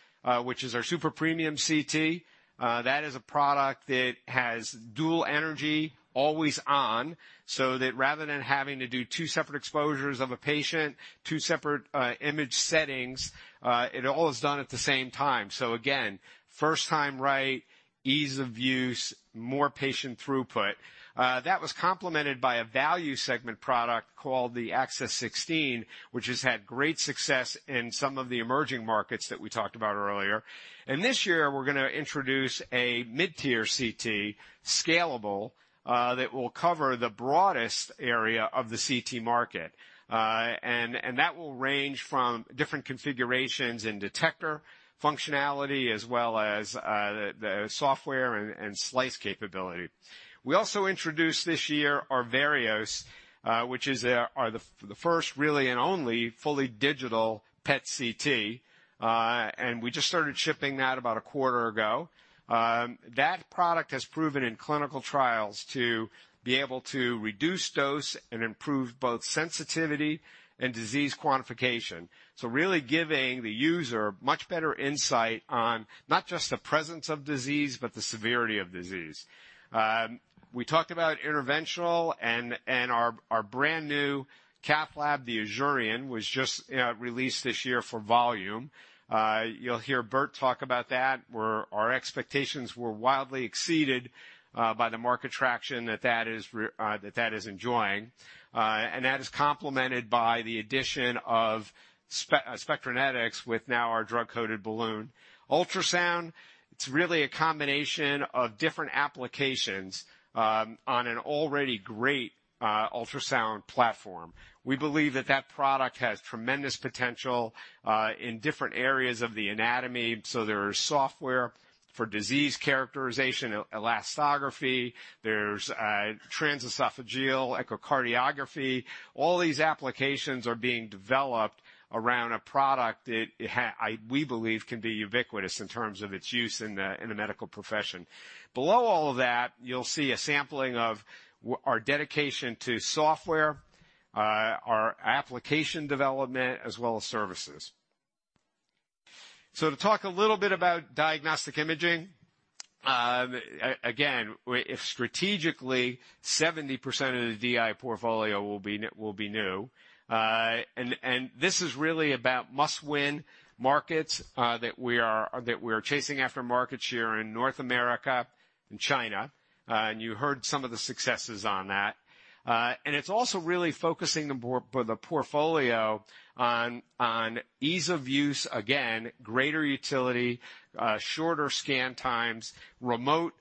which is our super premium CT. That is a product that has dual energy always on, so that rather than having to do two separate exposures of a patient, two separate image settings, it all is done at the same time. Again, first time, right, ease of use, more patient throughput. That was complemented by a value segment product called the Access 16, which has had great success in some of the emerging markets that we talked about earlier. This year we're going to introduce a mid-tier CT, scalable, that will cover the broadest area of the CT market. That will range from different configurations in detector functionality as well as the software and slice capability. We also introduced this year our Vereos, which is the first really and only fully digital PET/CT, and we just started shipping that about a quarter ago. That product has proven in clinical trials to be able to reduce dose and improve both sensitivity and disease quantification. Really giving the user much better insight on not just the presence of disease, but the severity of disease. We talked about interventional and our brand new cath lab, the Azurion, was just released this year for volume. You'll hear Bert talk about that, where our expectations were wildly exceeded by the market traction that that is enjoying. That is complemented by the addition of Spectranetics with now our drug-coated balloon. Ultrasound, it's really a combination of different applications on an already great ultrasound platform. We believe that that product has tremendous potential in different areas of the anatomy. There is software for disease characterization, elastography. There's transesophageal echocardiography. All these applications are being developed around a product that we believe can be ubiquitous in terms of its use in the medical profession. Below all of that, you'll see a sampling of our dedication to software, our application development, as well as services. To talk a little bit about diagnostic imaging. Again, if strategically, 70% of the DI portfolio will be new. This is really about must-win markets that we are chasing after market share in North America, in China, and you heard some of the successes on that. It's also really focusing the portfolio on ease of use, again, greater utility, shorter scan times, remote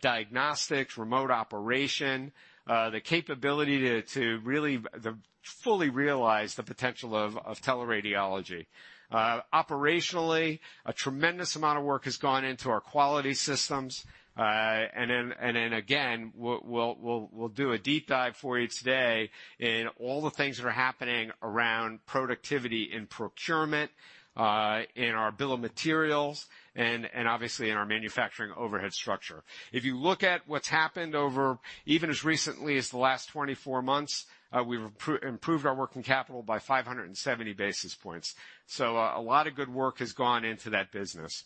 diagnostics, remote operation, the capability to really fully realize the potential of teleradiology. Operationally, a tremendous amount of work has gone into our quality systems. Then again, we'll do a deep dive for you today in all the things that are happening around productivity in procurement, in our bill of materials, and obviously, in our manufacturing overhead structure. If you look at what's happened over even as recently as the last 24 months, we've improved our working capital by 570 basis points. A lot of good work has gone into that business.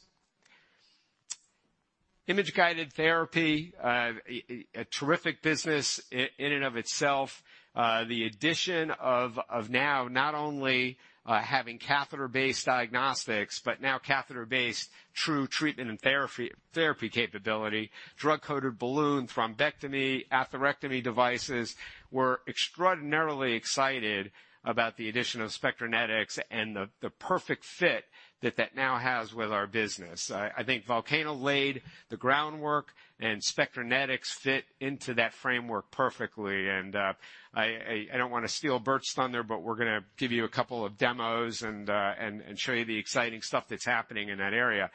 Image-guided therapy, a terrific business in and of itself. The addition of now not only having catheter-based diagnostics, but now catheter-based true treatment and therapy capability. Drug-coated balloon thrombectomy, atherectomy devices. We're extraordinarily excited about the addition of Spectranetics and the perfect fit that that now has with our business. I think Volcano laid the groundwork, and Spectranetics fit into that framework perfectly. I don't want to steal Bert's thunder, we're going to give you a couple of demos and show you the exciting stuff that's happening in that area.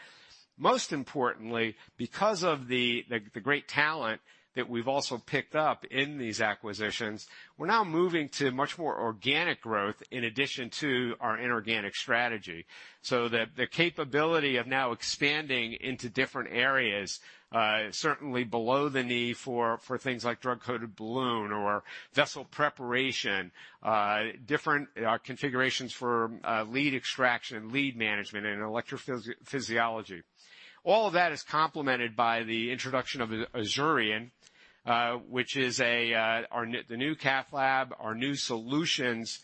Most importantly, because of the great talent that we've also picked up in these acquisitions, we're now moving to much more organic growth in addition to our inorganic strategy. The capability of now expanding into different areas, certainly below the knee for things like drug-coated balloon or vessel preparation, different configurations for lead extraction, lead management, and electrophysiology. All of that is complemented by the introduction of Azurion, which is the new cath lab, our new solutions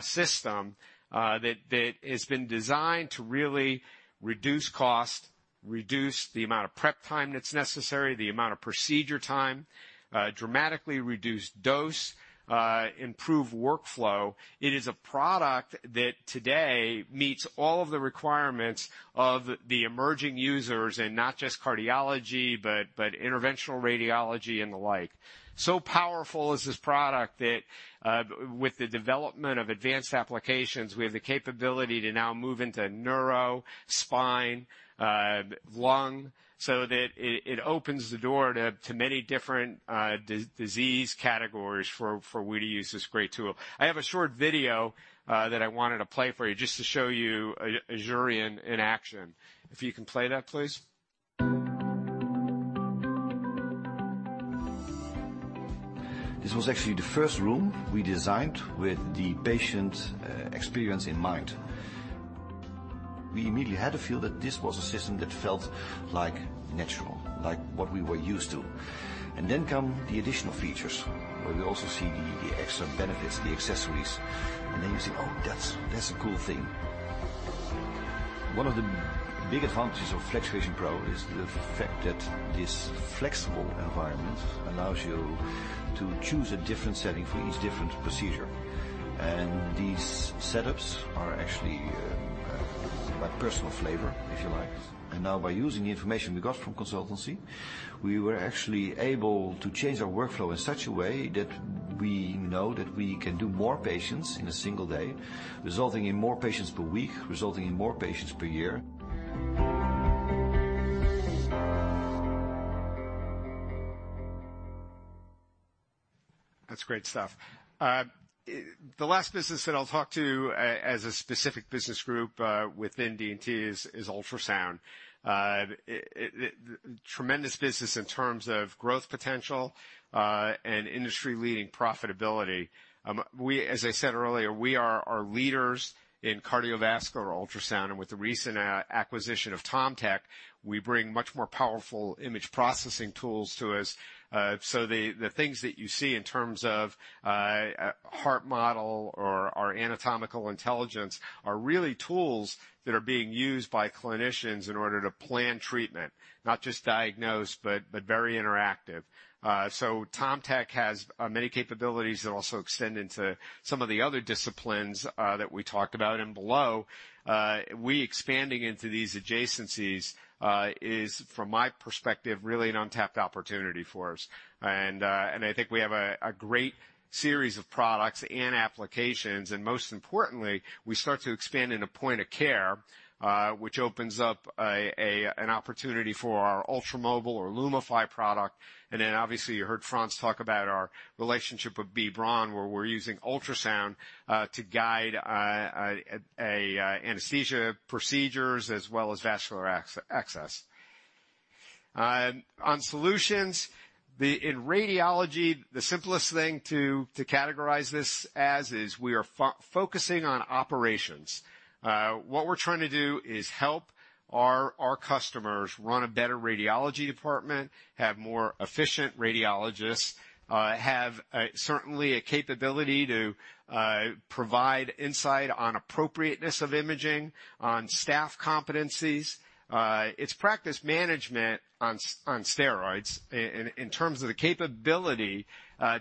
system, that has been designed to really reduce cost, reduce the amount of prep time that's necessary, the amount of procedure time, dramatically reduce dose, improve workflow. It is a product that today meets all of the requirements of the emerging users in not just cardiology, but interventional radiology and the like. Powerful is this product that with the development of advanced applications, we have the capability to now move into neuro, spine, lung, so that it opens the door to many different disease categories for we to use this great tool. I have a short video that I wanted to play for you just to show Azurion in action. If you can play that, please. This was actually the first room we designed with the patient experience in mind. We immediately had a feel that this was a system that felt natural, like what we were used to. Then come the additional features, where we also see the extra benefits, the accessories, then you say, "Oh, that's a cool thing." One of the big advantages of FlexVision Pro is the fact that this flexible environment allows you to choose a different setting for each different procedure, and these setups are actually like personal flavor, if you like. Now by using the information we got from consultancy, we were actually able to change our workflow in such a way that we know that we can do more patients in a single day, resulting in more patients per week, resulting in more patients per year. That's great stuff. The last business that I'll talk to as a specific business group within D&T is ultrasound. Tremendous business in terms of growth potential and industry-leading profitability. As I said earlier, we are leaders in cardiovascular ultrasound, and with the recent acquisition of TomTec, we bring much more powerful image processing tools to us. The things that you see in terms of HeartModel or Anatomical Intelligence are really tools that are being used by clinicians in order to plan treatment, not just diagnose, but very interactive. TomTec has many capabilities that also extend into some of the other disciplines that we talked about and below. We expanding into these adjacencies is, from my perspective, really an untapped opportunity for us. I think we have a great series of products and applications, and most importantly, we start to expand into point of care, which opens up an opportunity for our ultramobile or Lumify product. Then obviously, you heard Frans talk about our relationship with B. Braun, where we're using ultrasound to guide anesthesia procedures as well as vascular access. On solutions, in radiology, the simplest thing to categorize this as is we are focusing on operations. What we're trying to do is help our customers run a better radiology department, have more efficient radiologists, have certainly a capability to provide insight on appropriateness of imaging, on staff competencies. It's practice management on steroids in terms of the capability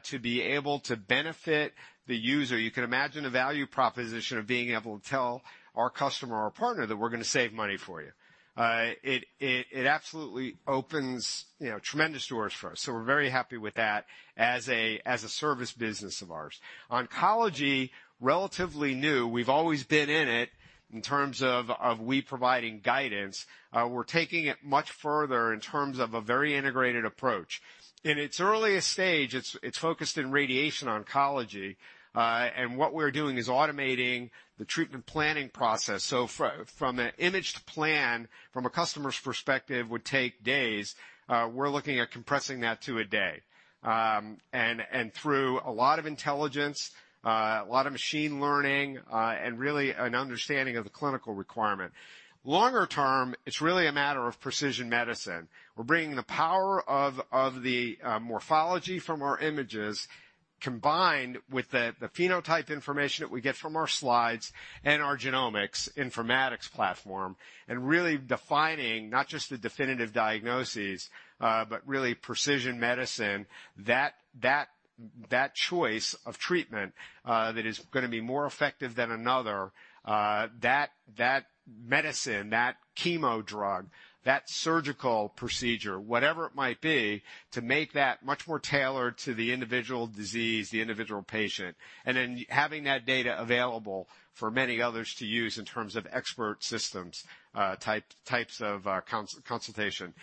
to be able to benefit the user. You can imagine a value proposition of being able to tell our customer or partner that we're going to save money for you. It absolutely opens tremendous doors for us. We're very happy with that as a service business of ours. Oncology, relatively new. We've always been in it in terms of we providing guidance. We're taking it much further in terms of a very integrated approach. In its earliest stage, it's focused in radiation oncology. What we're doing is automating the treatment planning process. From an imaged plan from a customer's perspective would take days, we're looking at compressing that to a day. Through a lot of intelligence, a lot of machine learning, and really an understanding of the clinical requirement. Longer term, it's really a matter of precision medicine. We're bringing the power of the morphology from our images, combined with the phenotype information that we get from our slides and our genomics informatics platform, and really defining not just the definitive diagnoses, but really precision medicine, that choice of treatment that is going to be more effective than another, that medicine, that chemo drug, that surgical procedure, whatever it might be, to make that much more tailored to the individual disease, the individual patient. Then having that data available for many others to use in terms of expert systems types of consultation.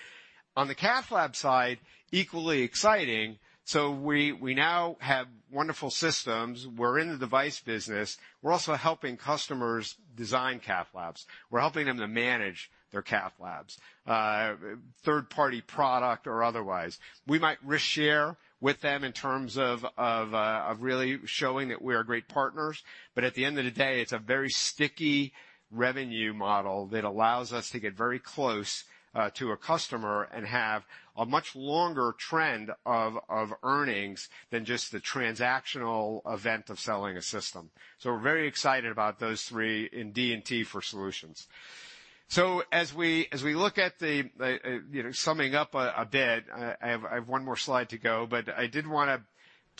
On the cath lab side, equally exciting. We now have wonderful systems. We're in the device business. We're also helping customers design cath labs. We're helping them to manage their cath labs, third-party product or otherwise. We might risk share with them in terms of really showing that we are great partners. At the end of the day, it's a very sticky revenue model that allows us to get very close to a customer and have a much longer trend of earnings than just the transactional event of selling a system. We're very excited about those 3 in D&T for solutions. As we look at the-- summing up a bit, I have one more slide to go, but I did want to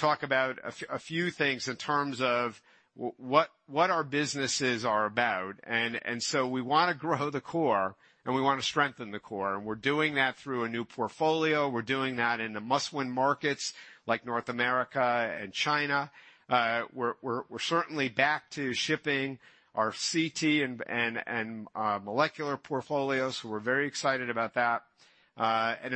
talk about a few things in terms of what our businesses are about. We want to grow the core, and we want to strengthen the core, and we're doing that through a new portfolio. We're doing that in the must-win markets like North America and China. We're certainly back to shipping our CT and molecular portfolios. We're very excited about that.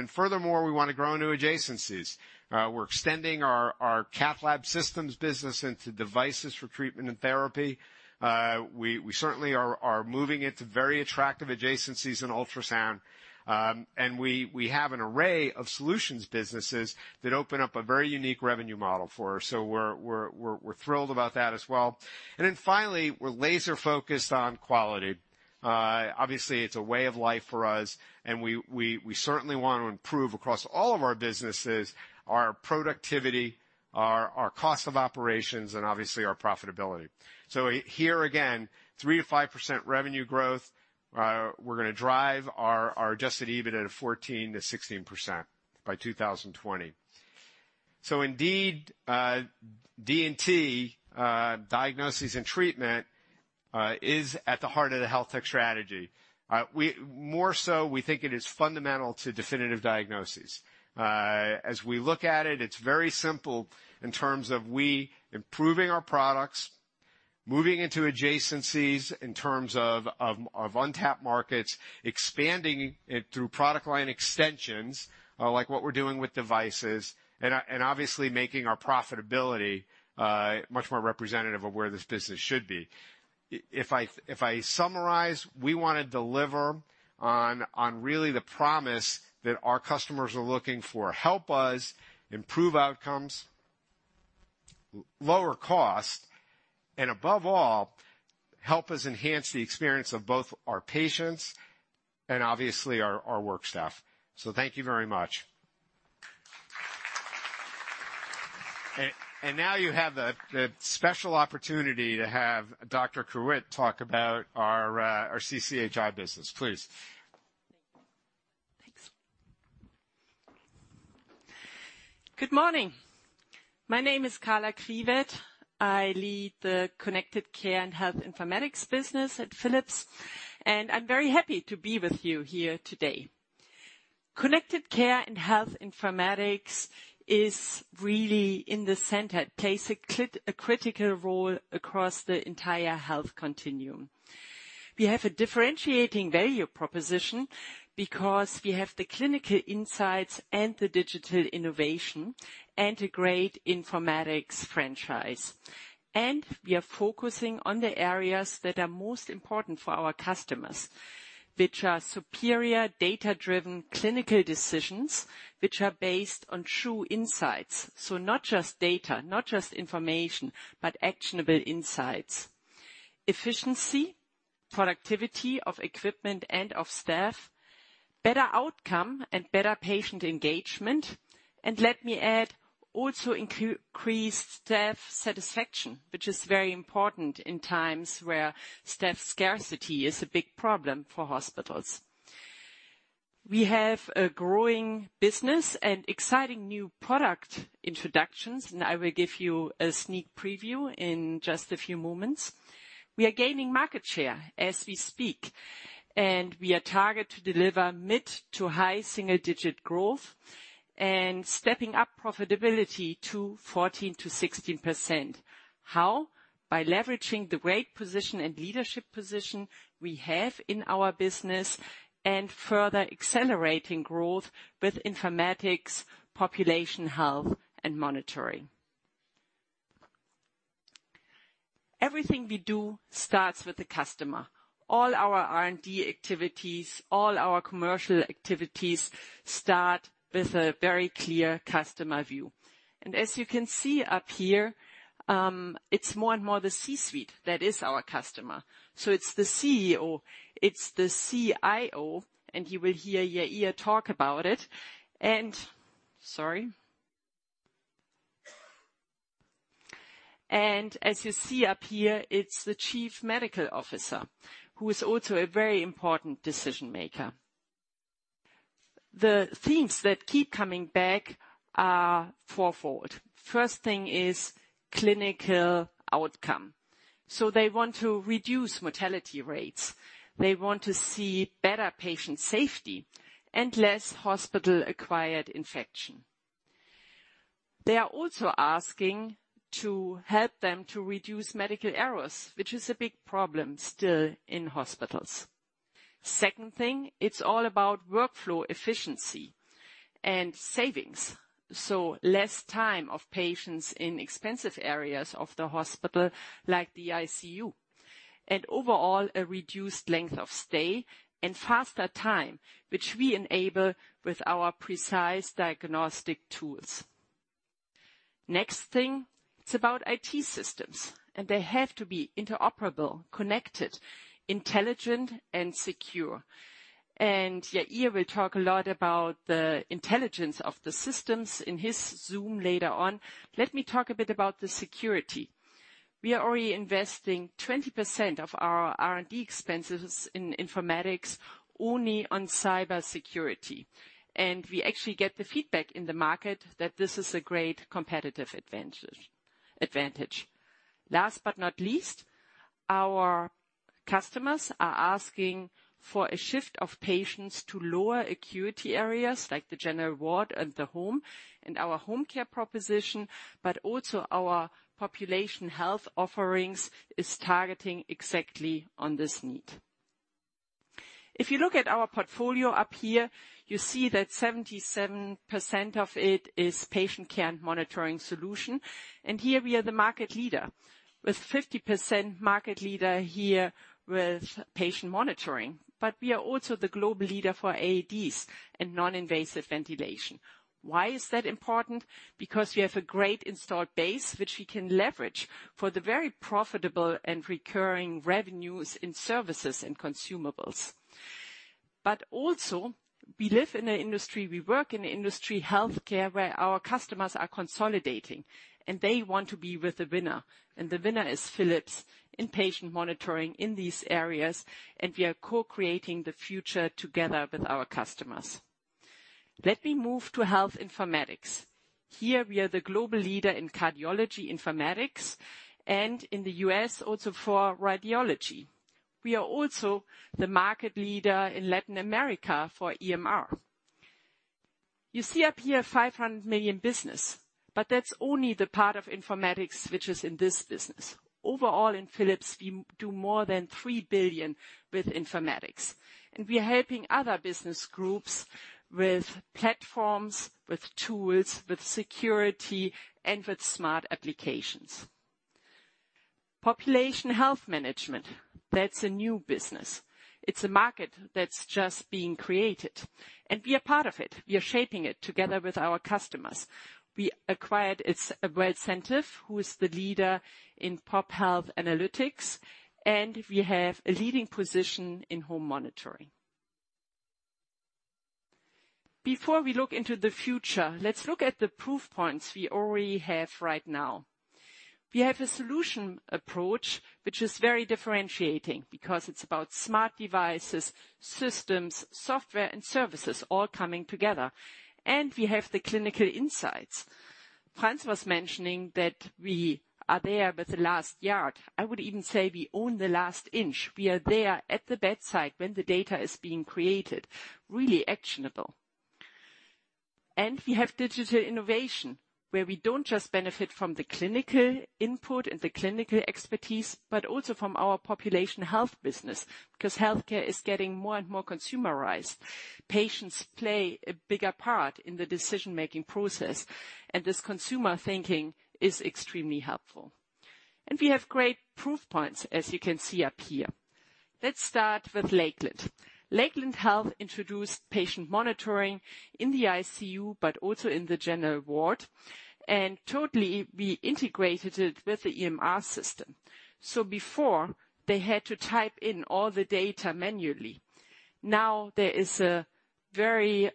Furthermore, we want to grow new adjacencies. We're extending our cath lab systems business into devices for treatment and therapy. We certainly are moving into very attractive adjacencies in ultrasound. We have an array of solutions businesses that open up a very unique revenue model for us. We're thrilled about that as well. Finally, we're laser-focused on quality. Obviously, it's a way of life for us, and we certainly want to improve, across all of our businesses, our productivity, our cost of operations, and obviously our profitability. Here again, 3%-5% revenue growth. We're going to drive our adjusted EBITDA to 14%-16% by 2020. Indeed, D&T, diagnoses and treatment, is at the heart of the health tech strategy. More so, we think it is fundamental to definitive diagnoses. As we look at it's very simple in terms of we improving our products, moving into adjacencies in terms of untapped markets, expanding it through product line extensions, like what we're doing with devices, and obviously making our profitability much more representative of where this business should be. If I summarize, we want to deliver on really the promise that our customers are looking for. Help us improve outcomes, lower cost, and above all, help us enhance the experience of both our patients and obviously our work staff. So thank you very much. Now you have the special opportunity to have Dr. Kriwet talk about our CCHI business. Please. Thank you. Thanks. Good morning. My name is Carla Kriwet. I lead the Connected Care & Health Informatics business at Philips, and I'm very happy to be with you here today. Connected Care & Health Informatics is really in the center. It plays a critical role across the entire health continuum. We have a differentiating value proposition because we have the clinical insights and the digital innovation and a great informatics franchise, and we are focusing on the areas that are most important for our customers. Superior data-driven clinical decisions which are based on true insights. So not just data, not just information, but actionable insights. Efficiency, productivity of equipment and of staff, better outcome, and better patient engagement. Let me add, also increased staff satisfaction, which is very important in times where staff scarcity is a big problem for hospitals. We have a growing business and exciting new product introductions, and I will give you a sneak preview in just a few moments. We are gaining market share as we speak, and we are target to deliver mid-to-high single-digit growth and stepping up profitability to 14%-16%. How? By leveraging the great position and leadership position we have in our business and further accelerating growth with informatics, Population Health, and monitoring. Everything we do starts with the customer. All our R&D activities, all our commercial activities start with a very clear customer view. As you can see up here, it's more and more the C-suite that is our customer. So it's the CEO, it's the CIO, and you will hear Yair talk about it. Sorry. As you see up here, it's the Chief Medical Officer who is also a very important decision-maker. The themes that keep coming back are fourfold. First thing is clinical outcome. They want to reduce mortality rates. They want to see better patient safety and less hospital-acquired infection. They are also asking to help them to reduce medical errors, which is a big problem still in hospitals. Second thing, it's all about workflow efficiency and savings. Less time of patients in expensive areas of the hospital, like the ICU. Overall, a reduced length of stay and faster time, which we enable with our precise diagnostic tools. Next thing, it's about IT systems, and they have to be interoperable, connected, intelligent, and secure. Yair will talk a lot about the intelligence of the systems in his Zoom later on. Let me talk a bit about the security. We are already investing 20% of our R&D expenses in informatics only on cybersecurity. We actually get the feedback in the market that this is a great competitive advantage. Last but not least, our customers are asking for a shift of patients to lower acuity areas like the general ward and the home and our home care proposition, but also our population health offerings is targeting exactly on this need. If you look at our portfolio up here, you see that 77% of it is patient care and monitoring solution. Here we are the market leader, with 50% market leader here with patient monitoring. We are also the global leader for AEDs and non-invasive ventilation. Why is that important? Because we have a great installed base which we can leverage for the very profitable and recurring revenues in services and consumables. We live in an industry, we work in an industry, healthcare, where our customers are consolidating, and they want to be with the winner. The winner is Philips in patient monitoring in these areas, and we are co-creating the future together with our customers. Let me move to health informatics. Here, we are the global leader in cardiology informatics and in the U.S. also for radiology. We are also the market leader in Latin America for EMR. You see up here 500 million business, but that's only the part of informatics which is in this business. Overall in Philips, we do more than 3 billion with informatics. We are helping other business groups with platforms, with tools, with security, and with smart applications. Population Health Management, that's a new business. It's a market that's just being created, and we are part of it. We are shaping it together with our customers. We acquired Wellcentive, who is the leader in pop health analytics, and we have a leading position in home monitoring. Before we look into the future, let's look at the proof points we already have right now. We have a solution approach which is very differentiating because it's about smart devices, systems, software, and services all coming together. We have the clinical insights. Frans was mentioning that we are there with the last yard. I would even say we own the last inch. We are there at the bedside when the data is being created, really actionable. We have digital innovation, where we don't just benefit from the clinical input and the clinical expertise, but also from our population health business, because healthcare is getting more and more consumerized. Patients play a bigger part in the decision-making process. This consumer thinking is extremely helpful. We have great proof points, as you can see up here. Let's start with Lakeland. Lakeland Health introduced patient monitoring in the ICU, but also in the general ward, and totally, we integrated it with the EMR system. Before, they had to type in all the data manually. Now there is a very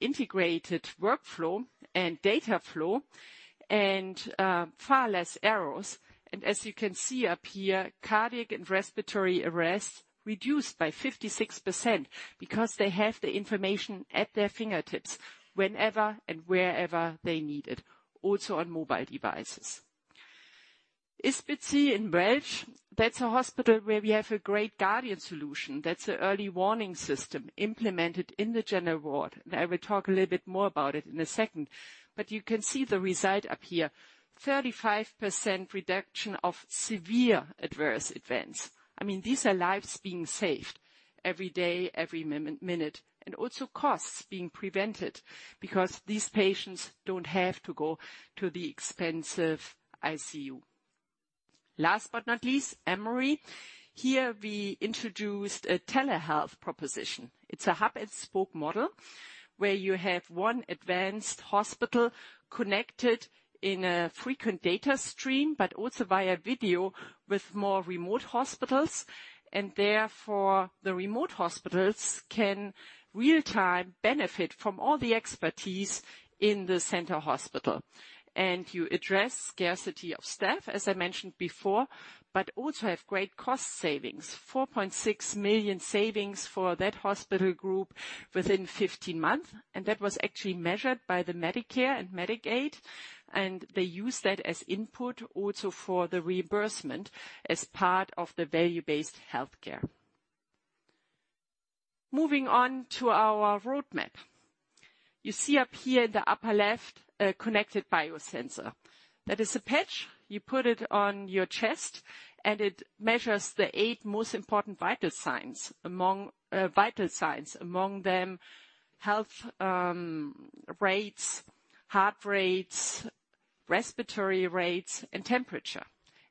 integrated workflow and data flow, and far less errors. As you can see up here, cardiac and respiratory arrest reduced by 56%, because they have the information at their fingertips whenever and wherever they need it, also on mobile devices. Ysbyty in Welsh, that's a hospital where we have a great IntelliVue Guardian Solution. That's a early warning system implemented in the general ward. I will talk a little bit more about it in a second, but you can see the result up here, 35% reduction of severe adverse events. These are lives being saved every day, every minute. Also costs being prevented, because these patients don't have to go to the expensive ICU. Last but not least, Emory. Here we introduced a telehealth proposition. It's a hub-and-spoke model where you have one advanced hospital connected in a frequent data stream, but also via video with more remote hospitals. Therefore the remote hospitals can real time benefit from all the expertise in the center hospital. You address scarcity of staff, as I mentioned before, but also have great cost savings, 4.6 million savings for that hospital group within 15 month. That was actually measured by the Medicare and Medicaid, and they used that as input also for the reimbursement as part of the value-based healthcare. Moving on to our roadmap. You see up here in the upper left, a connected biosensor. That is a patch. You put it on your chest, and it measures the eight most important vital signs. Among them, health rates, heart rates, respiratory rates, and temperature.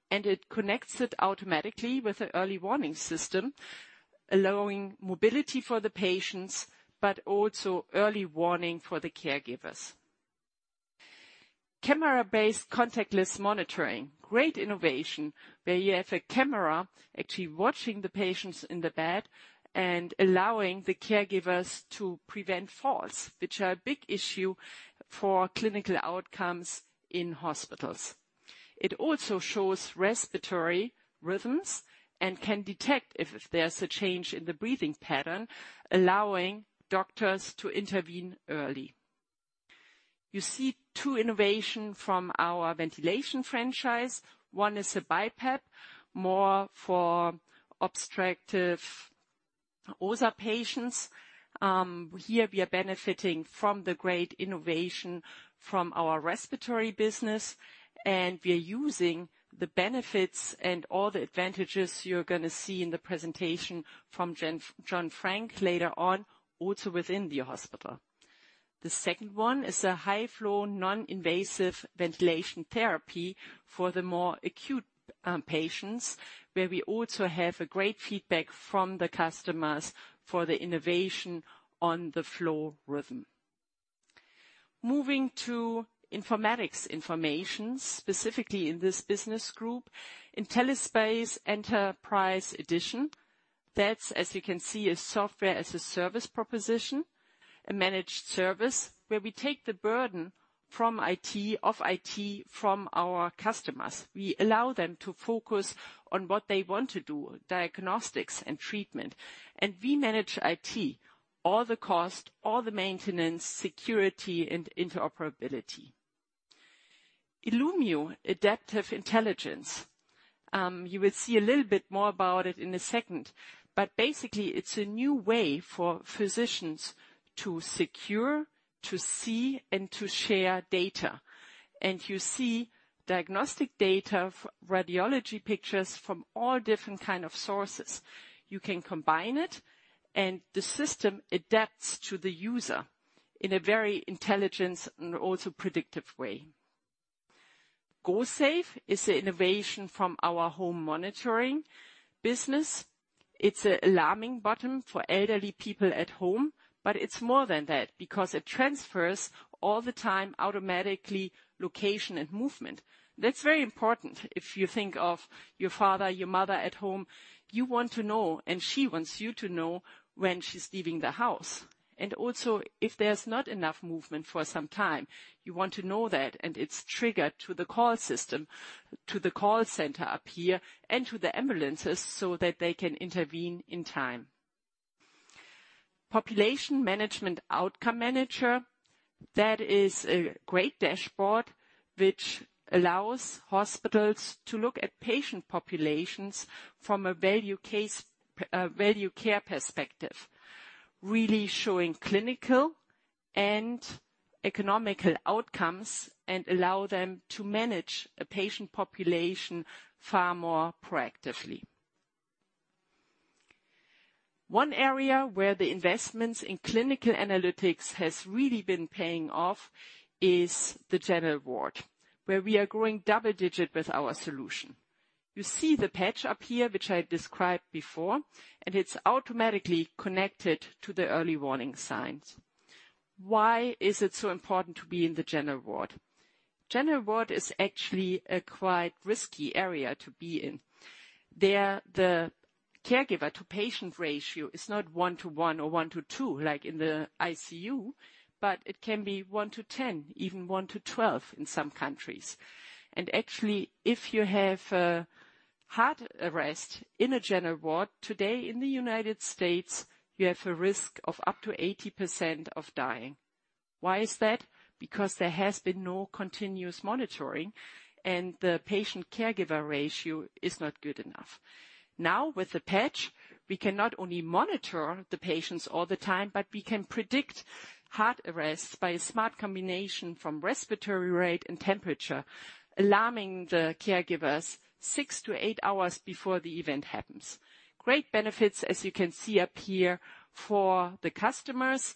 It connects it automatically with a early warning system, allowing mobility for the patients, but also early warning for the caregivers. Camera-based contactless monitoring. Great innovation, where you have a camera actually watching the patients in the bed and allowing the caregivers to prevent falls, which are a big issue for clinical outcomes in hospitals. It also shows respiratory rhythms and can detect if there's a change in the breathing pattern, allowing doctors to intervene early. You see two innovation from our ventilation franchise. One is a BiPAP, more for obstructive OSA patients. Here we are benefiting from the great innovation from our respiratory business, and we are using the benefits and all the advantages you're going to see in the presentation from John Frank later on, also within the hospital. The second one is a high-flow, non-invasive ventilation therapy for the more acute patients, where we also have a great feedback from the customers for the innovation on the flow rhythm. Moving to informatics information, specifically in this business group. IntelliSpace Enterprise Edition, that's, as you can see, a software as a service proposition, a managed service where we take the burden of IT from our customers. We allow them to focus on what they want to do, Diagnosis & Treatment. We manage IT, all the cost, all the maintenance, security, and interoperability. Illumeo Adaptive Intelligence. You will see a little bit more about it in a second. Basically, it's a new way for physicians to secure, to see, and to share data. You see diagnostic data, radiology pictures from all different kind of sources. You can combine it, and the system adapts to the user in a very intelligent and also predictive way. GoSafe is an innovation from our home monitoring business. It's a alarming button for elderly people at home, but it's more than that, because it transfers all the time automatically location and movement. That's very important if you think of your father, your mother at home, you want to know, and she wants you to know when she's leaving the house. Also, if there's not enough movement for some time, you want to know that, and it's triggered to the call system, to the call center up here, and to the ambulances, so that they can intervene in time. Population Management Outcome Manager, that is a great dashboard which allows hospitals to look at patient populations from a value care perspective, really showing clinical and economical outcomes, and allow them to manage a patient population far more proactively. One area where the investments in clinical analytics has really been paying off is the General Ward, where we are growing double-digit with our solution. You see the patch up here, which I described before, and it's automatically connected to the early warning signs. Why is it so important to be in the General Ward? General Ward is actually a quite risky area to be in. There, the caregiver to patient ratio is not 1 to 1 or 1 to 2, like in the ICU, but it can be 1 to 10, even 1 to 12 in some countries. Actually, if you have a heart arrest in a General Ward today in the U.S., you have a risk of up to 80% of dying. Why is that? Because there has been no continuous monitoring, and the patient caregiver ratio is not good enough. Now, with the patch, we can not only monitor the patients all the time, but we can predict heart arrests by a smart combination from respiratory rate and temperature, alarming the caregivers six to eight hours before the event happens. Great benefits, as you can see up here for the customers,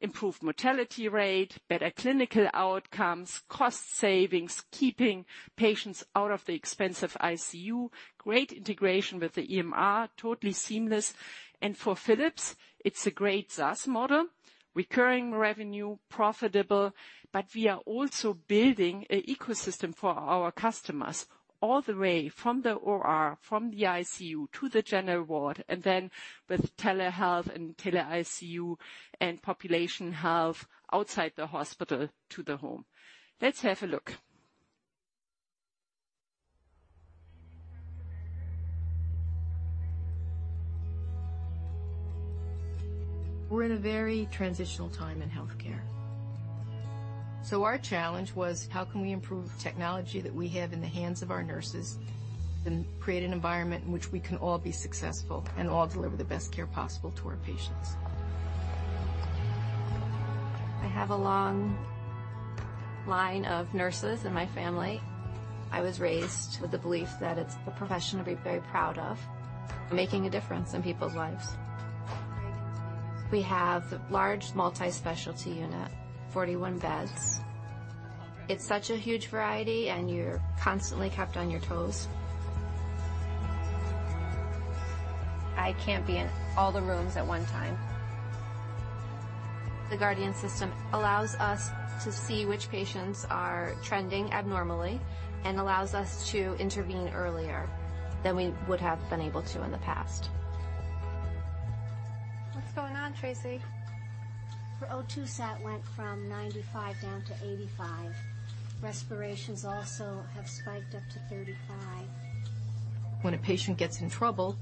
improved mortality rate, better clinical outcomes, cost savings, keeping patients out of the expensive ICU, great integration with the EMR, totally seamless. For Philips, it's a great SaaS model, recurring revenue, profitable. We are also building an ecosystem for our customers all the way from the OR, from the ICU, to the General Ward, and then with telehealth and tele-ICU and Population Health outside the hospital to the home. Let's have a look. We're in a very transitional time in healthcare. Our challenge was: how can we improve technology that we have in the hands of our nurses and create an environment in which we can all be successful and all deliver the best care possible to our patients. I have a long line of nurses in my family. I was raised with the belief that it's a profession to be very proud of, making a difference in people's lives. We have a large multi-specialty unit, 41 beds. It's such a huge variety. You're constantly kept on your toes. I can't be in all the rooms at one time. The Guardian System allows us to see which patients are trending abnormally and allows us to intervene earlier than we would have been able to in the past. What's going on, Tracy? Her O2 sat went from 95 down to 85. Respirations also have spiked up to 35. When a patient gets in trouble,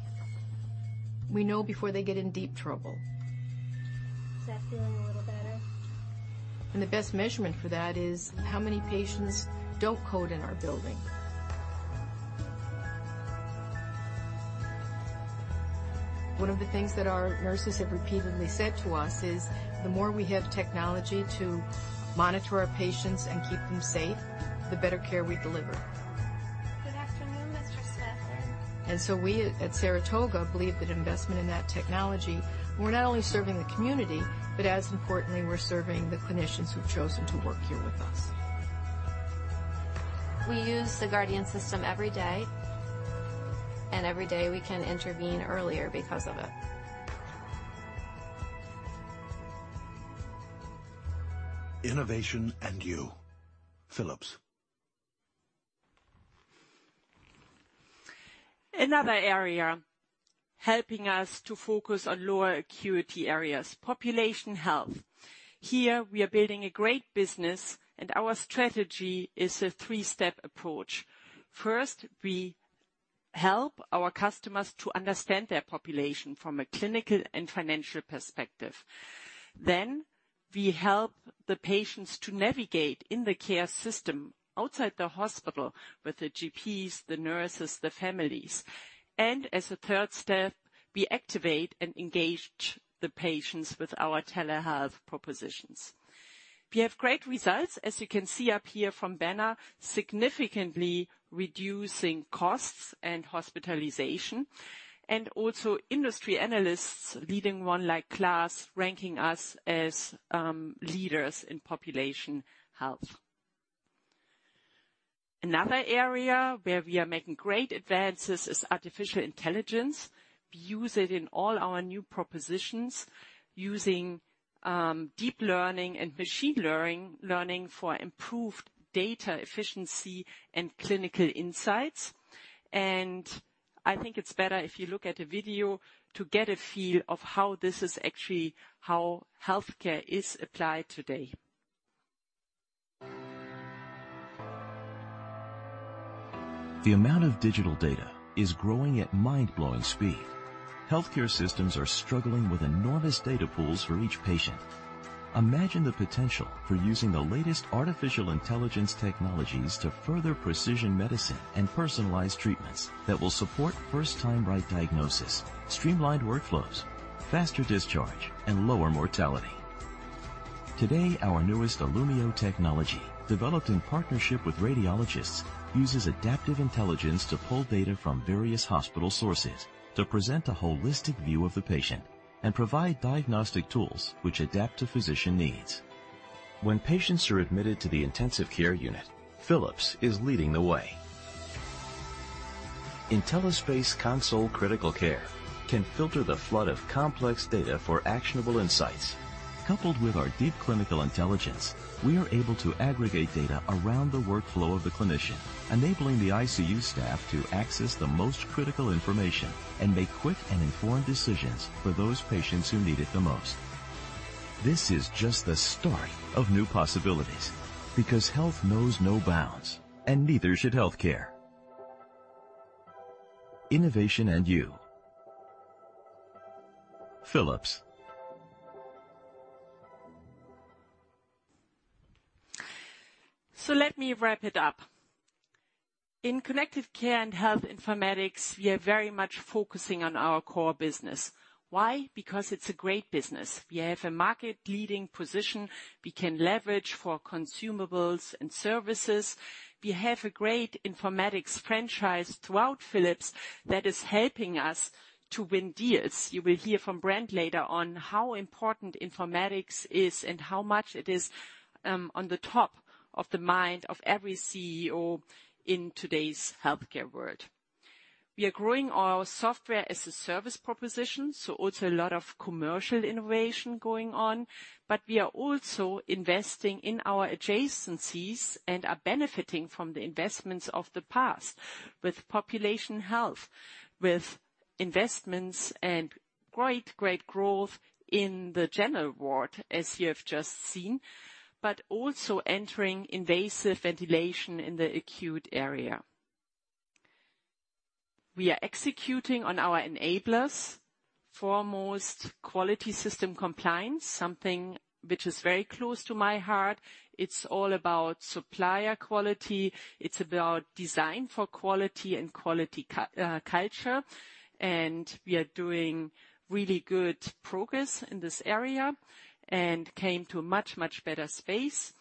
we know before they get in deep trouble. Is that feeling a little better? The best measurement for that is how many patients don't code in our building. One of the things that our nurses have repeatedly said to us is, "The more we have technology to monitor our patients and keep them safe, the better care we deliver. Good afternoon, Mr. Stafford. We at Saratoga believe that investment in that technology, we're not only serving the community, but as importantly, we're serving the clinicians who've chosen to work here with us. We use the Guardian System every day, and every day we can intervene earlier because of it. Innovation and you. Philips. Another area helping us to focus on lower acuity areas, population health. Here, we are building a great business. Our strategy is a three-step approach. First, we help our customers to understand their population from a clinical and financial perspective. Then we help the patients to navigate in the care system outside the hospital with the GPs, the nurses, the families. As a third step, we activate and engage the patients with our telehealth propositions. We have great results, as you can see up here from Banner, significantly reducing costs and hospitalization, and also industry analysts leading one like KLAS, ranking us as leaders in population health. Another area where we are making great advances is artificial intelligence. We use it in all our new propositions using deep learning and machine learning for improved data efficiency and clinical insights. I think it's better if you look at a video to get a feel of how this is actually how healthcare is applied today. The amount of digital data is growing at mind-blowing speed. Healthcare systems are struggling with enormous data pools for each patient. Imagine the potential for using the latest artificial intelligence technologies to further precision medicine and personalized treatments that will support first-time right diagnosis, streamlined workflows, faster discharge, and lower mortality. Today, our newest Illumeo technology, developed in partnership with radiologists, uses Adaptive Intelligence to pull data from various hospital sources to present a holistic view of the patient and provide diagnostic tools which adapt to physician needs. When patients are admitted to the intensive care unit, Philips is leading the way. IntelliSpace Console Critical Care can filter the flood of complex data for actionable insights. Coupled with our deep clinical intelligence, we are able to aggregate data around the workflow of the clinician, enabling the ICU staff to access the most critical information and make quick and informed decisions for those patients who need it the most. This is just the start of new possibilities because health knows no bounds, and neither should healthcare. Innovation and you. Philips. Let me wrap it up. In Connected Care & Health Informatics, we are very much focusing on our core business. Why? Because it's a great business. We have a market-leading position we can leverage for consumables and services. We have a great informatics franchise throughout Philips that is helping us to win deals. You will hear from Brent later on how important informatics is, and how much it is on the top of the mind of every CEO in today's healthcare world. We are growing our Software as a Service proposition, so also a lot of commercial innovation going on, but we are also investing in our adjacencies and are benefiting from the investments of the past with Population Health, with investments and great growth in the general ward, as you have just seen, but also entering invasive ventilation in the acute area. We are executing on our enablers. Foremost, quality system compliance, something which is very close to my heart. It's all about supplier quality. It's about design for quality and quality culture. We are doing really good progress in this area and came to a much better space.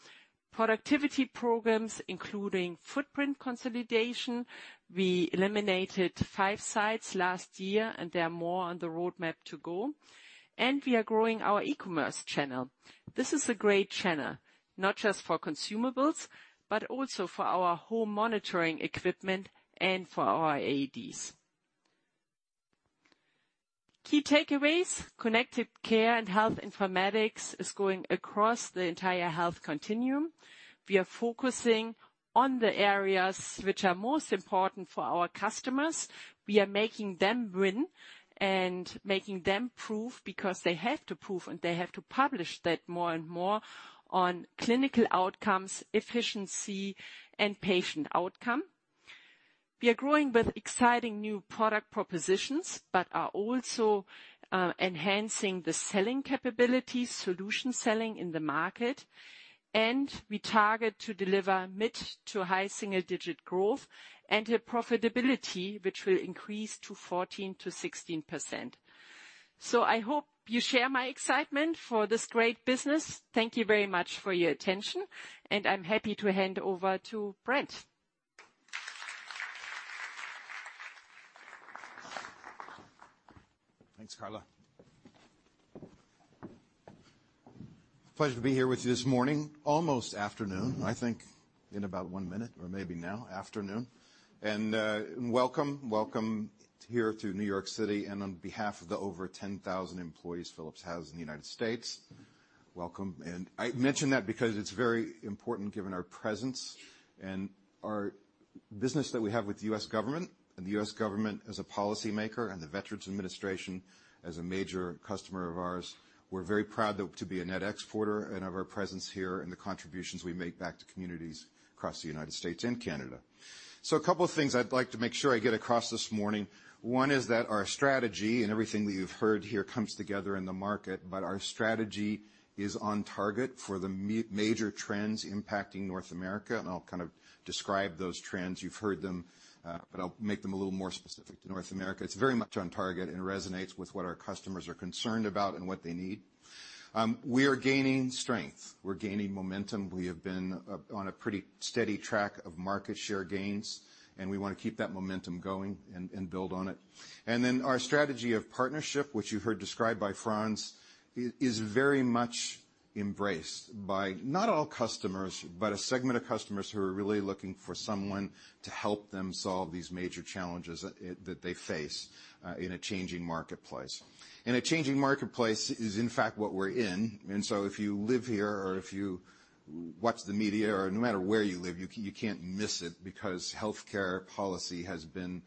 Productivity programs, including footprint consolidation. We eliminated five sites last year, and there are more on the roadmap to go. We are growing our e-commerce channel. This is a great channel, not just for consumables, but also for our home monitoring equipment and for our AEDs. Key takeaways. Connected Care & Health Informatics is going across the entire health continuum. We are focusing on the areas which are most important for our customers. We are making them win and making them prove, because they have to prove, and they have to publish that more and more on clinical outcomes, efficiency, and patient outcome. We are growing with exciting new product propositions but are also enhancing the selling capabilities, solution selling in the market. We target to deliver mid to high single-digit growth and a profitability which will increase to 14%-16%. I hope you share my excitement for this great business. Thank you very much for your attention, and I'm happy to hand over to Brent. Thanks, Carla. Pleasure to be here with you this morning, almost afternoon, I think in about one minute or maybe now, afternoon. And welcome here to New York City, and on behalf of the over 10,000 employees Philips has in the United States, welcome. And I mention that because it's very important given our presence and our business that we have with the U.S. government, and the U.S. government as a policymaker, and the Veterans Administration as a major customer of ours. We're very proud to be a net exporter and of our presence here and the contributions we make back to communities across the United States and Canada. So a couple of things I'd like to make sure I get across this morning. One is that our strategy and everything that you've heard here comes together in the market, but our strategy is on target for the major trends impacting North America, and I'll kind of describe those trends. You've heard them, but I'll make them a little more specific to North America. It's very much on target and resonates with what our customers are concerned about and what they need. We are gaining strength. We're gaining momentum. We have been on a pretty steady track of market share gains, and we want to keep that momentum going and build on it. And then our strategy of partnership, which you heard described by Frans, is very much embraced by not all customers, but a segment of customers who are really looking for someone to help them solve these major challenges that they face in a changing marketplace. A changing marketplace is in fact what we're in. And so if you live here or if you watch the media or no matter where you live, you can't miss it because healthcare policy has been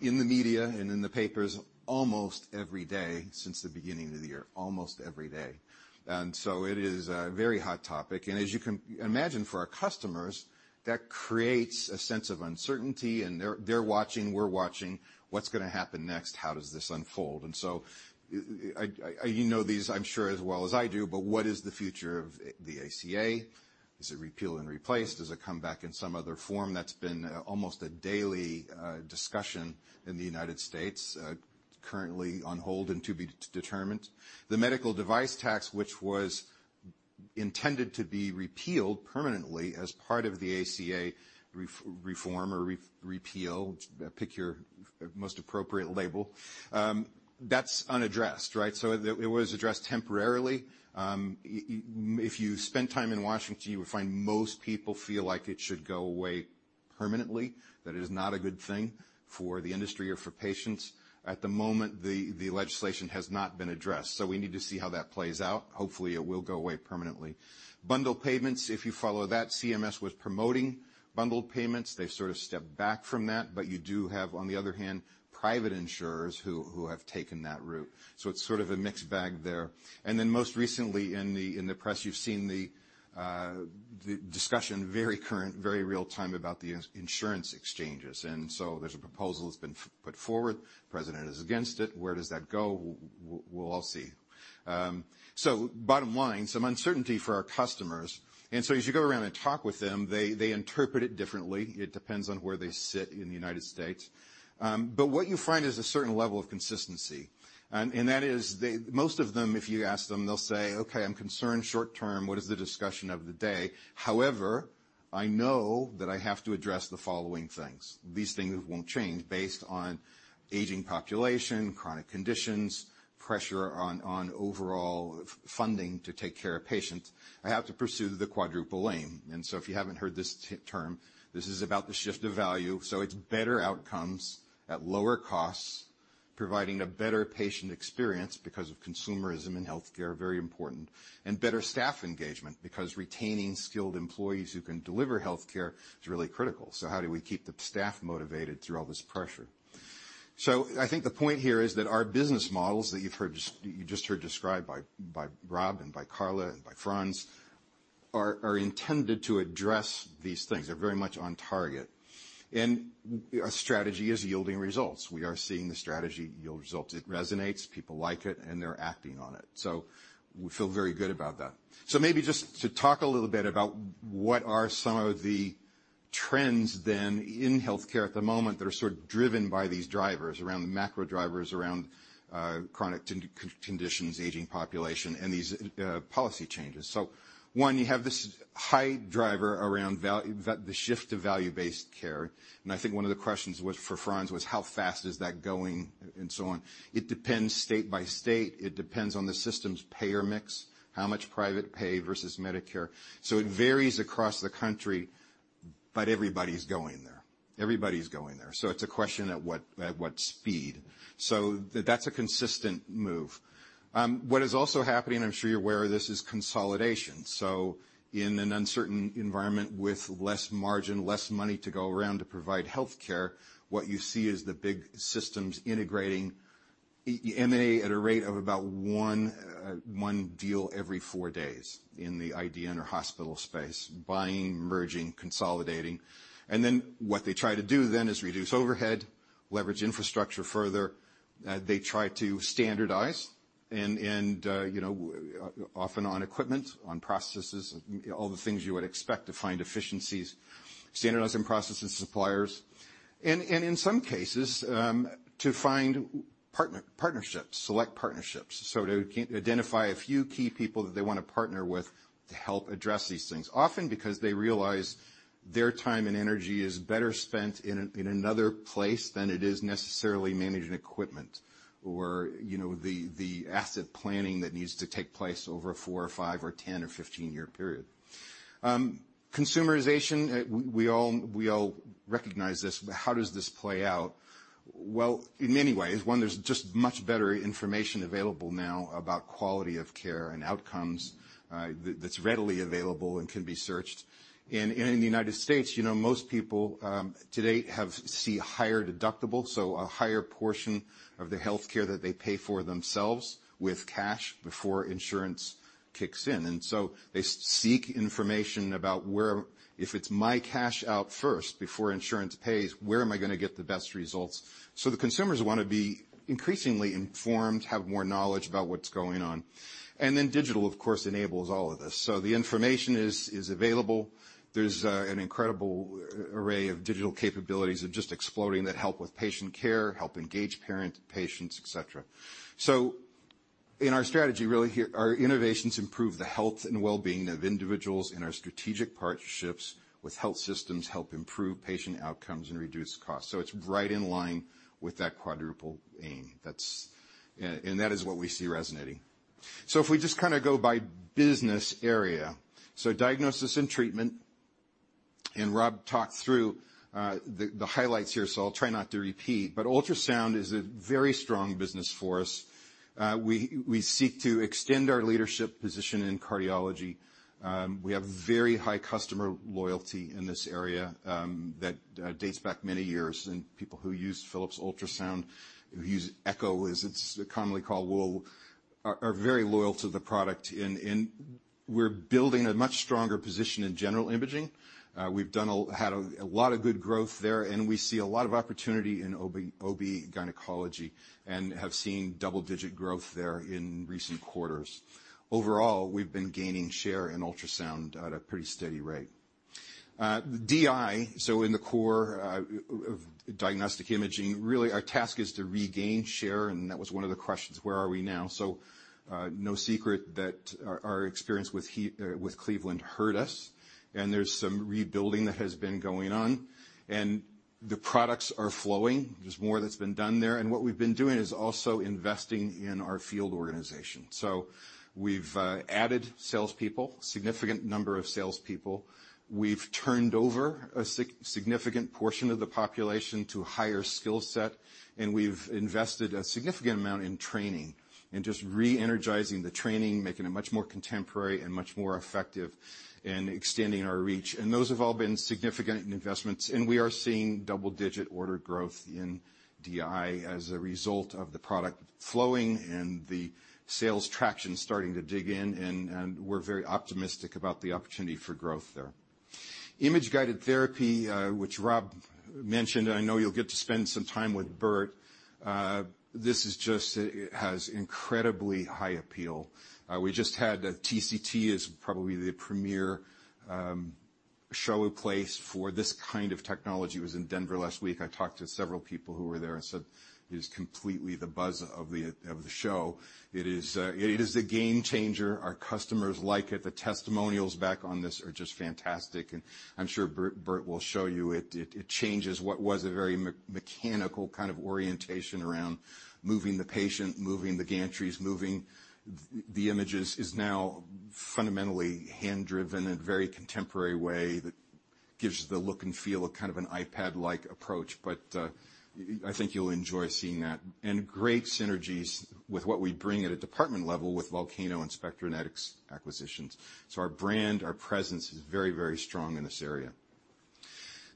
in the media and in the papers almost every day since the beginning of the year. Almost every day. And so it is a very hot topic. And as you can imagine, for our customers, that creates a sense of uncertainty, and they're watching, we're watching. What's going to happen next? How does this unfold? And so you know these, I'm sure, as well as I do, but what is the future of the ACA. Is it repeal and replaced? Does it come back in some other form? That's been almost a daily discussion in the United States. Currently on hold and to be determined. The medical device tax, which was intended to be repealed permanently as part of the ACA reform or repeal, pick your most appropriate label, that's unaddressed. So it was addressed temporarily. If you spend time in Washington, you would find most people feel like it should go away permanently, that it is not a good thing for the industry or for patients. At the moment, the legislation has not been addressed. So we need to see how that plays out. Hopefully, it will go away permanently. Bundle payments, if you follow that, CMS was promoting bundled payments. They've sort of stepped back from that. But you do have, on the other hand, private insurers who have taken that route. So it's sort of a mixed bag there. And then most recently in the press, you've seen the discussion, very current, very real time, about the insurance exchanges. There's a proposal that's been put forward. President is against it. Where does that go? We'll all see. Bottom line, some uncertainty for our customers. As you go around and talk with them, they interpret it differently. It depends on where they sit in the U.S. What you find is a certain level of consistency, and that is, most of them, if you ask them, they'll say, "Okay, I'm concerned short term, what is the discussion of the day? However, I know that I have to address the following things. These things won't change based on aging population, chronic conditions, pressure on overall funding to take care of patients. I have to pursue the quadruple aim." If you haven't heard this term, this is about the shift of value. It's better outcomes at lower costs, providing a better patient experience because of consumerism and health care, very important, and better staff engagement, because retaining skilled employees who can deliver health care is really critical. How do we keep the staff motivated through all this pressure? I think the point here is that our business models that you just heard described by Rob and by Carla and by Frans, are intended to address these things. They're very much on target, and our strategy is yielding results. We are seeing the strategy yield results. It resonates, people like it, and they're acting on it. We feel very good about that. Maybe just to talk a little bit about what are some of the trends, then, in health care at the moment that are sort of driven by these drivers around the macro drivers, around chronic conditions, aging population, and these policy changes. One, you have this high driver around the shift to value-based care, and I think one of the questions for Frans was how fast is that going, and so on. It depends state by state. It depends on the system's payer mix, how much private pay versus Medicare. It varies across the country, but everybody's going there. Everybody's going there. It's a question of at what speed. That's a consistent move. What is also happening, I'm sure you're aware of this, is consolidation. In an uncertain environment with less margin, less money to go around to provide health care, what you see is the big systems integrating M&A at a rate of about one deal every four days in the IDN or hospital space, buying, merging, consolidating. What they try to do then is reduce overhead, leverage infrastructure further. They try to standardize, often on equipment, on processes, all the things you would expect to find efficiencies, standardizing processes, suppliers. In some cases, to find partnerships, select partnerships. To identify a few key people that they want to partner with to help address these things, often because they realize their time and energy is better spent in another place than it is necessarily managing equipment or the asset planning that needs to take place over a four or five or 10 or 15-year period. Consumerization, we all recognize this. How does this play out? Well, in many ways. One, there's just much better information available now about quality of care and outcomes that's readily available and can be searched. In the U.S., most people today see higher deductibles, so a higher portion of their health care that they pay for themselves with cash before insurance kicks in. They seek information about where, if it's my cash out first before insurance pays, where am I going to get the best results? The consumers want to be increasingly informed, have more knowledge about what's going on. Digital, of course, enables all of this. The information is available. There's an incredible array of digital capabilities are just exploding that help with patient care, help engage patients, et cetera. In our strategy, really here, our innovations improve the health and well-being of individuals, and our strategic partnerships with health systems help improve patient outcomes and reduce cost. It's right in line with that quadruple aim. That is what we see resonating. If we just kind of go by business area. Diagnosis and treatment. Rob talked through the highlights here. I'll try not to repeat. Ultrasound is a very strong business for us. We seek to extend our leadership position in cardiology. We have very high customer loyalty in this area that dates back many years, and people who use Philips Ultrasound, who use Echo, as it's commonly called, are very loyal to the product. We're building a much stronger position in general imaging. We've had a lot of good growth there, and we see a lot of opportunity in OB gynecology and have seen double-digit growth there in recent quarters. Overall, we've been gaining share in ultrasound at a pretty steady rate. DI, in the core of diagnostic imaging, really our task is to regain share, and that was one of the questions, where are we now? No secret that our experience with Cleveland hurt us, and there's some rebuilding that has been going on, and the products are flowing. There's more that's been done there. What we've been doing is also investing in our field organization. We've added salespeople, a significant number of salespeople. We've turned over a significant portion of the population to a higher skill set, and we've invested a significant amount in training and just re-energizing the training, making it much more contemporary and much more effective in extending our reach. Those have all been significant investments. We are seeing double-digit order growth in DI as a result of the product flowing and the sales traction starting to dig in, and we're very optimistic about the opportunity for growth there. Image-guided therapy, which Rob mentioned, I know you'll get to spend some time with Bert. This just has incredibly high appeal. We just had. TCT is probably the premier show or place for this kind of technology. It was in Denver last week. I talked to several people who were there and said it is completely the buzz of the show. It is a game changer. Our customers like it. The testimonials back on this are just fantastic, and I'm sure Bert will show you, it changes what was a very mechanical kind of orientation around moving the patient, moving the gantries, moving the images, is now fundamentally hand-driven in a very contemporary way that gives the look and feel of kind of an iPad-like approach. I think you'll enjoy seeing that. Great synergies with what we bring at a department level with Volcano and Spectranetics acquisitions. Our brand, our presence is very strong in this area.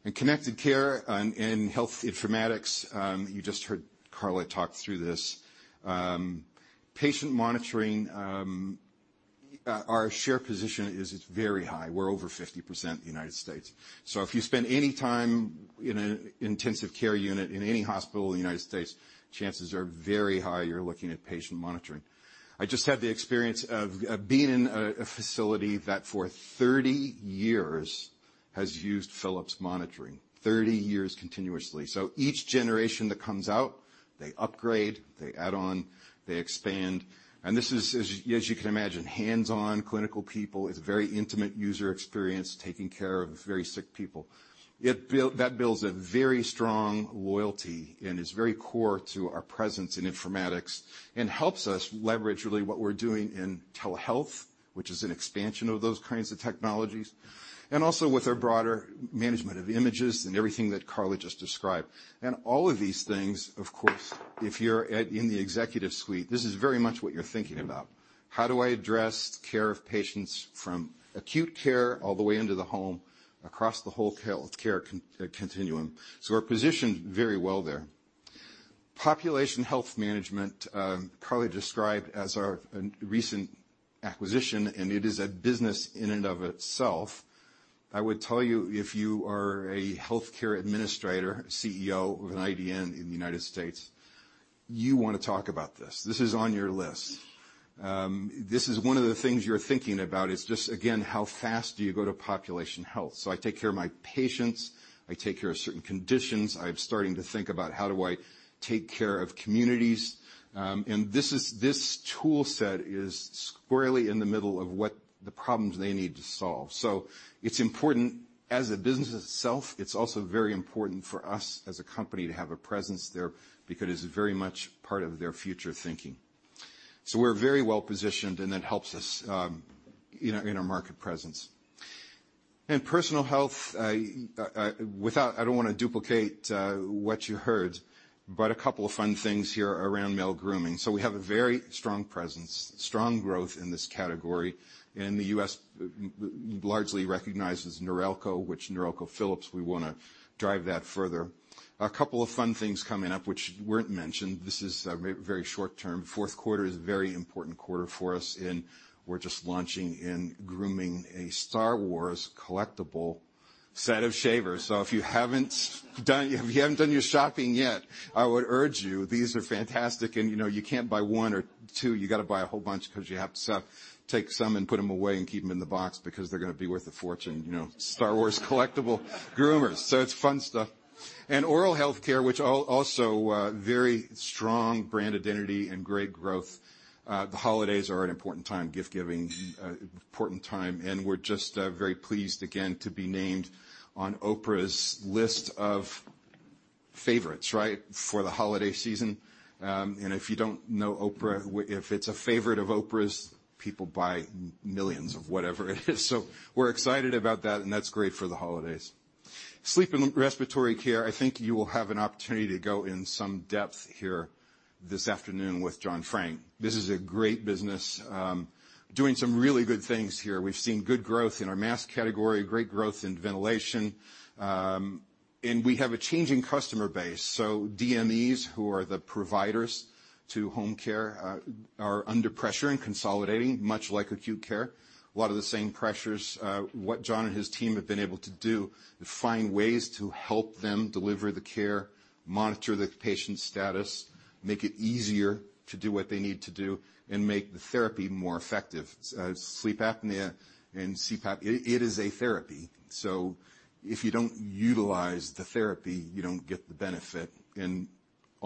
In connected care and health informatics, you just heard Carla talk through this. Patient monitoring, our share position is very high. We're over 50% in the U.S. If you spend any time in an intensive care unit in any hospital in the U.S., chances are very high you're looking at patient monitoring. I just had the experience of being in a facility that for 30 years has used Philips monitoring, 30 years continuously. Each generation that comes out, they upgrade, they add on, they expand. This is, as you can imagine, hands-on clinical people. It's a very intimate user experience, taking care of very sick people. That builds a very strong loyalty and is very core to our presence in informatics and helps us leverage really what we're doing in telehealth, which is an expansion of those kinds of technologies. Also with our broader management of images and everything that Carla just described. All of these things, of course, if you're in the executive suite, this is very much what you're thinking about. How do I address care of patients from acute care all the way into the home, across the whole healthcare continuum? We're positioned very well there. Population Health Management, Carla described as our recent acquisition, and it is a business in and of itself. I would tell you, if you are a healthcare administrator, CEO of an IDN in the U.S., you want to talk about this. This is on your list. This is one of the things you're thinking about, is just, again, how fast do you go to Population Health Management? I take care of my patients, I take care of certain conditions. I'm starting to think about how do I take care of communities. This tool set is squarely in the middle of what the problems they need to solve. It's important as a business itself. It's also very important for us as a company to have a presence there because it is very much part of their future thinking. We're very well-positioned, and that helps us in our market presence. In personal health, I don't want to duplicate what you heard, a couple of fun things here around male grooming. We have a very strong presence, strong growth in this category, the U.S. largely recognizes Norelco, which Philips Norelco, we want to drive that further. A couple of fun things coming up which weren't mentioned, this is very short term. fourth quarter is a very important quarter for us, and we're just launching in grooming a Star Wars collectible set of shavers. If you haven't done your shopping yet, I would urge you, these are fantastic, and you can't buy one or two. You have to buy a whole bunch because you have to take some and put them away and keep them in the box because they're going to be worth a fortune, Star Wars collectible groomers. It's fun stuff. Oral health care, which also, very strong brand identity and great growth. The holidays are an important time, gift-giving, important time, we're just very pleased again to be named on Oprah's list of favorites, right, for the holiday season. If you don't know Oprah, if it's a favorite of Oprah's, people buy millions of whatever it is. We're excited about that, and that's great for the holidays. Sleep and respiratory care, I think you will have an opportunity to go in some depth here this afternoon with John Frank. This is a great business, doing some really good things here. We've seen good growth in our mask category, great growth in ventilation. We have a changing customer base. DMEs, who are the providers to home care, are under pressure and consolidating, much like acute care. A lot of the same pressures. What John and his team have been able to do Find ways to help them deliver the care, monitor the patient's status, make it easier to do what they need to do, and make the therapy more effective. Sleep apnea and CPAP, it is a therapy. If you don't utilize the therapy, you don't get the benefit.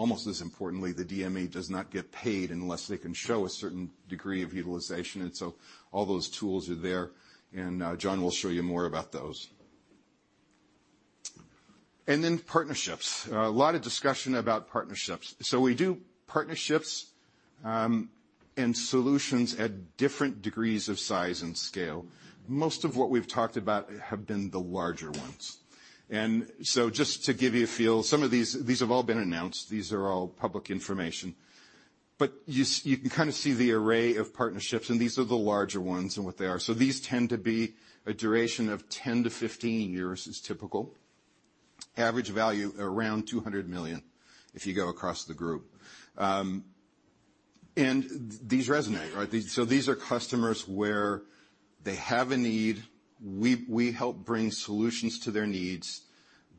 Almost as importantly, the DME does not get paid unless they can show a certain degree of utilization. All those tools are there, and John will show you more about those. Partnerships, a lot of discussion about partnerships. We do partnerships, and solutions at different degrees of size and scale. Most of what we've talked about have been the larger ones. Just to give you a feel, some of these have all been announced. These are all public information. You can kind of see the array of partnerships, and these are the larger ones and what they are. These tend to be a duration of 10 to 15 years is typical. Average value around 200 million, if you go across the group. These resonate, right? These are customers where they have a need. We help bring solutions to their needs.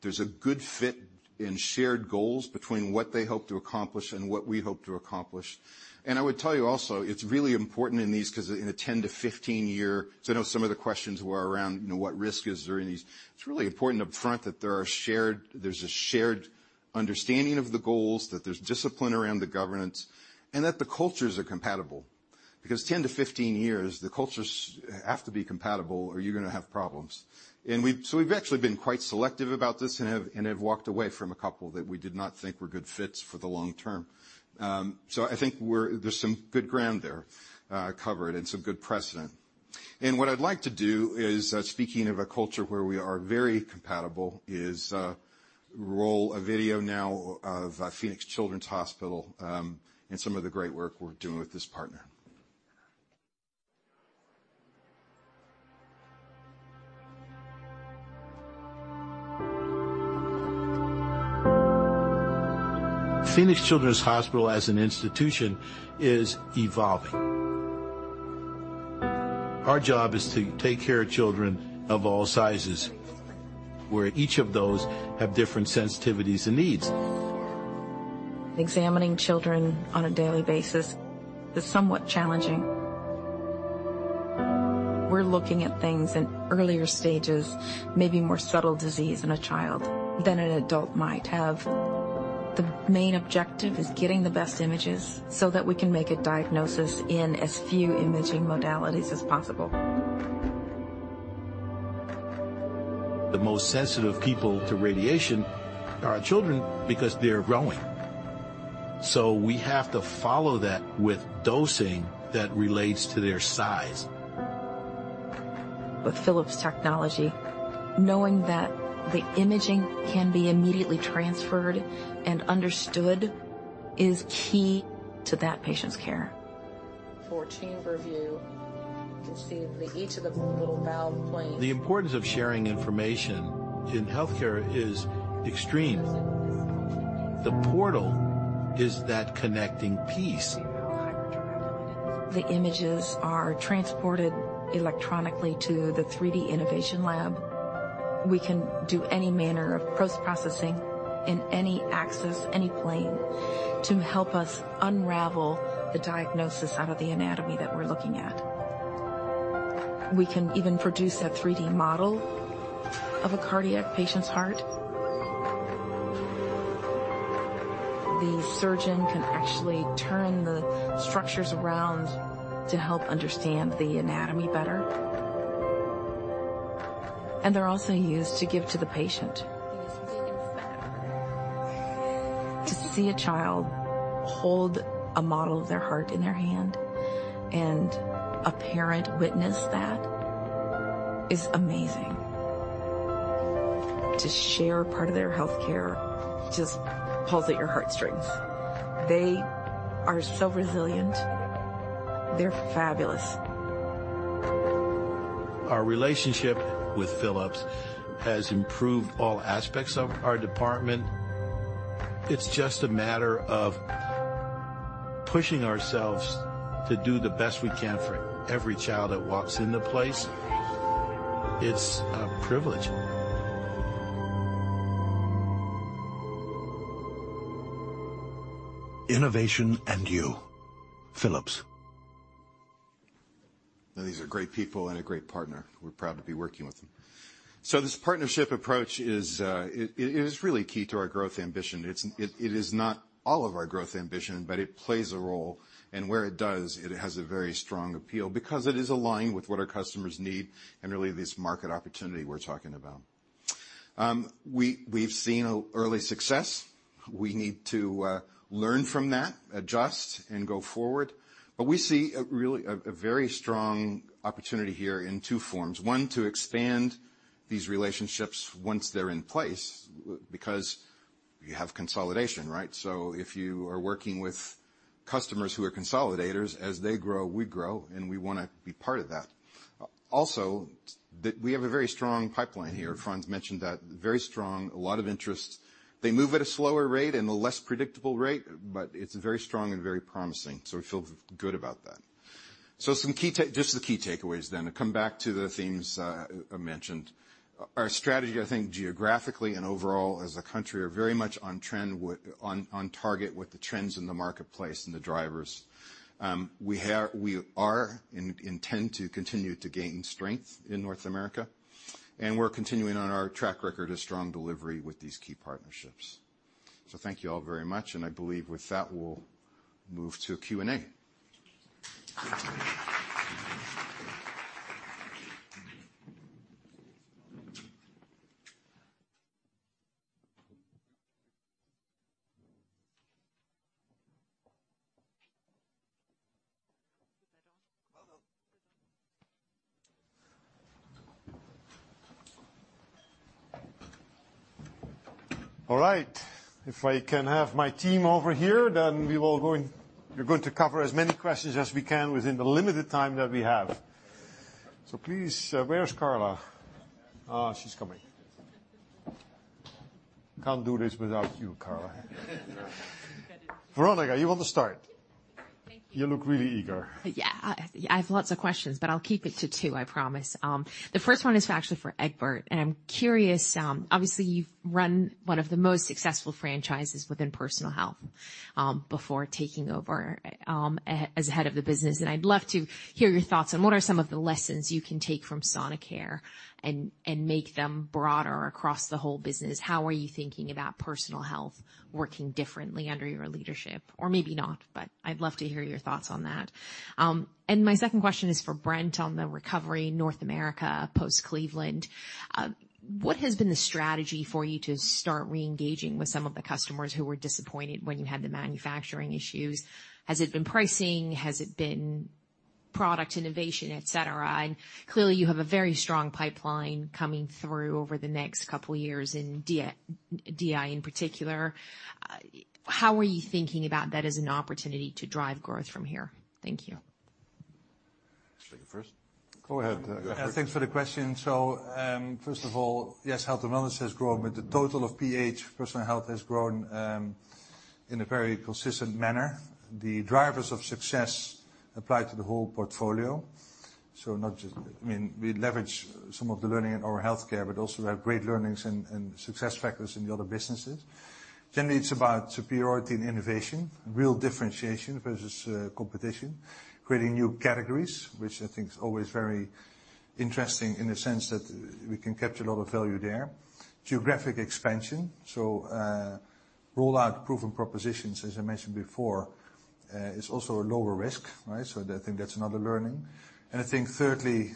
There's a good fit in shared goals between what they hope to accomplish and what we hope to accomplish. I would tell you also, it's really important in these because in a 10 to 15 year, so I know some of the questions were around what risk is there in these. It's really important upfront that there's a shared understanding of the goals, that there's discipline around the governance, and that the cultures are compatible. Because 10 to 15 years, the cultures have to be compatible, or you're going to have problems. We've actually been quite selective about this and have walked away from a couple that we did not think were good fits for the long term. I think there's some good ground there covered and some good precedent. What I'd like to do is, speaking of a culture where we are very compatible, is roll a video now of Phoenix Children's Hospital, and some of the great work we're doing with this partner. Phoenix Children's Hospital as an institution is evolving. Our job is to take care of children of all sizes, where each of those have different sensitivities and needs. Examining children on a daily basis is somewhat challenging. We're looking at things in earlier stages, maybe more subtle disease in a child than an adult might have. The main objective is getting the best images so that we can make a diagnosis in as few imaging modalities as possible. The most sensitive people to radiation are children because they're growing. We have to follow that with dosing that relates to their size. With Philips technology, knowing that the imaging can be immediately transferred and understood is key to that patient's care. Four-chamber view, you can see each of the little valve planes. The importance of sharing information in healthcare is extreme. The portal is that connecting piece. The images are transported electronically to the 3D Innovation Lab. We can do any manner of post-processing in any axis, any plane, to help us unravel the diagnosis out of the anatomy that we're looking at. We can even produce a 3D model of a cardiac patient's heart. The surgeon can actually turn the structures around to help understand the anatomy better. They're also used to give to the patient. To see a child hold a model of their heart in their hand, and a parent witness that, is amazing. To share part of their healthcare just pulls at your heartstrings. They are so resilient. They're fabulous. Our relationship with Philips has improved all aspects of our department. It's just a matter of pushing ourselves to do the best we can for every child that walks in the place. It's a privilege. Innovation and you. Philips. These are great people and a great partner. We're proud to be working with them. This partnership approach is really key to our growth ambition. It is not all of our growth ambition, but it plays a role, and where it does, it has a very strong appeal because it is aligned with what our customers need and really this market opportunity we're talking about. We've seen early success. We need to learn from that, adjust, and go forward. We see a very strong opportunity here in two forms. One, to expand these relationships once they're in place, because you have consolidation, right? If you are working with customers who are consolidators, as they grow, we grow, and we want to be part of that. Also, we have a very strong pipeline here. Frans mentioned that. Very strong, a lot of interest. They move at a slower rate and a less predictable rate, but it's very strong and very promising, we feel good about that. Just the key takeaways then, and come back to the themes I mentioned. Our strategy, I think geographically and overall as a country, are very much on target with the trends in the marketplace and the drivers. We are, and intend to continue to gain strength in North America, and we're continuing on our track record of strong delivery with these key partnerships. Thank you all very much, and I believe with that, we'll move to Q&A. All right. If I can have my team over here, we're going to cover as many questions as we can within the limited time that we have. Please, where's Carla? She's coming. Can't do this without you, Carla. Veronika, you want to start? Thank you. You look really eager. Yeah. I have lots of questions. I'll keep it to two, I promise. The first one is actually for Egbert. I'm curious, obviously, you've run one of the most successful franchises within Personal Health before taking over as head of the business, and I'd love to hear your thoughts on what are some of the lessons you can take from Sonicare and make them broader across the whole business. How are you thinking about Personal Health working differently under your leadership? Maybe not. I'd love to hear your thoughts on that. My second question is for Brent on the recovery in North America, post Cleveland. What has been the strategy for you to start reengaging with some of the customers who were disappointed when you had the manufacturing issues? Has it been pricing? Has it been product innovation, et cetera? Clearly, you have a very strong pipeline coming through over the next couple of years in DI in particular. How are you thinking about that as an opportunity to drive growth from here? Thank you. Should I go first? Go ahead, Egbert. Thanks for the question. First of all, yes, health and wellness has grown, but the total of PH, Personal Health, has grown in a very consistent manner. The drivers of success apply to the whole portfolio. I mean, we leverage some of the learning in our healthcare, but also we have great learnings and success factors in the other businesses. Generally, it's about superiority and innovation, real differentiation versus competition, creating new categories, which I think is always very interesting in the sense that we can capture a lot of value there. Geographic expansion. Roll out proven propositions, as I mentioned before, is also a lower risk, so I think that's another learning. I think thirdly,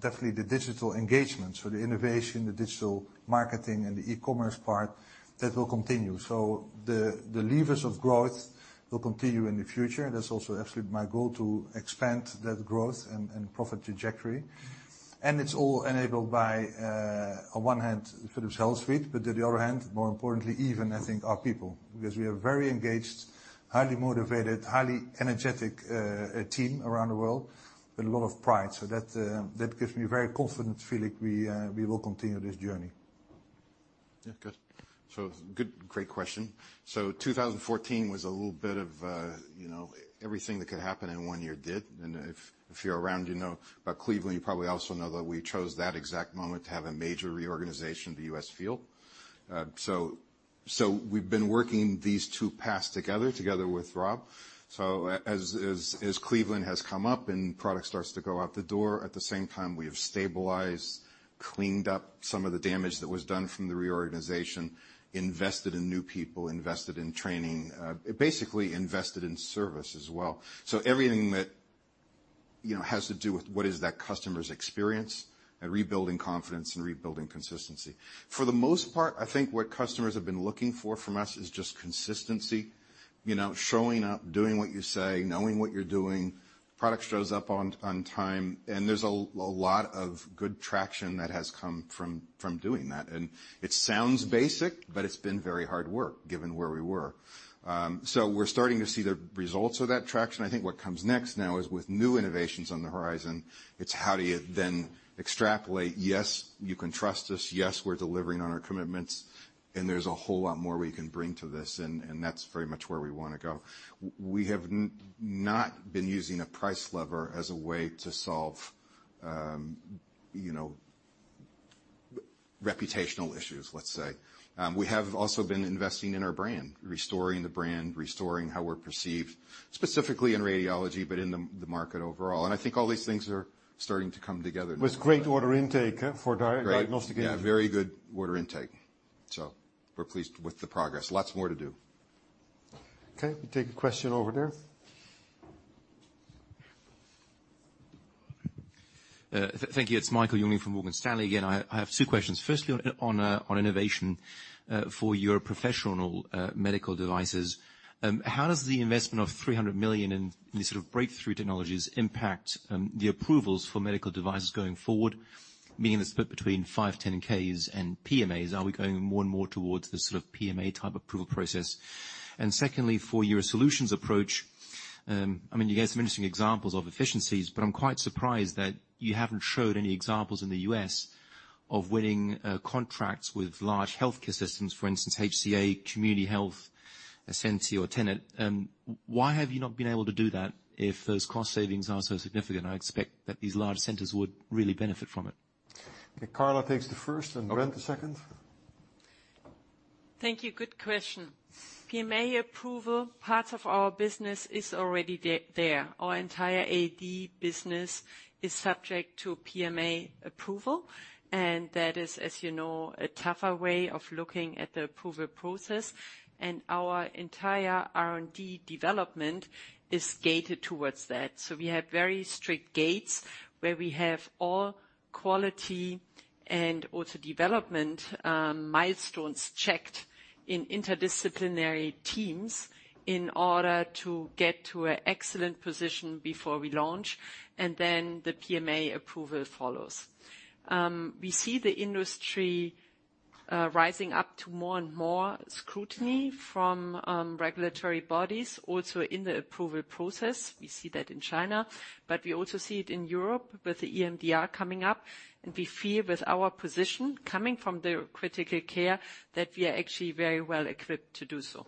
definitely the digital engagement, so the innovation, the digital marketing and the e-commerce part, that will continue. The levers of growth will continue in the future, and that's also absolutely my goal to expand that growth and profit trajectory. It's all enabled by, on one hand, Philips HealthSuite, but on the other hand, more importantly even, I think, our people, because we have very engaged, highly motivated, highly energetic team around the world with a lot of pride. That gives me a very confident feeling we will continue this journey. Yeah, good. Great question. 2014 was a little bit of everything that could happen in one year did, and if you're around, you know about Cleveland, you probably also know that we chose that exact moment to have a major reorganization of the U.S. field. We've been working these two paths together with Rob. As Cleveland has come up and product starts to go out the door, at the same time, we have stabilized, cleaned up some of the damage that was done from the reorganization, invested in new people, invested in training, basically invested in service as well. Everything that has to do with what is that customer's experience and rebuilding confidence and rebuilding consistency. For the most part, I think what customers have been looking for from us is just consistency. Showing up, doing what you say, knowing what you're doing, product shows up on time, and there's a lot of good traction that has come from doing that, and it sounds basic, but it's been very hard work given where we were. We're starting to see the results of that traction. I think what comes next now is with new innovations on the horizon, it's how do you then extrapolate, yes, you can trust us, yes, we're delivering on our commitments, and there's a whole lot more we can bring to this, and that's very much where we want to go. We have not been using a price lever as a way to solve reputational issues, let's say. We have also been investing in our brand, restoring the brand, restoring how we're perceived, specifically in radiology, but in the market overall. I think all these things are starting to come together now. With great order intake for diagnostic imaging. Yeah, very good order intake. We're pleased with the progress. Lots more to do. Okay, we take a question over there. Thank you. It is Michael Jüngling from Morgan Stanley again. I have two questions. Firstly, on innovation for your professional medical devices. How does the investment of 300 million in these sort of breakthrough technologies impact the approvals for medical devices going forward, meaning the split between 510(k)s and PMAs? Are we going more and more towards the sort of PMA-type approval process? Secondly, for your solutions approach, you gave some interesting examples of efficiencies, but I am quite surprised that you haven't showed any examples in the U.S. of winning contracts with large healthcare systems, for instance, HCA, Community Health, Ascension, or Tenet. Why have you not been able to do that if those cost savings are so significant? I expect that these large centers would really benefit from it. Carla takes the first and Brent the second. Thank you. Good question. PMA approval, parts of our business is already there. Our entire AED business is subject to PMA approval, and that is, as you know, a tougher way of looking at the approval process. Our entire R&D development is gated towards that. We have very strict gates where we have all quality and also development, milestones checked in interdisciplinary teams in order to get to an excellent position before we launch, and then the PMA approval follows. We see the industry rising up to more and more scrutiny from regulatory bodies also in the approval process. We see that in China, but we also see it in Europe with the EU MDR coming up. We feel with our position, coming from the critical care, that we are actually very well equipped to do so.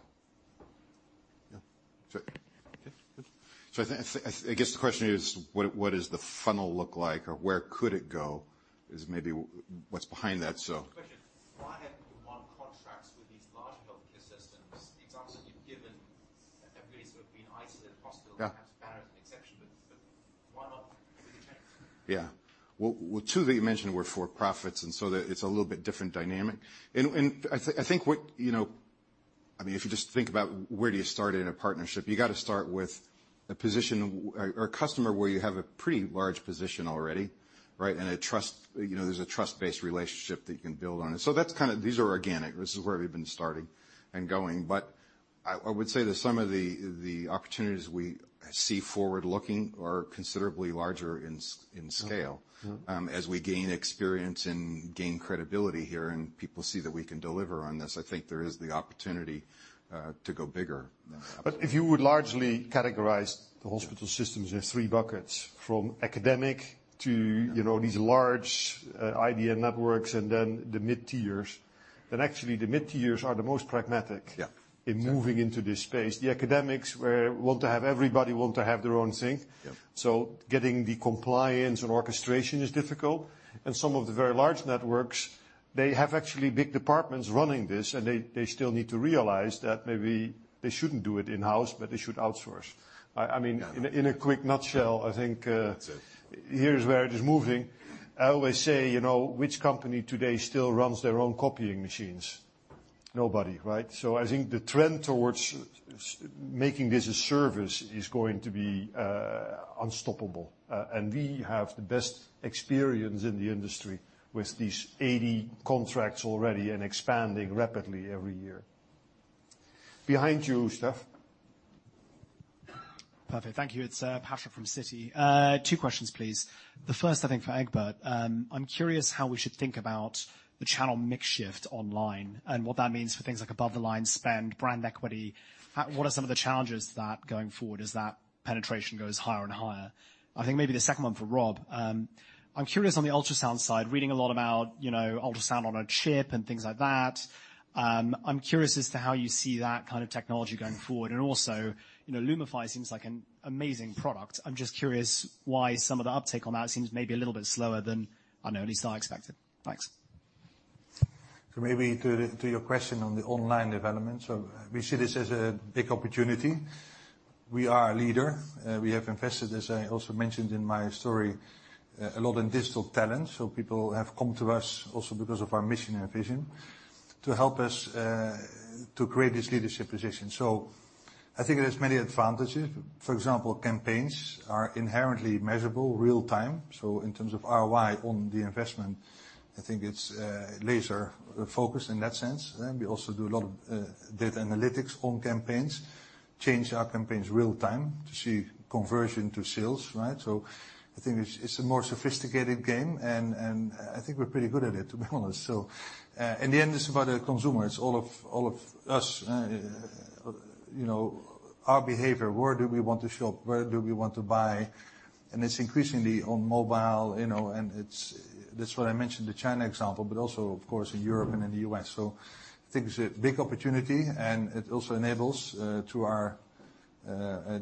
Yeah. Good. I guess the question is, what does the funnel look like or where could it go? Is maybe what's behind that. Question. Why haven't you won contracts with these large healthcare systems? The examples that you've given have really sort of been isolated. Hospital, perhaps Barrow as an exception, but why not? Yeah. Well, two that you mentioned were for-profits, and so that it's a little bit different dynamic. I think if you just think about where do you start in a partnership, you got to start with a position or a customer where you have a pretty large position already, right? There's a trust-based relationship that you can build on. These are organic. This is where we've been starting and going. I would say that some of the opportunities we see forward-looking are considerably larger in scale. As we gain experience and gain credibility here and people see that we can deliver on this, I think there is the opportunity to go bigger. If you would largely categorize the hospital systems in three buckets, from academic to these large IDN networks, and then the mid-tiers. Actually, the mid-tiers are the most pragmatic Yeah in moving into this space. The academics want to have everybody, want to have their own thing. Yeah. Getting the compliance and orchestration is difficult. Some of the very large networks, they have actually big departments running this, and they still need to realize that maybe they shouldn't do it in-house, but they should outsource. In a quick nutshell, I think. That's it Here's where it is moving. I always say, which company today still runs their own copying machines? Nobody, right? I think the trend towards making this a service is going to be unstoppable. We have the best experience in the industry with these 80 contracts already and expanding rapidly every year. Behind you, Stef. Perfect, thank you. It's Patrick from Citi. Two questions, please. The first, I think, for Egbert. I'm curious how we should think about the channel mix shift online and what that means for things like above-the-line spend, brand equity. What are some of the challenges that going forward as that penetration goes higher and higher? I think maybe the second one for Rob. I'm curious on the ultrasound side, reading a lot about ultrasound on a chip and things like that. I'm curious as to how you see that kind of technology going forward. Also, Lumify seems like an amazing product. I'm just curious why some of the uptake on that seems maybe a little bit slower than, I know, at least I expected. Thanks. Maybe to your question on the online development. We see this as a big opportunity. We are a leader. We have invested, as I also mentioned in my story, a lot in digital talent. People have come to us also because of our mission and vision to help us to create this leadership position. I think it has many advantages. For example, campaigns are inherently measurable real-time. In terms of ROI on the investment, I think it's laser-focused in that sense. We also do a lot of data analytics on campaigns, change our campaigns real time to see conversion to sales, right? I think it's a more sophisticated game, and I think we're pretty good at it, to be honest. In the end, it's about the consumer. It's all of us. Our behavior, where do we want to shop? Where do we want to buy? It's increasingly on mobile, and that's why I mentioned the China example, but also, of course, in Europe and in the U.S. I think it's a big opportunity, and it also enables, through our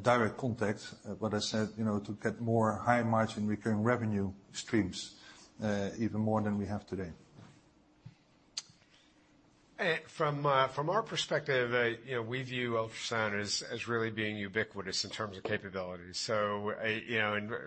direct contacts, what I said, to get more high margin recurring revenue streams, even more than we have today. From our perspective, we view ultrasound as really being ubiquitous in terms of capabilities.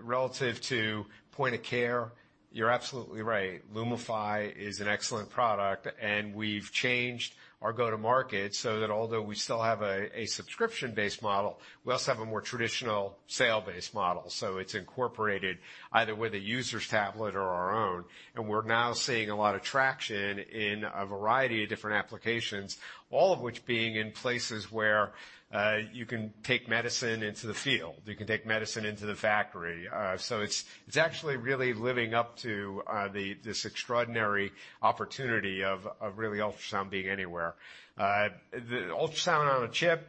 Relative to point of care, you're absolutely right. Lumify is an excellent product, and we've changed our go to market so that although we still have a subscription-based model, we also have a more traditional sale-based model. It's incorporated either with a user's tablet or our own. We're now seeing a lot of traction in a variety of different applications. All of which being in places where, you can take medicine into the field, you can take medicine into the factory. It's actually really living up to this extraordinary opportunity of really ultrasound being anywhere. The ultrasound on a chip.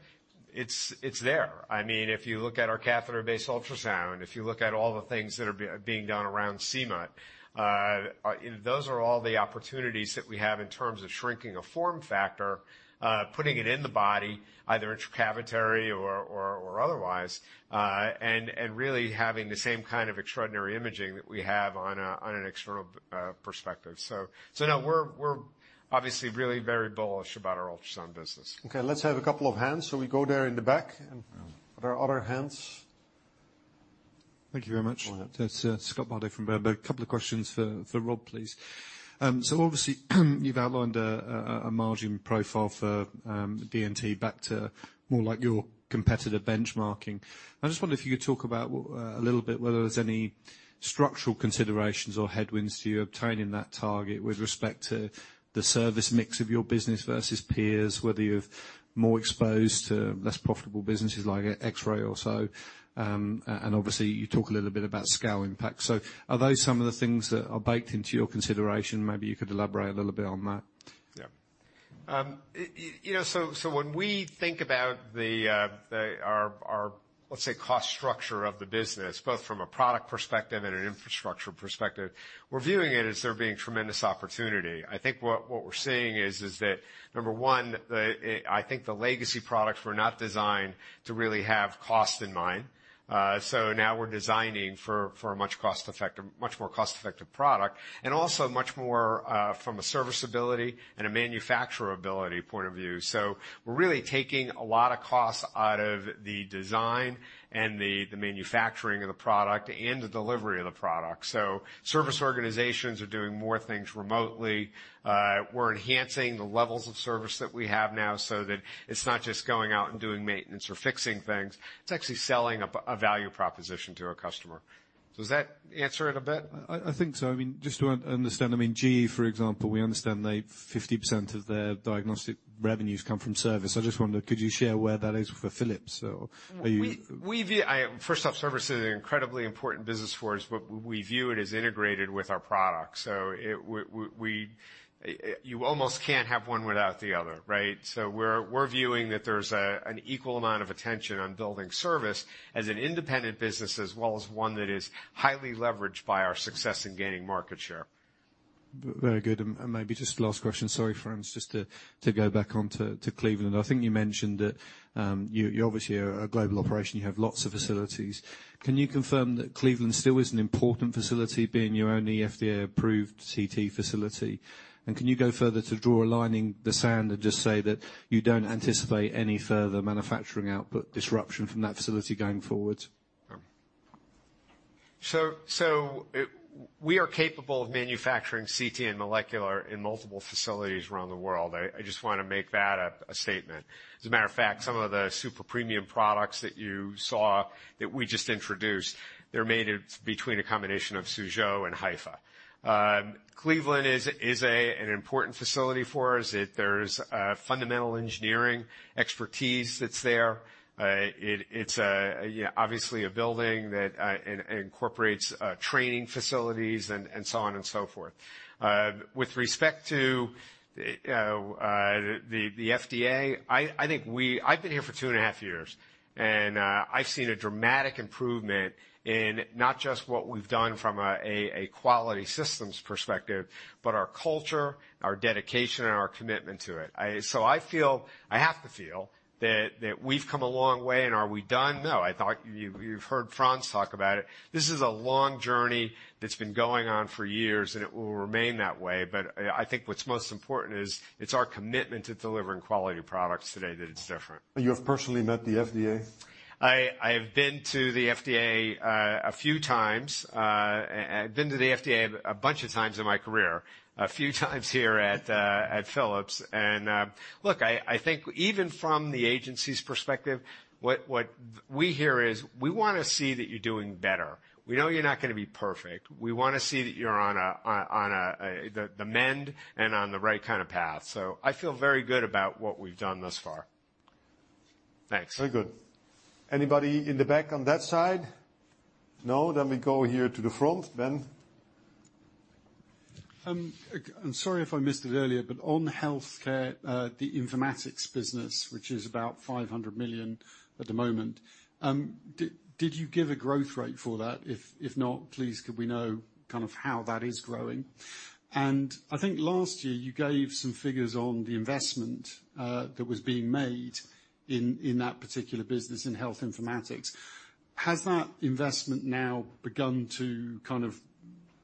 It's there. If you look at our catheter-based ultrasound, if you look at all the things that are being done around CMUT, those are all the opportunities that we have in terms of shrinking a form factor, putting it in the body, either intracavitary or otherwise, and really having the same kind of extraordinary imaging that we have on an external perspective. No, we're obviously really very bullish about our ultrasound business. Okay, let's have a couple of hands. We go there in the back. Are there other hands? Thank you very much. Go ahead. It's Scott Bardo from Berenberg. A couple of questions for Rob, please. Obviously, you've outlined a margin profile for D&T back to more like your competitor benchmarking. I just wonder if you could talk about, a little bit, whether there's any structural considerations or headwinds to you obtaining that target with respect to the service mix of your business versus peers, whether you're more exposed to less profitable businesses like X-ray or so. Obviously you talk a little bit about scale impact. Are those some of the things that are baked into your consideration? Maybe you could elaborate a little bit on that. Yeah. When we think about our, let's say, cost structure of the business, both from a product perspective and an infrastructure perspective, we're viewing it as there being tremendous opportunity. I think what we're seeing is that, number 1, I think the legacy products were not designed to really have cost in mind. Now we're designing for a much more cost-effective product, and also much more from a serviceability and a manufacturability point of view. We're really taking a lot of costs out of the design and the manufacturing of the product and the delivery of the product. Service organizations are doing more things remotely. We're enhancing the levels of service that we have now so that it's not just going out and doing maintenance or fixing things, it's actually selling a value proposition to our customer. Does that answer it a bit? I think so. Just to understand, GE, for example, we understand that 50% of their diagnostic revenues come from service. I just wonder, could you share where that is for Philips? Are you- First off, service is an incredibly important business for us, but we view it as integrated with our products. You almost can't have one without the other, right? We're viewing that there's an equal amount of attention on building service as an independent business, as well as one that is highly leveraged by our success in gaining market share. Very good. Maybe just the last question. Sorry, Frans, just to go back onto Cleveland. I think you mentioned that you obviously are a global operation. You have lots of facilities. Can you confirm that Cleveland still is an important facility, being your only FDA-approved CT facility? Can you go further to draw a line in the sand and just say that you don't anticipate any further manufacturing output disruption from that facility going forward? We are capable of manufacturing CT and molecular in multiple facilities around the world. I just want to make that a statement. As a matter of fact, some of the super premium products that you saw that we just introduced, they're made between a combination of Suzhou and Haifa. Cleveland is an important facility for us. There's a fundamental engineering expertise that's there. It's obviously a building that incorporates training facilities and so on and so forth. With respect to the FDA, I've been here for two and a half years, and I've seen a dramatic improvement in not just what we've done from a quality systems perspective, but our culture, our dedication, and our commitment to it. I have to feel that we've come a long way, and are we done? No. You've heard Frans talk about it. This is a long journey that's been going on for years, and it will remain that way. I think what's most important is it's our commitment to delivering quality products today that it's different. You have personally met the FDA? I have been to the FDA a few times. I've been to the FDA a bunch of times in my career, a few times here at Philips. Look, I think even from the agency's perspective, what we hear is, "We want to see that you're doing better. We know you're not going to be perfect. We want to see that you're on the mend and on the right kind of path." I feel very good about what we've done thus far. Thanks. Very good. Anybody in the back on that side? We go here to the front. Ben? I'm sorry if I missed it earlier, on healthcare, the Health Informatics business, which is about 500 million at the moment, did you give a growth rate for that? If not, please could we know how that is growing? I think last year you gave some figures on the investment that was being made in that particular business, in Health Informatics. Has that investment now begun to kind of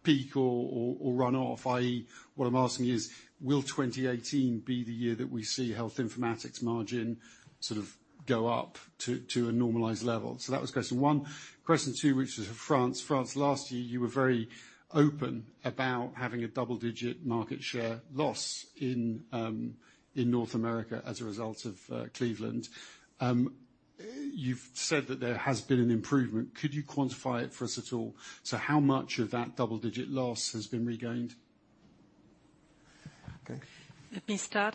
peak or run off, i.e., what I'm asking is, will 2018 be the year that we see Health Informatics margin sort of go up to a normalized level? That was question one. Question two, which is for Frans. Frans, last year you were very open about having a double-digit market share loss in North America as a result of Cleveland. You've said that there has been an improvement. Could you quantify it for us at all? How much of that double-digit loss has been regained? Okay. Let me start.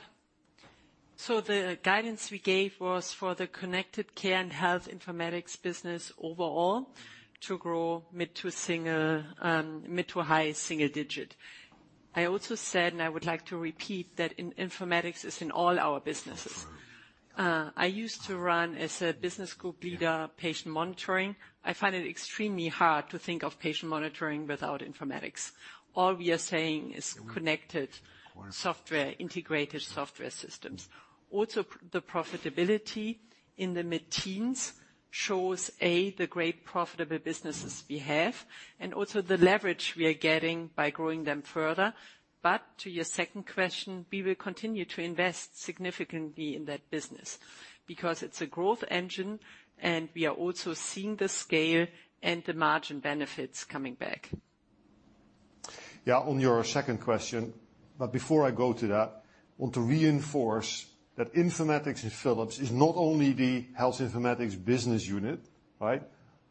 The guidance we gave was for the Connected Care and Health Informatics business overall to grow mid to high single digit. I also said, and I would like to repeat, that informatics is in all our businesses. confirmed. I used to run, as a business group leader, patient monitoring. I find it extremely hard to think of patient monitoring without informatics. All we are saying is connected software, integrated software systems. The profitability in the mid-teens shows, A, the great profitable businesses we have, and also the leverage we are getting by growing them further. To your second question, we will continue to invest significantly in that business because it's a growth engine, and we are also seeing the scale and the margin benefits coming back. Yeah. On your second question, before I go to that, I want to reinforce that informatics in Philips is not only the health informatics business unit. Right?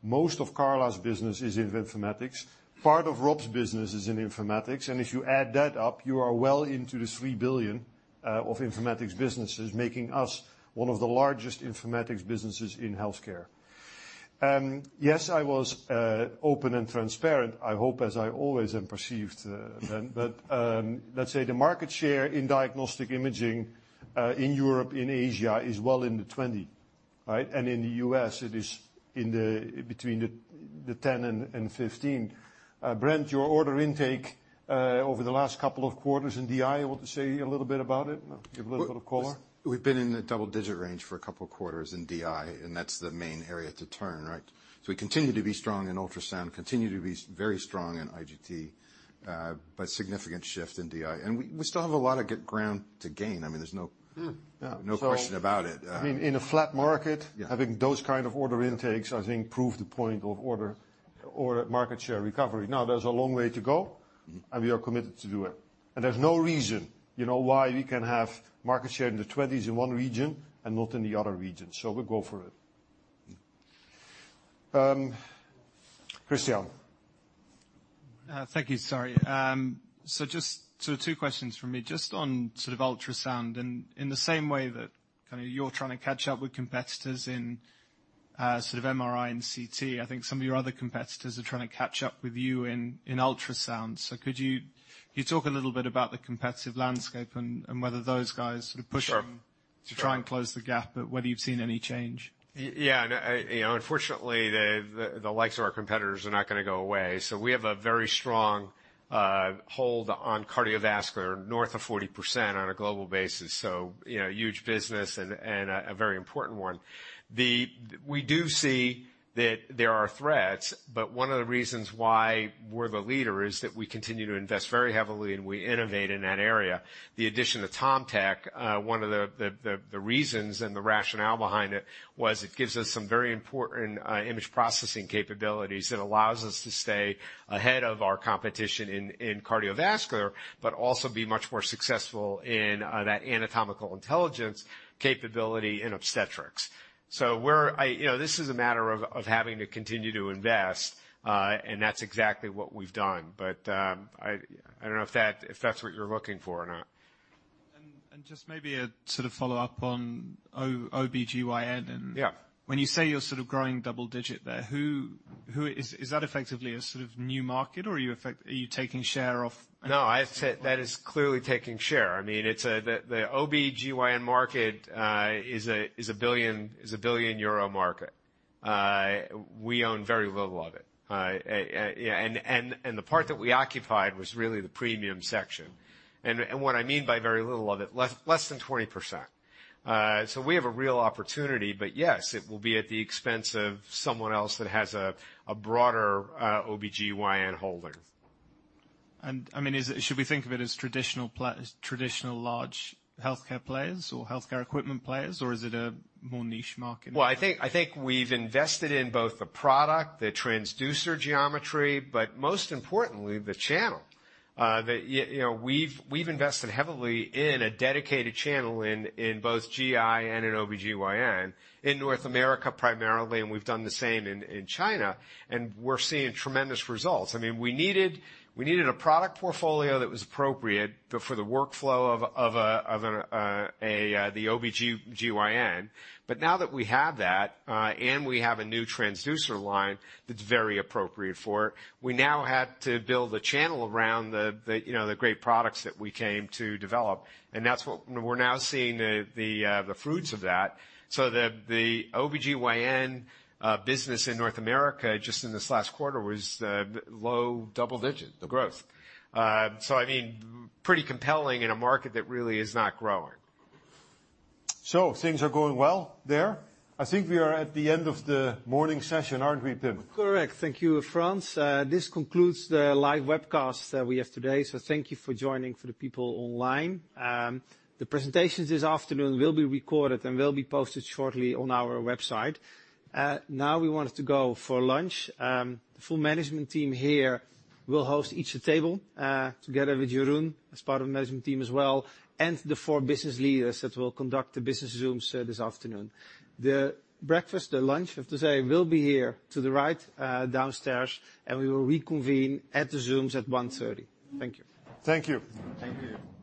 Most of Carla's business is in informatics. Part of Rob's business is in informatics. If you add that up, you are well into the 3 billion of informatics businesses, making us one of the largest informatics businesses in healthcare. Yes, I was open and transparent, I hope, as I always am perceived. Let's say the market share in diagnostic imaging, in Europe, in Asia, is well in the 20%. Right? In the U.S., it is between 10% and 15%. Brent, your order intake over the last couple of quarters in DI, you want to say a little bit about it? Give a little bit of color. We've been in the double-digit range for a couple of quarters in DI, that's the main area to turn, right? We continue to be strong in ultrasound, continue to be very strong in IGT, significant shift in DI. We still have a lot of ground to gain. There's no question about it. In a flat market. Yeah Having those kind of order intakes, I think, prove the point of order or market share recovery. There's a long way to go, and we are committed to do it. There's no reason why we can have market share in the 20s in one region and not in the other region. We'll go for it. Christian. Thank you, sorry. Two questions from me. Just on ultrasound and in the same way that you're trying to catch up with competitors in MRI and CT. I think some of your other competitors are trying to catch up with you in ultrasound. Could you talk a little bit about the competitive landscape and whether those guys are pushing- Sure to try and close the gap, whether you've seen any change. Yeah. Unfortunately, the likes of our competitors are not going to go away. We have a very strong hold on cardiovascular, north of 40% on a global basis. Huge business and a very important one. We do see that there are threats, one of the reasons why we're the leader is that we continue to invest very heavily, and we innovate in that area. The addition of TomTec, one of the reasons and the rationale behind it was it gives us some very important image processing capabilities that allows us to stay ahead of our competition in cardiovascular, but also be much more successful in that Anatomical Intelligence capability in obstetrics. I don't know if that's what you're looking for or not. Just maybe a follow-up on OBGYN and- Yeah when you say you're growing double-digit there, is that effectively a new market, or are you taking share? No. That is clearly taking share. The OBGYN market is a 1 billion euro market. We own very little of it. The part that we occupied was really the premium section. What I mean by very little of it, less than 20%. We have a real opportunity, but yes, it will be at the expense of someone else that has a broader OBGYN holding. Should we think of it as traditional large healthcare players or healthcare equipment players, or is it a more niche market? Well, I think we've invested in both the product, the transducer geometry, most importantly, the channel. We've invested heavily in a dedicated channel in both GI and in OBGYN in North America, primarily. We've done the same in China. We're seeing tremendous results. We needed a product portfolio that was appropriate for the workflow of the OBGYN. Now that we have that and we have a new transducer line that's very appropriate for it, we now had to build a channel around the great products that we came to develop. That's what we're now seeing the fruits of that. The OBGYN business in North America, just in this last quarter, was low double-digit, the growth. Pretty compelling in a market that really is not growing. Things are going well there. I think we are at the end of the morning session, aren't we, Tim? Correct. Thank you, Frans. This concludes the live webcast that we have today. Thank you for joining for the people online. The presentations this afternoon will be recorded and will be posted shortly on our website. Now we want to go for lunch. The full management team here will host each table, together with Jeroen as part of the management team as well, and the four business leaders that will conduct the business Zooms this afternoon. The lunch, I have to say, will be here to the right, downstairs, and we will reconvene at the Zooms at 1:30 P.M. Thank you. Thank you. Thank you.